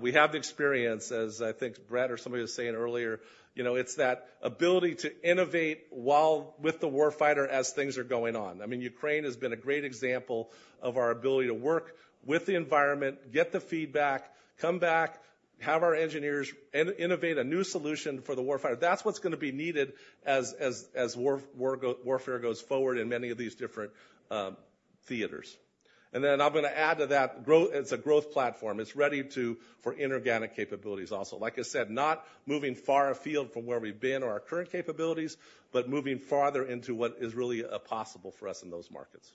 We have the experience, as I think Brett or somebody was saying earlier, you know, it's that ability to innovate with the warfighter as things are going on. I mean, Ukraine has been a great example of our ability to work with the environment, get the feedback, come back, have our engineers innovate a new solution for the war fighter. That's what's gonna be needed as warfare goes forward in many of these different theaters. And then I'm gonna add to that growth. It's a growth platform. It's ready for inorganic capabilities also. Like I said, not moving far afield from where we've been or our current capabilities, but moving farther into what is really possible for us in those markets.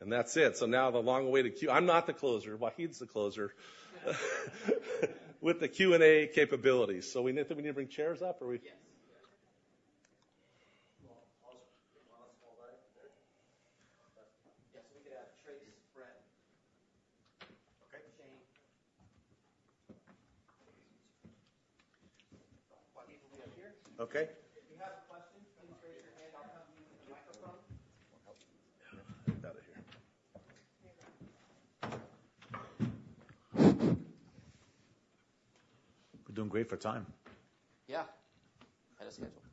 And that's it. So now the long way to Q... I'm not the closer. Wahid's the closer, with the Q&A capabilities. So we need to, we need to bring chairs up or we- Yes. Well, I'll, I'll hold that. Yes, we can have Trace, Brett. Okay. Shane, Wahid will be up here. Okay. If you have a question, please raise your hand. I'll come to you with the microphone. Get out of here. We're doing great for time. Yeah, right on schedule. You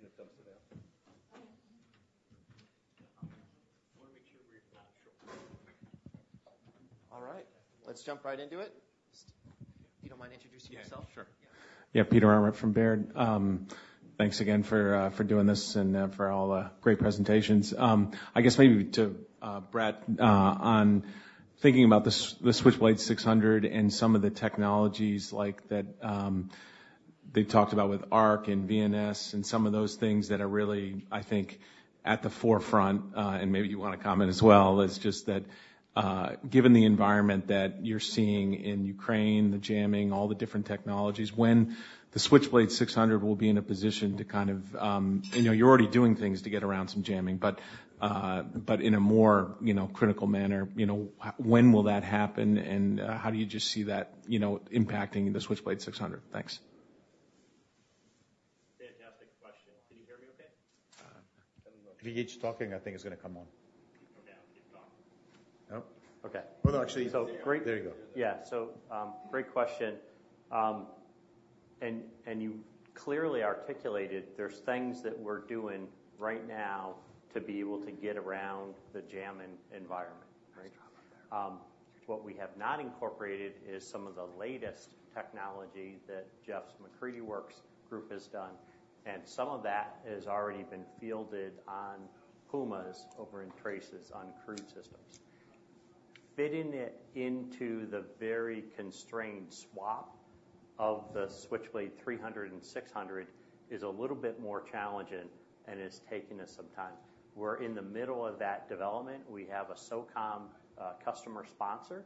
want to come sit down? Okay. I want to make sure we're not short. All right, let's jump right into it. If you don't mind introducing yourself. Sure. Yeah, Peter Arment from Baird. Thanks again for doing this and for all the great presentations. I guess maybe to Brett, on thinking about the Switchblade 600 and some of the technologies like that, they talked about with ARC and VNS and some of those things that are really, I think, at the forefront, and maybe you want to comment as well, is just that, given the environment that you're seeing in Ukraine, the jamming, all the different technologies, when the Switchblade 600 will be in a position to kind of, you know, you're already doing things to get around some jamming, but in a more, you know, critical manner, you know, when will that happen? And how do you just see that, you know, impacting the Switchblade 600? Thanks. Fantastic question. Can you hear me okay? If you get talking, I think it's going to come on. Okay, I'll keep talking. Oh, okay. Well, actually- So great- There you go. Yeah. So, great question.... And you clearly articulated there's things that we're doing right now to be able to get around the jamming environment, right? What we have not incorporated is some of the latest technology that Jeff's MacCready Works group has done, and some of that has already been fielded on Pumas over in Trace's uncrewed systems. Fitting it into the very constrained SWaP of the Switchblade 300 and 600 is a little bit more challenging and is taking us some time. We're in the middle of that development. We have a SOCOM customer sponsor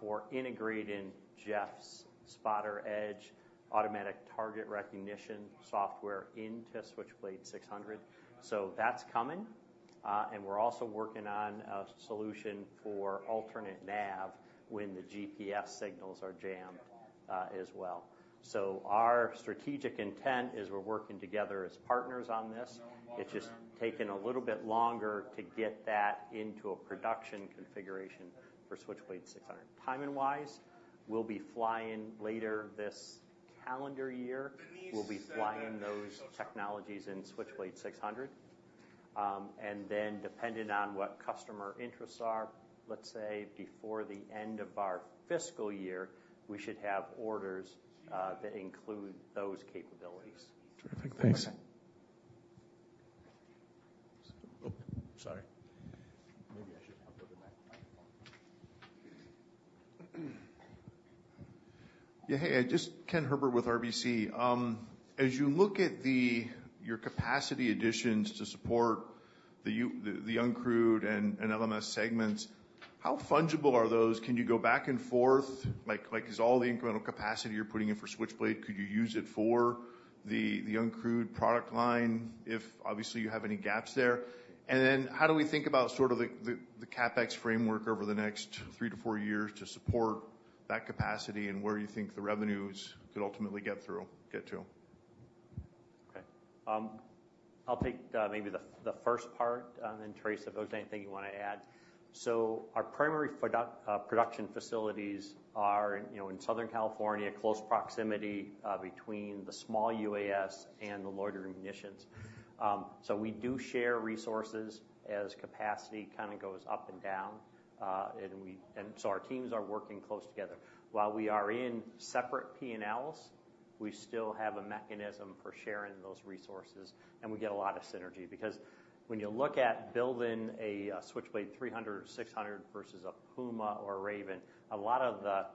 for integrating Jeff's SPOTR-Edge automatic target recognition software into Switchblade 600. So that's coming, and we're also working on a solution for alternate nav when the GPS signals are jammed, as well. So our strategic intent is we're working together as partners on this. It's just taken a little bit longer to get that into a production configuration for Switchblade 600. Timing-wise, we'll be flying later this calendar year. We'll be flying those technologies in Switchblade 600. And then depending on what customer interests are, let's say, before the end of our fiscal year, we should have orders, that include those capabilities. Terrific. Thanks. Oh, sorry. Maybe I should have the microphone. Yeah, hey, just Ken Herbert with RBC. As you look at the your capacity additions to support the the Uncrewed and LMS segments, how fungible are those? Can you go back and forth? Like, is all the incremental capacity you're putting in for Switchblade, could you use it for the the Uncrewed product line, if obviously, you have any gaps there? And then how do we think about sort of the the CapEx framework over the next three to four years to support that capacity and where you think the revenues could ultimately get to? Okay, I'll take maybe the first part, then Trace, if there's anything you want to add. So our primary product production facilities are, you know, in Southern California, close proximity between the small UAS and the loitering munitions. So we do share resources as capacity kind of goes up and down, and so our teams are working close together. While we are in separate P&Ls, we still have a mechanism for sharing those resources, and we get a lot of synergy. Because when you look at building a Switchblade 300 or 600 versus a Puma or a Raven, a lot of the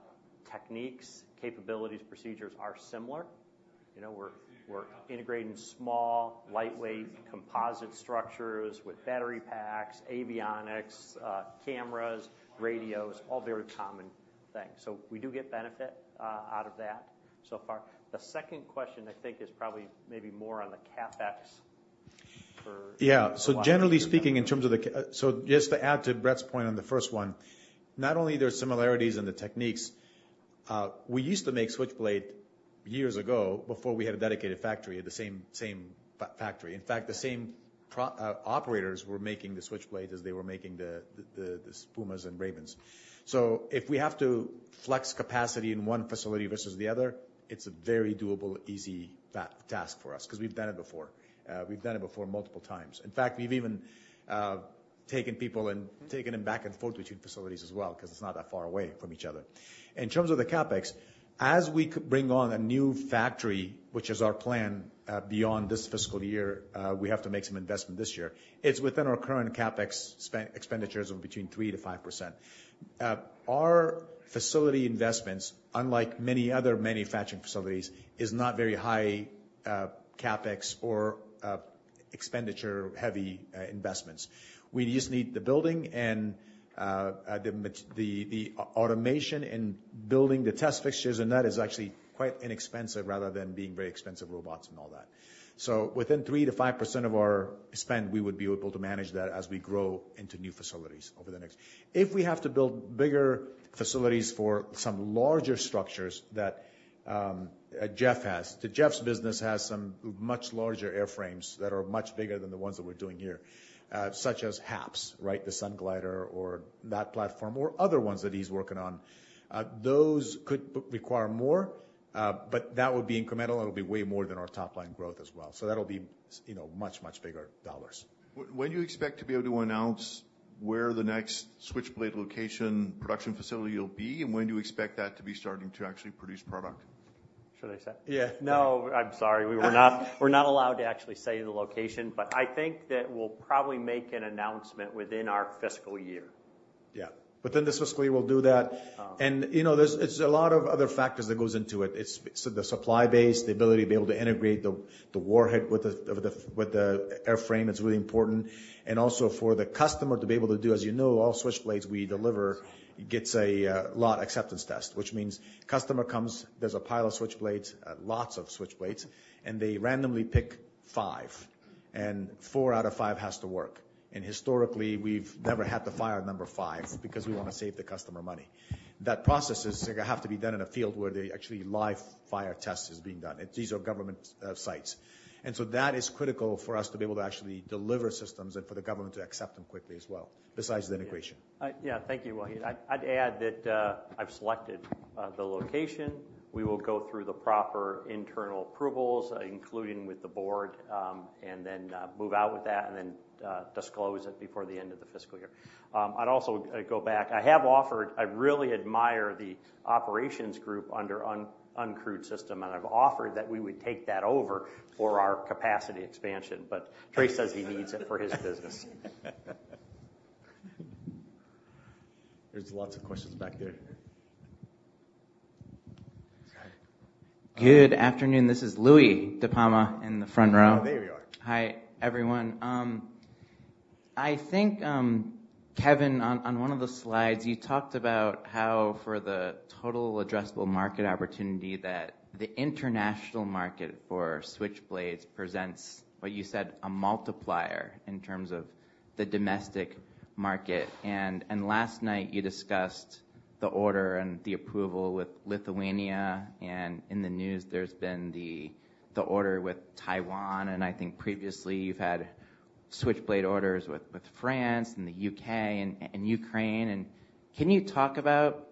techniques, capabilities, procedures are similar. You know, we're integrating small, lightweight, composite structures with battery packs, avionics, cameras, radios, all very common things. So we do get benefit out of that so far. The second question, I think, is probably maybe more on the CapEx for- Yeah. So generally speaking, in terms of the, so just to add to Brett's point on the first one, not only there are similarities in the techniques, we used to make Switchblade years ago before we had a dedicated factory, at the same factory. In fact, the same operators were making the Switchblade as they were making the Pumas and Ravens. So if we have to flex capacity in one facility versus the other, it's a very doable, easy task for us, 'cause we've done it before. We've done it before multiple times. In fact, we've even taken people and taken them back and forth between facilities as well, 'cause it's not that far away from each other. In terms of the CapEx, as we bring on a new factory, which is our plan, beyond this fiscal year, we have to make some investment this year. It's within our current CapEx expenditures of between 3%-5%. Our facility investments, unlike many other manufacturing facilities, is not very high CapEx or expenditure-heavy investments. We just need the building and the automation in building the test fixtures, and that is actually quite inexpensive rather than being very expensive robots and all that. So within 3%-5% of our spend, we would be able to manage that as we grow into new facilities over the next... If we have to build bigger facilities for some larger structures that, Jeff has, so Jeff's business has some much larger airframes that are much bigger than the ones that we're doing here, such as HAPS, right? The SunGlider or that platform or other ones that he's working on. Those could require more, but that would be incremental, and it'll be way more than our top-line growth as well. So that'll be, you know, much, much bigger dollars. When do you expect to be able to announce where the next Switchblade location production facility will be, and when do you expect that to be starting to actually produce product? Should I say? Yeah. No, I'm sorry. We're not, we're not allowed to actually say the location, but I think that we'll probably make an announcement within our fiscal year. Yeah, within this fiscal year, we'll do that. Um- And, you know, there's, it's a lot of other factors that goes into it. It's so the supply base, the ability to be able to integrate the warhead with the airframe is really important. And also for the customer to be able to do... As you know, all Switchblades we deliver gets a lot acceptance test, which means customer comes, there's a pile of Switchblades, lots of Switchblades, and they randomly pick five.... and four out of five has to work. And historically, we've never had to fire number five, because we want to save the customer money. That process is, like, have to be done in a field where the actually live fire test is being done. These are government sites. And so that is critical for us to be able to actually deliver systems and for the government to accept them quickly as well, besides the integration. Yeah, thank you, Wahid. I'd add that I've selected the location. We will go through the proper internal approvals, including with the board, and then move out with that, and then disclose it before the end of the fiscal year. I'd also go back. I have offered—I really admire the operations group under Uncrewed Systems, and I've offered that we would take that over for our capacity expansion, but Trace says he needs it for his business. There's lots of questions back there. Good afternoon. This is Louie DiPalma in the front row. Oh, there you are. Hi, everyone. I think, Kevin, on one of the slides, you talked about how for the total addressable market opportunity, that the international market for Switchblades presents, what you said, a multiplier in terms of the domestic market. Last night, you discussed the order and the approval with Lithuania, and in the news, there's been the order with Taiwan, and I think previously, you've had Switchblade orders with France and the UK and Ukraine. Can you talk about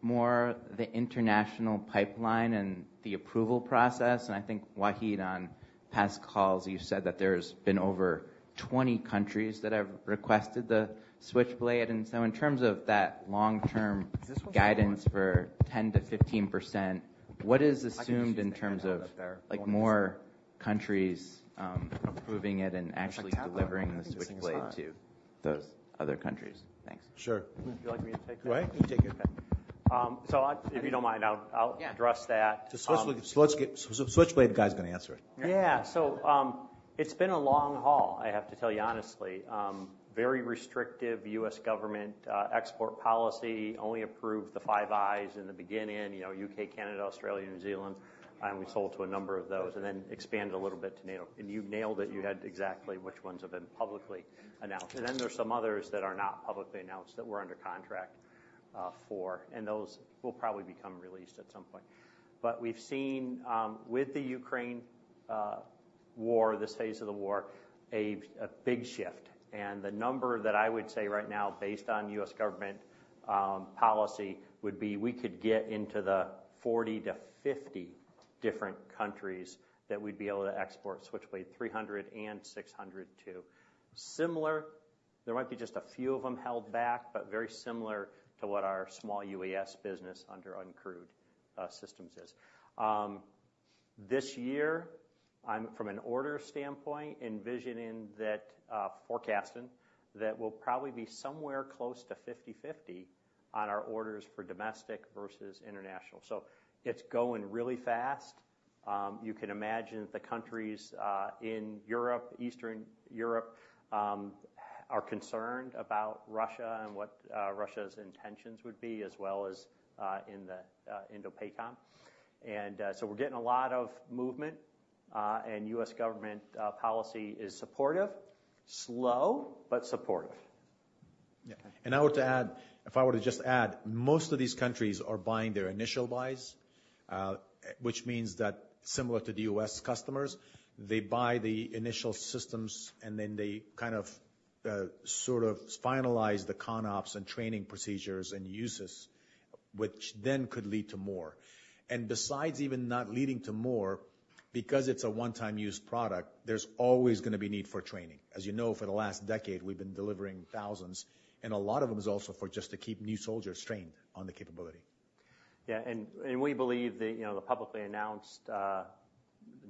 more the international pipeline and the approval process? I think, Wahid, on past calls, you've said that there's been over 20 countries that have requested the Switchblade. So in terms of that long-term- Is this what you want? guidance for 10%-15%, what is assumed I can just hang up there. -in terms of, like, more countries, approving it and actually- Like, tap on it. I think this is on. delivering the Switchblade to those other countries? Thanks. Sure. Would you like me to take that? Go ahead. You take it. So if you don't mind, I'll Yeah... address that. The Switchblade guy's gonna answer it. Yeah. So, it's been a long haul, I have to tell you honestly. Very restrictive U.S. government export policy, only approved the Five Eyes in the beginning, you know, UK, Canada, Australia, New Zealand, and we sold to a number of those, and then expanded a little bit to NATO. And you nailed it. You had exactly which ones have been publicly announced. And then there are some others that are not publicly announced that we're under contract for, and those will probably become released at some point. But we've seen with the Ukraine war, this phase of the war, a big shift. And the number that I would say right now, based on U.S. government policy, would be we could get into the 40-50 different countries that we'd be able to export Switchblade 300 and 600 to. Similar. There might be just a few of them held back, but very similar to what our small UAS business under Uncrewed Systems is. This year, I'm, from an order standpoint, envisioning that, forecasting, that we'll probably be somewhere close to 50/50 on our orders for domestic versus international. So it's going really fast. You can imagine the countries in Europe, Eastern Europe, are concerned about Russia and what Russia's intentions would be, as well as in the Indo-PACOM. And so we're getting a lot of movement and U.S. government policy is supportive, slow, but supportive. Yeah. If I were to just add, most of these countries are buying their initial buys, which means that similar to the U.S. customers, they buy the initial systems, and then they kind of sort of finalize the CONOPs and training procedures and uses, which then could lead to more. And besides even not leading to more, because it's a one-time use product, there's always going to be need for training. As you know, for the last decade, we've been delivering thousands, and a lot of them is also for just to keep new soldiers trained on the capability. Yeah, and we believe that, you know, the publicly announced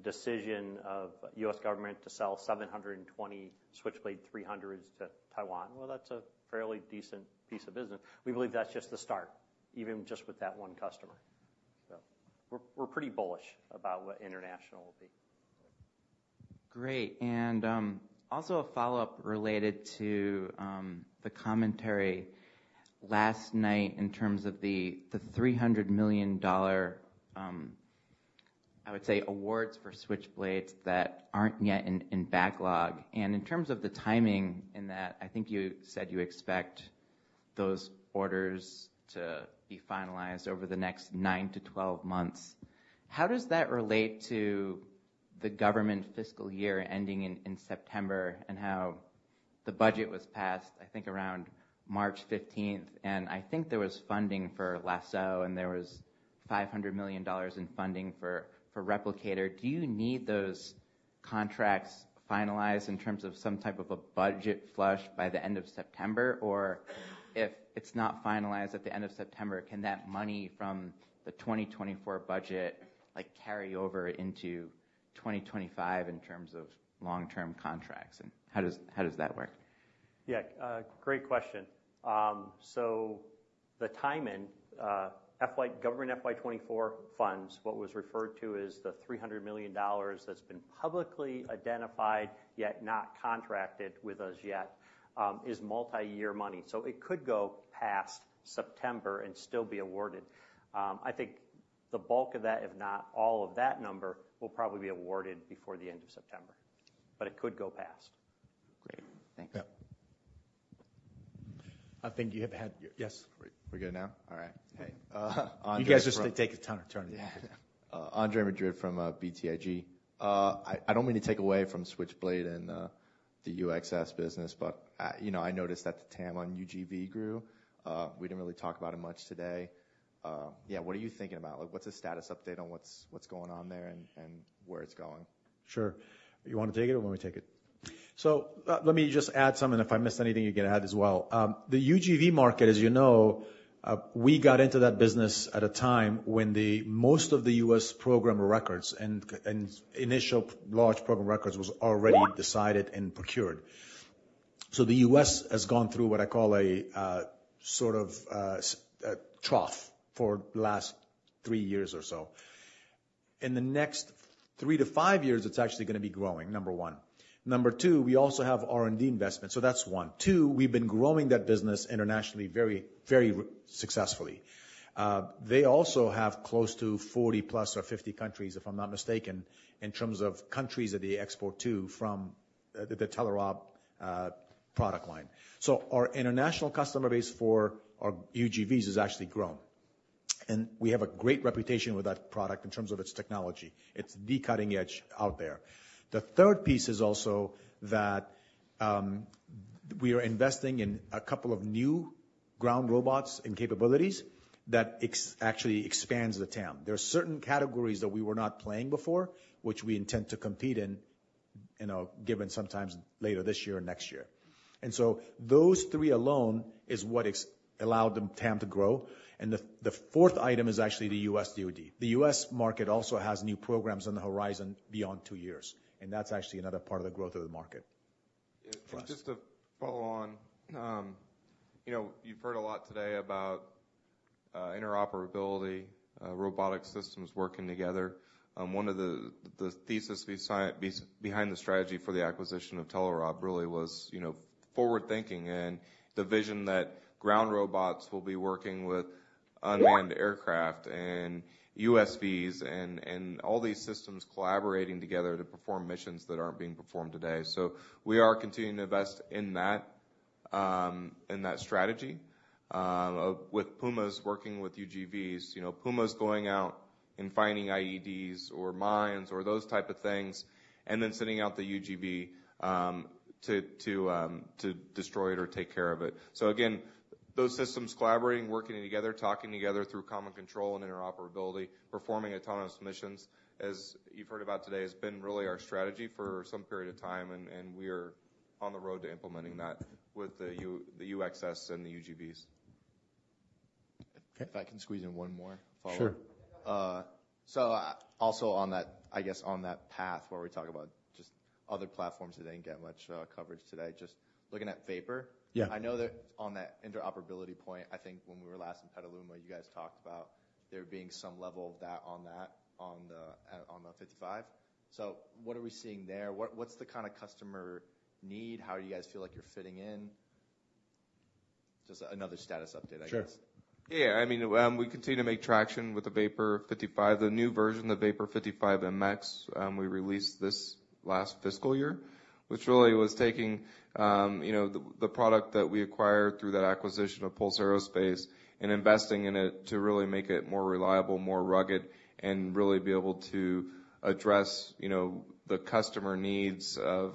decision of the U.S. government to sell 720 Switchblade 300s to Taiwan, well, that's a fairly decent piece of business. We believe that's just the start, even just with that one customer. So we're pretty bullish about what international will be. Great. And, also a follow-up related to the commentary last night in terms of the $300 million awards for Switchblades that aren't yet in backlog. And in terms of the timing in that, I think you said you expect those orders to be finalized over the next 9-12 months. How does that relate to the government fiscal year ending in September, and how the budget was passed, I think, around March 15? And I think there was funding for LASSO, and there was $500 million in funding for Replicator. Do you need those contracts finalized in terms of some type of a budget flush by the end of September? Or if it's not finalized at the end of September, can that money from the 2024 budget, like, carry over into 2025 in terms of long-term contracts, and how does, how does that work? Yeah, great question. So the timing, FY-- government FY 2024 funds, what was referred to as the $300 million that's been publicly identified, yet not contracted with us yet, is multiyear money, so it could go past September and still be awarded. The bulk of that, if not all of that number, will probably be awarded before the end of September, but it could go past. Great, thanks. Yeah. I think you have had. Yes. Great. We're good now? All right. Hey, Andre- You guys just take a turn and turn. Yeah. Andre Madrid from BTIG. I don't mean to take away from Switchblade and the UxS business, but you know, I noticed that the TAM on UGV grew. We didn't really talk about it much today. Yeah, what are you thinking about? Like, what's the status update on what's going on there and where it's going? Sure. You wanna take it or want me to take it? So, let me just add something, if I miss anything, you can add as well. The UGV market, as you know, we got into that business at a time when most of the U.S. program records and initial large program records was already decided and procured. So the U.S. has gone through what I call a sort of trough for the last 3 years or so. In the next 3 to 5 years, it's actually gonna be growing, number one. Number two, we also have R&D investment, so that's one. Two, we've been growing that business internationally, very, very successfully. They also have close to 40 plus or 50 countries, if I'm not mistaken, in terms of countries that they export to from the Telerob product line. So our international customer base for our UGVs has actually grown, and we have a great reputation with that product in terms of its technology. It's the cutting edge out there. The third piece is also that we are investing in a couple of new ground robots and capabilities that actually expands the TAM. There are certain categories that we were not playing before, which we intend to compete in, you know, given sometimes later this year or next year. And so those three alone is what is allowed the TAM to grow, and the fourth item is actually the U.S. DoD. The U.S. market also has new programs on the horizon beyond two years, and that's actually another part of the growth of the market for us. Just to follow on, you know, you've heard a lot today about, interoperability, robotic systems working together. One of the thesis basis behind the strategy for the acquisition of Tomahawk Robotics really was, you know, forward thinking and the vision that ground robots will be working with unmanned aircraft, and USVs, and all these systems collaborating together to perform missions that aren't being performed today. So we are continuing to invest in that, in that strategy, with Pumas working with UGVs. You know, Pumas going out and finding IEDs or mines or those type of things, and then sending out the UGV to destroy it or take care of it. So again, those systems collaborating, working together, talking together through common control and interoperability, performing autonomous missions, as you've heard about today, has been really our strategy for some period of time, and, and we're on the road to implementing that with the UxS and the UGVs. If I can squeeze in one more follow? Sure. So, also on that... I guess, on that path where we talk about just other platforms that didn't get much coverage today. Just looking at VAPOR- Yeah. I know that on that interoperability point, I think when we were last in Petaluma, you guys talked about there being some level of that on that, on the, on the 55. So what are we seeing there? What, what's the kind of customer need? How do you guys feel like you're fitting in? Just another status update, I guess. Sure. Yeah. I mean, we continue to make traction with the VAPOR 55. The new version, the VAPOR 55 MX, we released this last fiscal year, which really was taking, you know, the product that we acquired through that acquisition of Pulse Aerospace and investing in it to really make it more reliable, more rugged, and really be able to address, you know, the customer needs of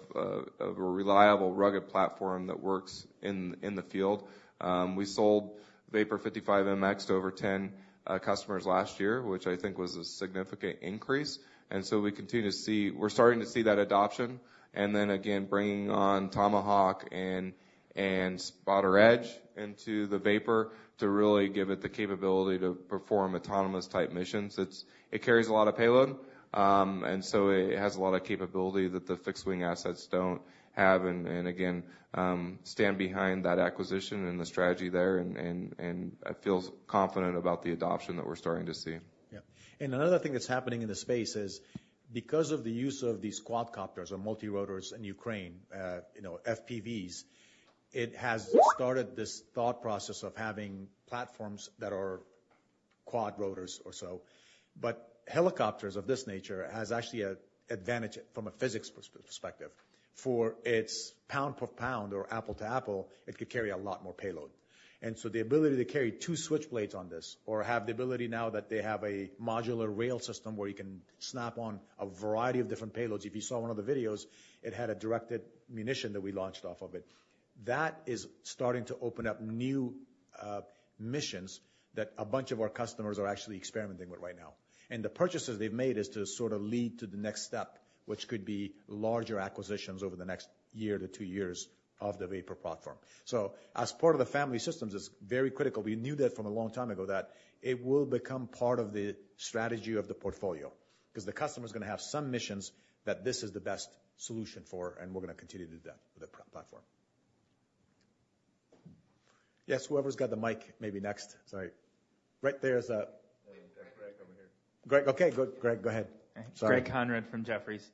a reliable, rugged platform that works in the field. We sold VAPOR 55 MX to over 10 customers last year, which I think was a significant increase, and so we continue to see—we're starting to see that adoption. And then again, bringing on Tomahawk Robotics and SPOTR-Edge into the VAPOR, to really give it the capability to perform autonomous type missions. It carries a lot of payload, and so it has a lot of capability that the fixed-wing assets don't have, and feels confident about the adoption that we're starting to see. Yeah. And another thing that's happening in the space is, because of the use of these quadcopters or multirotors in Ukraine, you know, FPVs, it has started this thought process of having platforms that are quadrotors or so. But helicopters of this nature has actually a advantage from a physics perspective. For its pound per pound or apple to apple, it could carry a lot more payload. And so the ability to carry two Switchblades on this or have the ability now that they have a modular rail system where you can snap on a variety of different payloads. If you saw one of the videos, it had a directed munition that we launched off of it. That is starting to open up new missions that a bunch of our customers are actually experimenting with right now. The purchases they've made is to sort of lead to the next step, which could be larger acquisitions over the next 1 to 2 years of the VAPOR platform. So as part of the family systems, it's very critical. We knew that from a long time ago, that it will become part of the strategy of the portfolio, 'cause the customer's gonna have some missions that this is the best solution for, and we're gonna continue to do that with the platform. Yes, whoever's got the mic, maybe next. Sorry, right there is a- Greg, over here.... Greg, okay, good. Greg, go ahead. Sorry. Greg Konrad from Jefferies.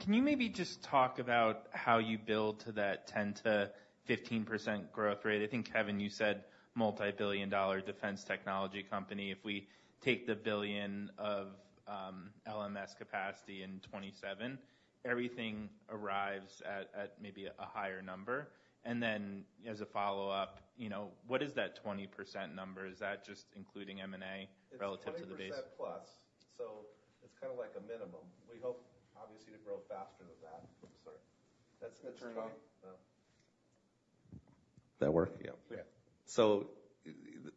Can you maybe just talk about how you build to that 10%-15% growth rate? I think, Kevin, you said multi-billion-dollar defense technology company. If we take the billion of LMS capacity in 2027, everything arrives at, at maybe a higher number. And then as a follow-up, you know, what is that 20% number? Is that just including M&A relative to the base? It's 20%+, so it's kind of like a minimum. We hope, obviously, to grow faster than that. Sorry. That's- Can you turn it on? That work? Yeah. Yeah. So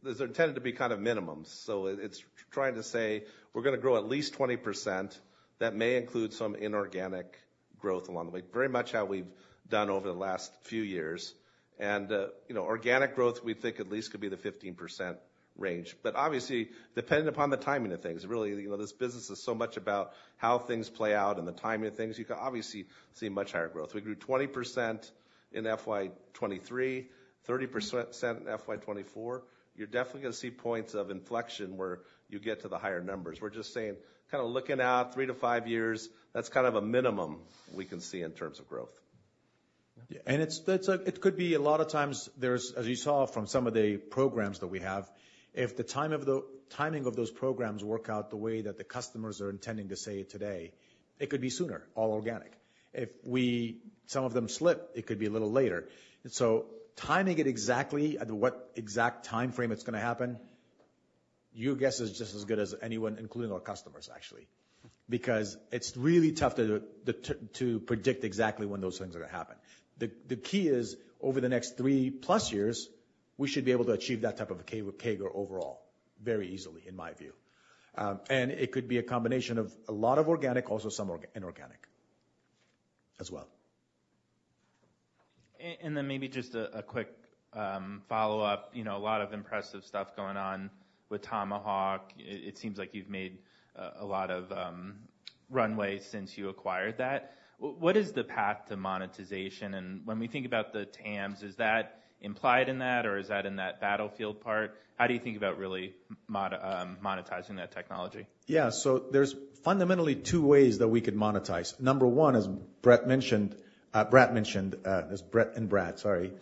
those are intended to be kind of minimums. So it's trying to say we're gonna grow at least 20%. That may include some inorganic growth along the way, very much how we've done over the last few years. And, you know, organic growth, we think, at least could be the 15% range. But obviously, depending upon the timing of things, really, you know, this business is so much about how things play out and the timing of things. You can obviously see much higher growth. We grew 20% in FY 2023, 30% in FY 2024. You're definitely gonna see points of inflection, where you get to the higher numbers. We're just saying, kind of, looking out 3 to 5 years, that's kind of a minimum we can see in terms of growth. Yeah, and that's it could be a lot of times there's, as you saw from some of the programs that we have, if the timing of those programs work out the way that the customers are intending to say it today, it could be sooner, all organic. If some of them slip, it could be a little later. So timing it exactly at what exact timeframe it's gonna happen, your guess is just as good as anyone, including our customers, actually, because it's really tough to predict exactly when those things are gonna happen. The key is, over the next 3+ years, we should be able to achieve that type of a CAGR overall, very easily, in my view. And it could be a combination of a lot of organic, also some inorganic as well. And then maybe just a quick follow-up. You know, a lot of impressive stuff going on with Tomahawk Robotics. It seems like you've made a lot of inroads since you acquired that. What is the path to monetization? And when we think about the TAMs, is that implied in that, or is that in that battlefield part? How do you think about really monetizing that technology? Yeah. So there's fundamentally 2 ways that we could monetize. Number 1, as Brett mentioned, Brad mentioned, as Brett and Brad, sorry,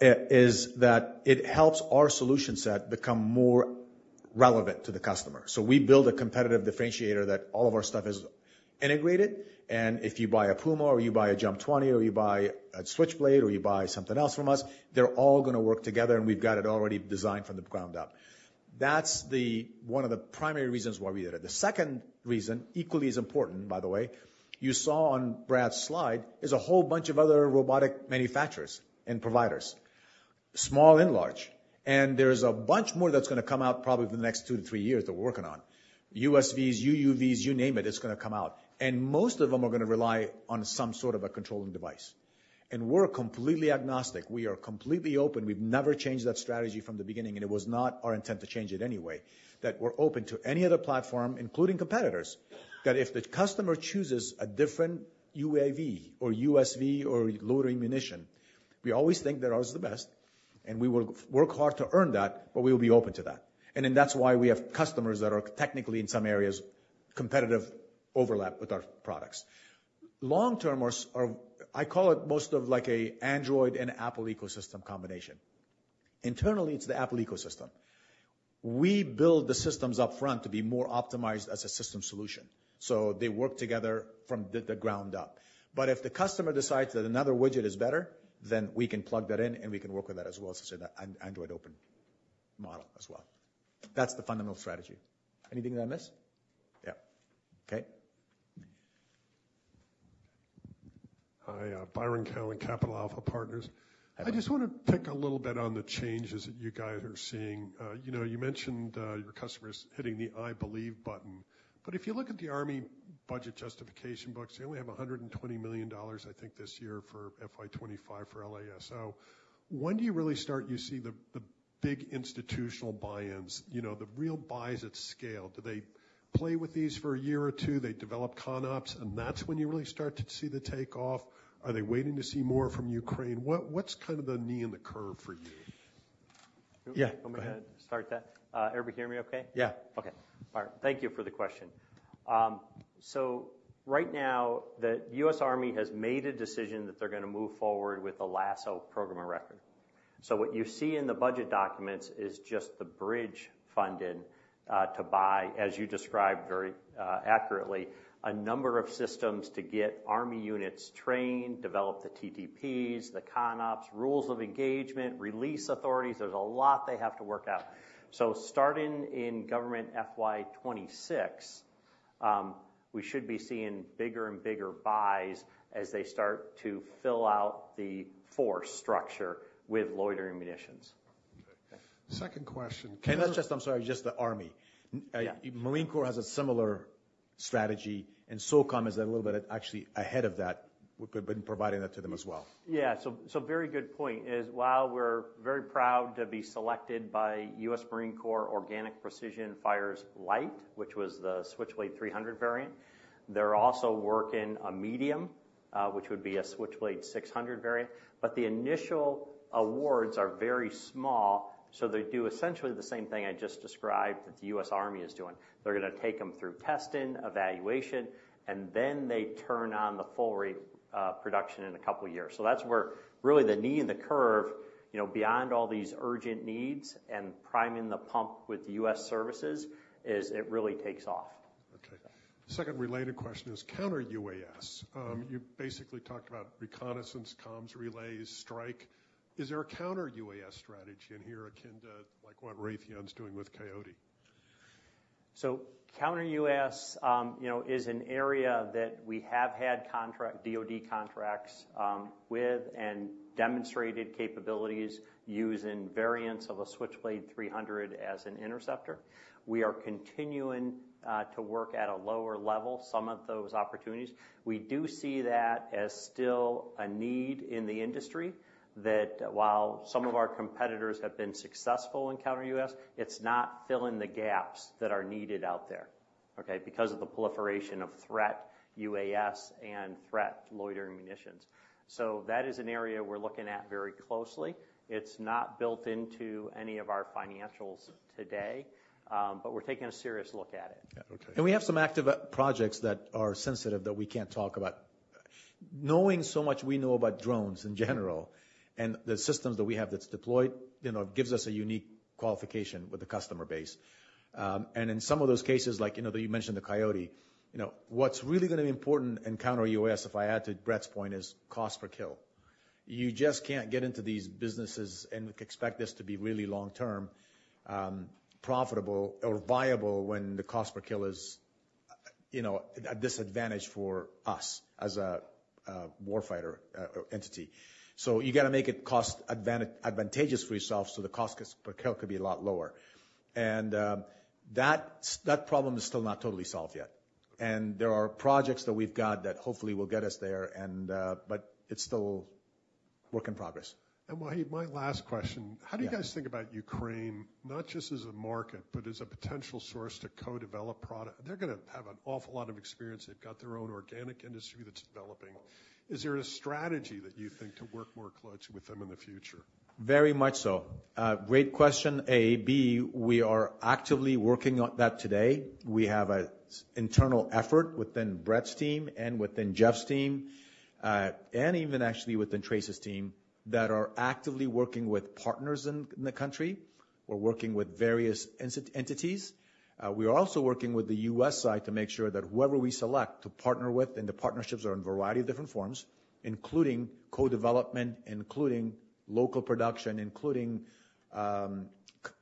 is that it helps our solution set become more relevant to the customer. So we build a competitive differentiator that all of our stuff is integrated, and if you buy a Puma or you buy a JUMP 20, or you buy a Switchblade, or you buy something else from us, they're all gonna work together, and we've got it already designed from the ground up. That's the one of the primary reasons why we did it. The second reason, equally as important, by the way, you saw on Brad's slide, is a whole bunch of other robotic manufacturers and providers, small and large. And there's a bunch more that's gonna come out probably in the next 2 to 3 years that we're working on. USVs, UUVs, you name it, it's gonna come out, and most of them are gonna rely on some sort of a controlling device. And we're completely agnostic. We are completely open. We've never changed that strategy from the beginning, and it was not our intent to change it anyway, that we're open to any other platform, including competitors. That if the customer chooses a different UAV or USV or loitering munition, we always think that ours is the best, and we will work hard to earn that, but we will be open to that. And then that's why we have customers that are technically, in some areas, competitive overlap with our products. Long term, I call it most of like an Android and Apple ecosystem combination. Internally, it's the Apple ecosystem. We build the systems up front to be more optimized as a system solution, so they work together from the ground up. But if the customer decides that another widget is better, then we can plug that in, and we can work with that as well. So an Android open model as well. That's the fundamental strategy. Anything that I missed? Yeah. Okay. Hi, Byron Callan, Capital Alpha Partners. Hi. I just want to pick a little bit on the changes that you guys are seeing. You know, you mentioned your customers hitting the I believe button, but if you look at the Army budget justification books, they only have $120 million, I think, this year for FY 2025 for LASSO. When do you really start to see the big institutional buy-ins, you know, the real buys at scale? Do they play with these for a year or two, they develop ConOps, and that's when you really start to see the takeoff? Are they waiting to see more from Ukraine? What's kind of the knee in the curve for you? Yeah, go ahead. You want me to start that? Everybody hear me okay? Yeah. Okay. All right. Thank you for the question. So right now, the U.S. Army has made a decision that they're gonna move forward with the LASSO program of record. So what you see in the budget documents is just the bridge funding to buy, as you described, very accurately, a number of systems to get Army units trained, develop the TTPs, the ConOps, rules of engagement, release authorities. There's a lot they have to work out. So starting in government FY 2026, we should be seeing bigger and bigger buys as they start to fill out the force structure with loitering munitions. Okay. Second question- That's just, I'm sorry, just the Army. Yeah. Marine Corps has a similar strategy, and SOCOM is a little bit actually ahead of that. We've been providing that to them as well. Yeah, so, so very good point is, while we're very proud to be selected by U.S. Marine Corps Organic Precision Fires-Light, which was the Switchblade 300 variant, they're also working a medium-... which would be a Switchblade 600 variant. But the initial awards are very small, so they do essentially the same thing I just described that the U.S. Army is doing. They're gonna take them through testing, evaluation, and then they turn on the full rate production in a couple of years. So that's where really the knee and the curve, you know, beyond all these urgent needs and priming the pump with the U.S. services, is it really takes off. Okay. Second related question is counter-UAS. You basically talked about reconnaissance, comms, relays, strike. Is there a counter-UAS strategy in here, akin to like what Raytheon's doing with Coyote? So counter-UAS, you know, is an area that we have had DoD contracts with and demonstrated capabilities using variants of a Switchblade 300 as an interceptor. We are continuing to work at a lower level, some of those opportunities. We do see that as still a need in the industry, that while some of our competitors have been successful in counter-UAS, it's not filling the gaps that are needed out there, okay? Because of the proliferation of threat UAS and threat loitering munitions. So that is an area we're looking at very closely. It's not built into any of our financials today, but we're taking a serious look at it. Yeah. Okay. We have some active projects that are sensitive that we can't talk about. Knowing so much we know about drones in general, and the systems that we have that's deployed, you know, gives us a unique qualification with the customer base. And in some of those cases, like, you know, that you mentioned the Coyote, you know, what's really gonna be important in counter-UAS, if I add to Brett's point, is cost per kill. You just can't get into these businesses and expect this to be really long-term, profitable or viable when the cost per kill is, you know, a disadvantage for us as a, a warfighter entity. So you gotta make it cost advantageous for yourself, so the cost per kill could be a lot lower. That problem is still not totally solved yet. There are projects that we've got that hopefully will get us there, and, but it's still work in progress. Wahid, my last question. Yeah. How do you guys think about Ukraine, not just as a market, but as a potential source to co-develop product? They're gonna have an awful lot of experience. They've got their own organic industry that's developing. Is there a strategy that you think to work more closely with them in the future? Very much so. Great question, A.B. We are actively working on that today. We have an internal effort within Brett's team and within Jeff's team, and even actually within Trace's team, that are actively working with partners in the country or working with various entities. We are also working with the U.S. side to make sure that whoever we select to partner with, and the partnerships are in a variety of different forms, including co-development, including local production, including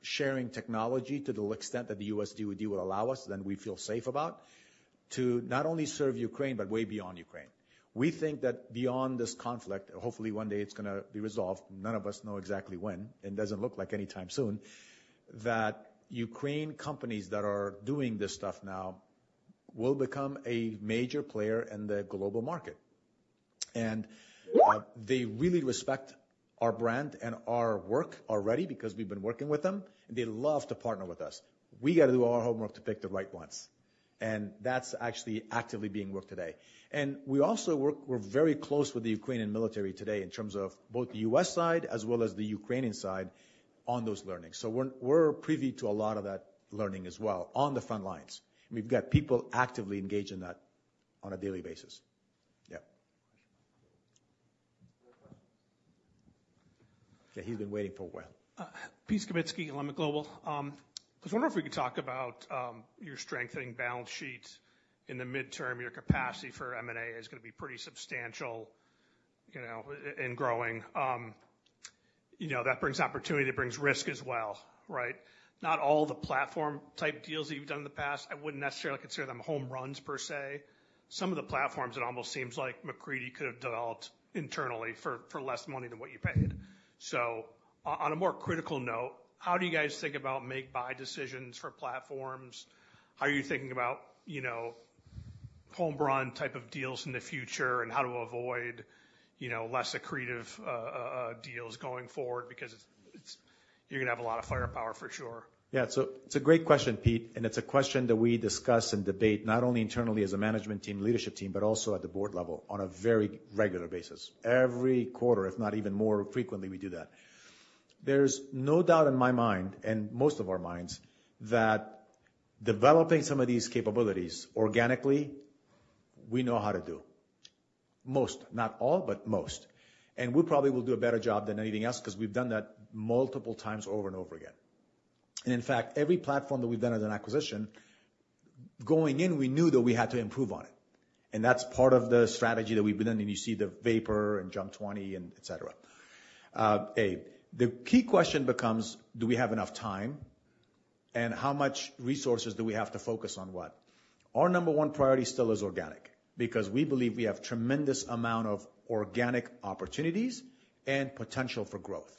sharing technology, to the extent that the U.S. DoD will allow us, then we feel safe about, to not only serve Ukraine, but way beyond Ukraine. We think that beyond this conflict, hopefully one day it's gonna be resolved, none of us know exactly when, it doesn't look like any time soon, that Ukrainian companies that are doing this stuff now will become a major player in the global market. And, they really respect our brand and our work already because we've been working with them, and they love to partner with us. We gotta do our homework to pick the right ones, and that's actually actively being worked today. And we're very close with the Ukrainian military today in terms of both the U.S. side as well as the Ukrainian side on those learnings. So we're privy to a lot of that learning as well on the front lines. We've got people actively engaged in that on a daily basis. Yeah. More questions. Yeah, he's been waiting for a while. Pete Skovronsky, Lazard. I was wondering if we could talk about, your strengthening balance sheet in the midterm. Your capacity for M&A is gonna be pretty substantial, you know, and growing. You know, that brings opportunity, it brings risk as well, right? Not all the platform type deals that you've done in the past, I wouldn't necessarily consider them home runs per se. Some of the platforms, it almost seems like MacCready could have developed internally for less money than what you paid. So on a more critical note, how do you guys think about make, buy decisions for platforms? How are you thinking about, you know, home run type of deals in the future, and how to avoid, you know, less accretive deals going forward? Because it's, you're gonna have a lot of firepower, for sure. Yeah, it's a great question, Pete, and it's a question that we discuss and debate, not only internally as a management team, leadership team, but also at the board level on a very regular basis. Every quarter, if not even more frequently, we do that. There's no doubt in my mind, and most of our minds, that developing some of these capabilities organically, we know how to do. Most, not all, but most. And we probably will do a better job than anything else because we've done that multiple times over and over again. And in fact, every platform that we've done as an acquisition, going in, we knew that we had to improve on it. And that's part of the strategy that we've been in, and you see the VAPOR and JUMP 20 and et cetera. The key question becomes: Do we have enough time? And how much resources do we have to focus on what? Our number one priority still is organic, because we believe we have tremendous amount of organic opportunities and potential for growth.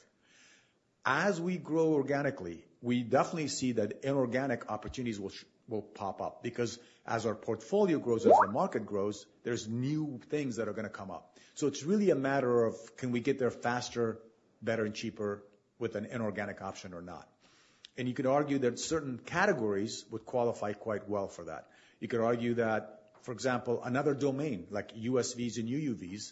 As we grow organically, we definitely see that inorganic opportunities will pop up, because as our portfolio grows, as the market grows, there's new things that are gonna come up. So it's really a matter of, can we get there faster, better, and cheaper with an inorganic option or not? You could argue that certain categories would qualify quite well for that. You could argue that, for example, another domain like USVs and UUVs,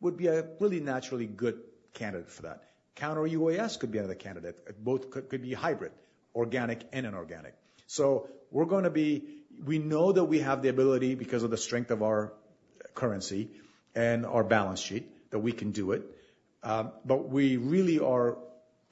would be a really naturally good candidate for that. Counter-UAS could be another candidate. Both could be hybrid, organic and inorganic. So we're gonna be—we know that we have the ability, because of the strength of our currency and our balance sheet, that we can do it. But we really are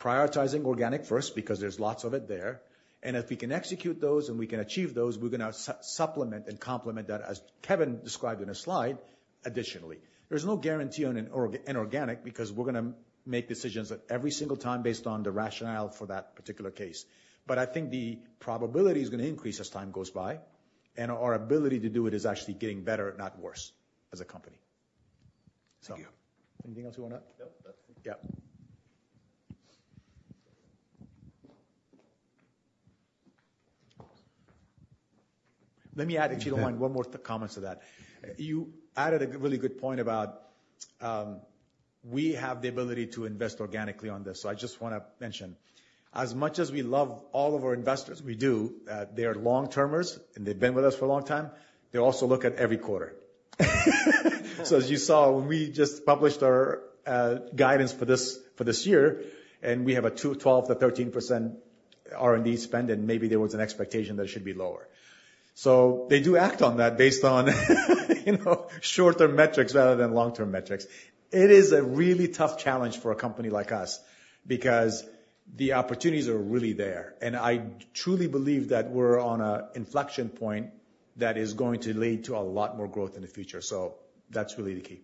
prioritizing organic first, because there's lots of it there. And if we can execute those, and we can achieve those, we're gonna supplement and complement that, as Kevin described in his slide, additionally. There's no guarantee on an inorganic, because we're gonna make decisions at every single time based on the rationale for that particular case. But I think the probability is gonna increase as time goes by, and our ability to do it is actually getting better, not worse, as a company. So- Thank you. Anything else you wanna...? No, that's it. Yeah. Let me add, if you don't mind, one more comment to that. You added a really good point about, we have the ability to invest organically on this. So I just wanna mention, as much as we love all of our investors, we do, they are long-termers, and they've been with us for a long time. They also look at every quarter. So as you saw, we just published our, guidance for this, for this year, and we have a 12%-13% R&D spend, and maybe there was an expectation that it should be lower. So they do act on that based on, you know, short-term metrics rather than long-term metrics. It is a really tough challenge for a company like us, because the opportunities are really there. I truly believe that we're on an inflection point that is going to lead to a lot more growth in the future. That's really the key.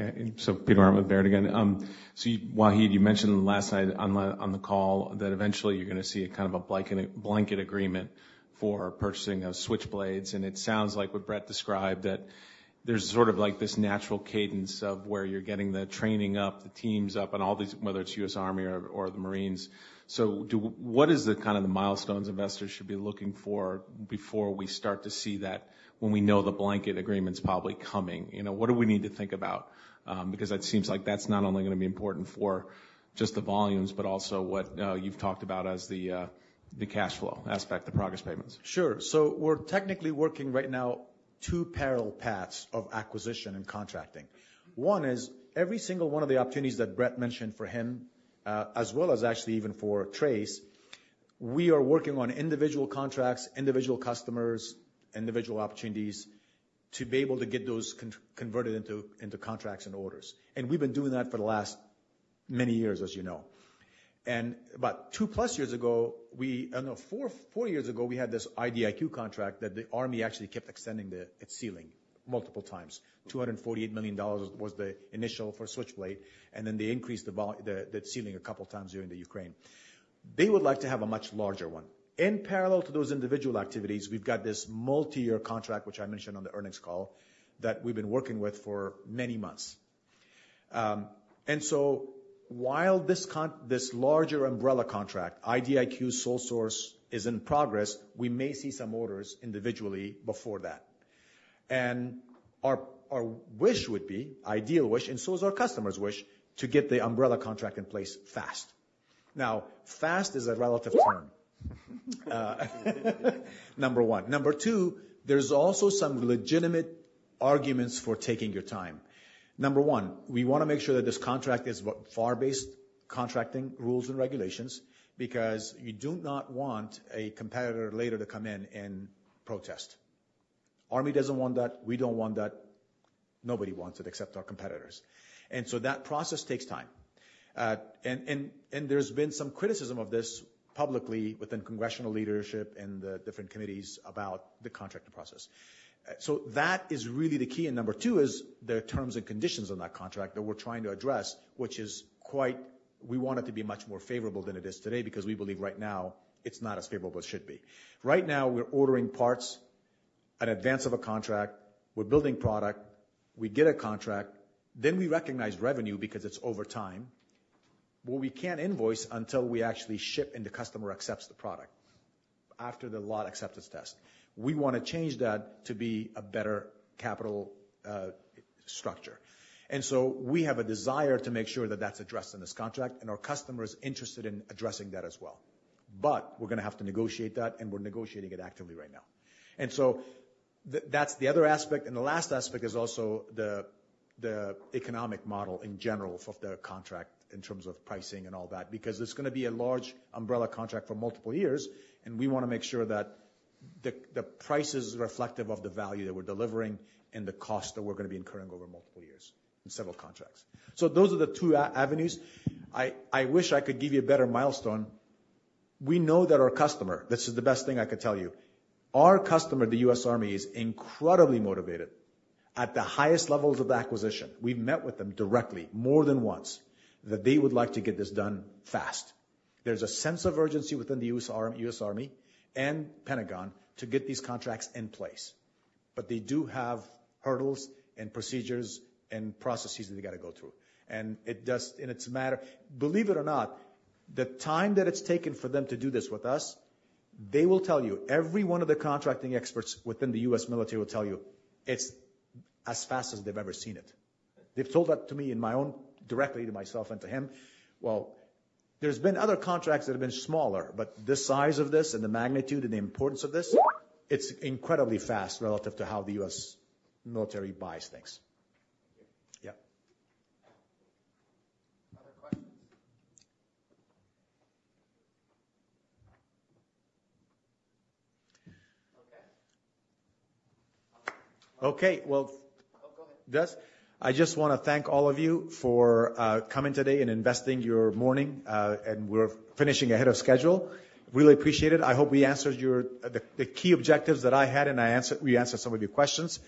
Yeah, and so Peter Arment with Baird again. So Wahid, you mentioned last night on the, on the call that eventually you're gonna see a kind of a blanket agreement for purchasing of Switchblades, and it sounds like what Brett described, that there's sort of like this natural cadence of where you're getting the training up, the teams up, and all these, whether it's U.S. Army or, or the Marines. What is the kind of the milestones investors should be looking for before we start to see that, when we know the blanket agreement's probably coming? You know, what do we need to think about? Because it seems like that's not only gonna be important for just the volumes, but also what you've talked about as the, the cash flow aspect, the progress payments. Sure. So we're technically working right now, two parallel paths of acquisition and contracting. One is, every single one of the opportunities that Brett mentioned for him, as well as actually even for Trace, we are working on individual contracts, individual customers, individual opportunities, to be able to get those converted into contracts and orders. And we've been doing that for the last many years, as you know. And about 2+ years ago, no, 4 years ago, we had this IDIQ contract that the Army actually kept extending its ceiling multiple times. $248 million was the initial for Switchblade, and then they increased the vol- the, that ceiling a couple times during the Ukraine. They would like to have a much larger one. In parallel to those individual activities, we've got this multiyear contract, which I mentioned on the earnings call, that we've been working with for many months. And so while this larger umbrella contract, IDIQ sole source, is in progress, we may see some orders individually before that. And our, our wish would be, ideal wish, and so is our customer's wish, to get the umbrella contract in place fast. Now, fast is a relative term, number one. Number two, there's also some legitimate arguments for taking your time. Number one, we wanna make sure that this contract is FAR-based contracting rules and regulations, because you do not want a competitor later to come in and protest. Army doesn't want that, we don't want that. Nobody wants it, except our competitors. And so that process takes time. And there's been some criticism of this publicly, within congressional leadership and the different committees about the contracting process. So that is really the key. And number two is, there are terms and conditions on that contract that we're trying to address, which is quite... We want it to be much more favorable than it is today, because we believe right now, it's not as favorable as it should be. Right now, we're ordering parts in advance of a contract. We're building product. We get a contract, then we recognize revenue because it's over time. But we can't invoice until we actually ship, and the customer accepts the product after the lot acceptance test. We wanna change that to be a better capital structure. And so we have a desire to make sure that that's addressed in this contract, and our customer is interested in addressing that as well. But we're gonna have to negotiate that, and we're negotiating it actively right now. And so that's the other aspect, and the last aspect is also the economic model in general of the contract in terms of pricing and all that, because it's gonna be a large umbrella contract for multiple years, and we wanna make sure that the price is reflective of the value that we're delivering and the cost that we're gonna be incurring over multiple years in several contracts. So those are the two avenues. I wish I could give you a better milestone. We know that our customer... This is the best thing I could tell you. Our customer, the U.S. Army, is incredibly motivated at the highest levels of acquisition. We've met with them directly, more than once, that they would like to get this done fast. There's a sense of urgency within the U.S. Army and Pentagon to get these contracts in place, but they do have hurdles and procedures and processes that they gotta go through. And it's a matter. Believe it or not, the time that it's taken for them to do this with us, they will tell you, every one of the contracting experts within the U.S. military will tell you, it's as fast as they've ever seen it. They've told that directly to myself and to him. Well, there's been other contracts that have been smaller, but the size of this and the magnitude and the importance of this, it's incredibly fast relative to how the U.S. military buys things. Thank you. Yeah. Other questions? Okay. Okay. Well- Oh, go ahead. Yes. I just wanna thank all of you for coming today and investing your morning, and we're finishing ahead of schedule. Really appreciate it. I hope we answered your... the key objectives that I had, and we answered some of your questions.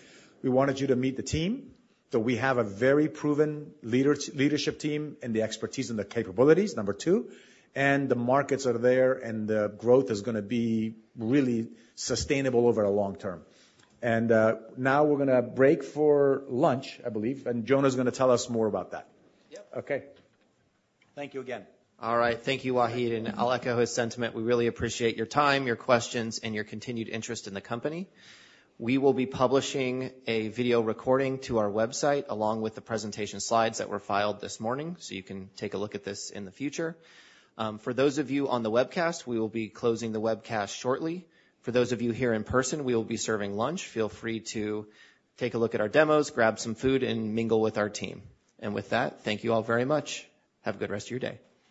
We wanted you to meet the team, that we have a very proven leadership team, and the expertise and the capabilities, number two, and the markets are there, and the growth is gonna be really sustainable over the long term. Now we're gonna break for lunch, I believe, and Jonah is gonna tell us more about that. Yep. Okay. Thank you again. All right. Thank you, Wahid, and I'll echo his sentiment. We really appreciate your time, your questions, and your continued interest in the company. We will be publishing a video recording to our website, along with the presentation slides that were filed this morning, so you can take a look at this in the future. For those of you on the webcast, we will be closing the webcast shortly. For those of you here in person, we will be serving lunch. Feel free to take a look at our demos, grab some food, and mingle with our team. And with that, thank you all very much. Have a good rest of your day.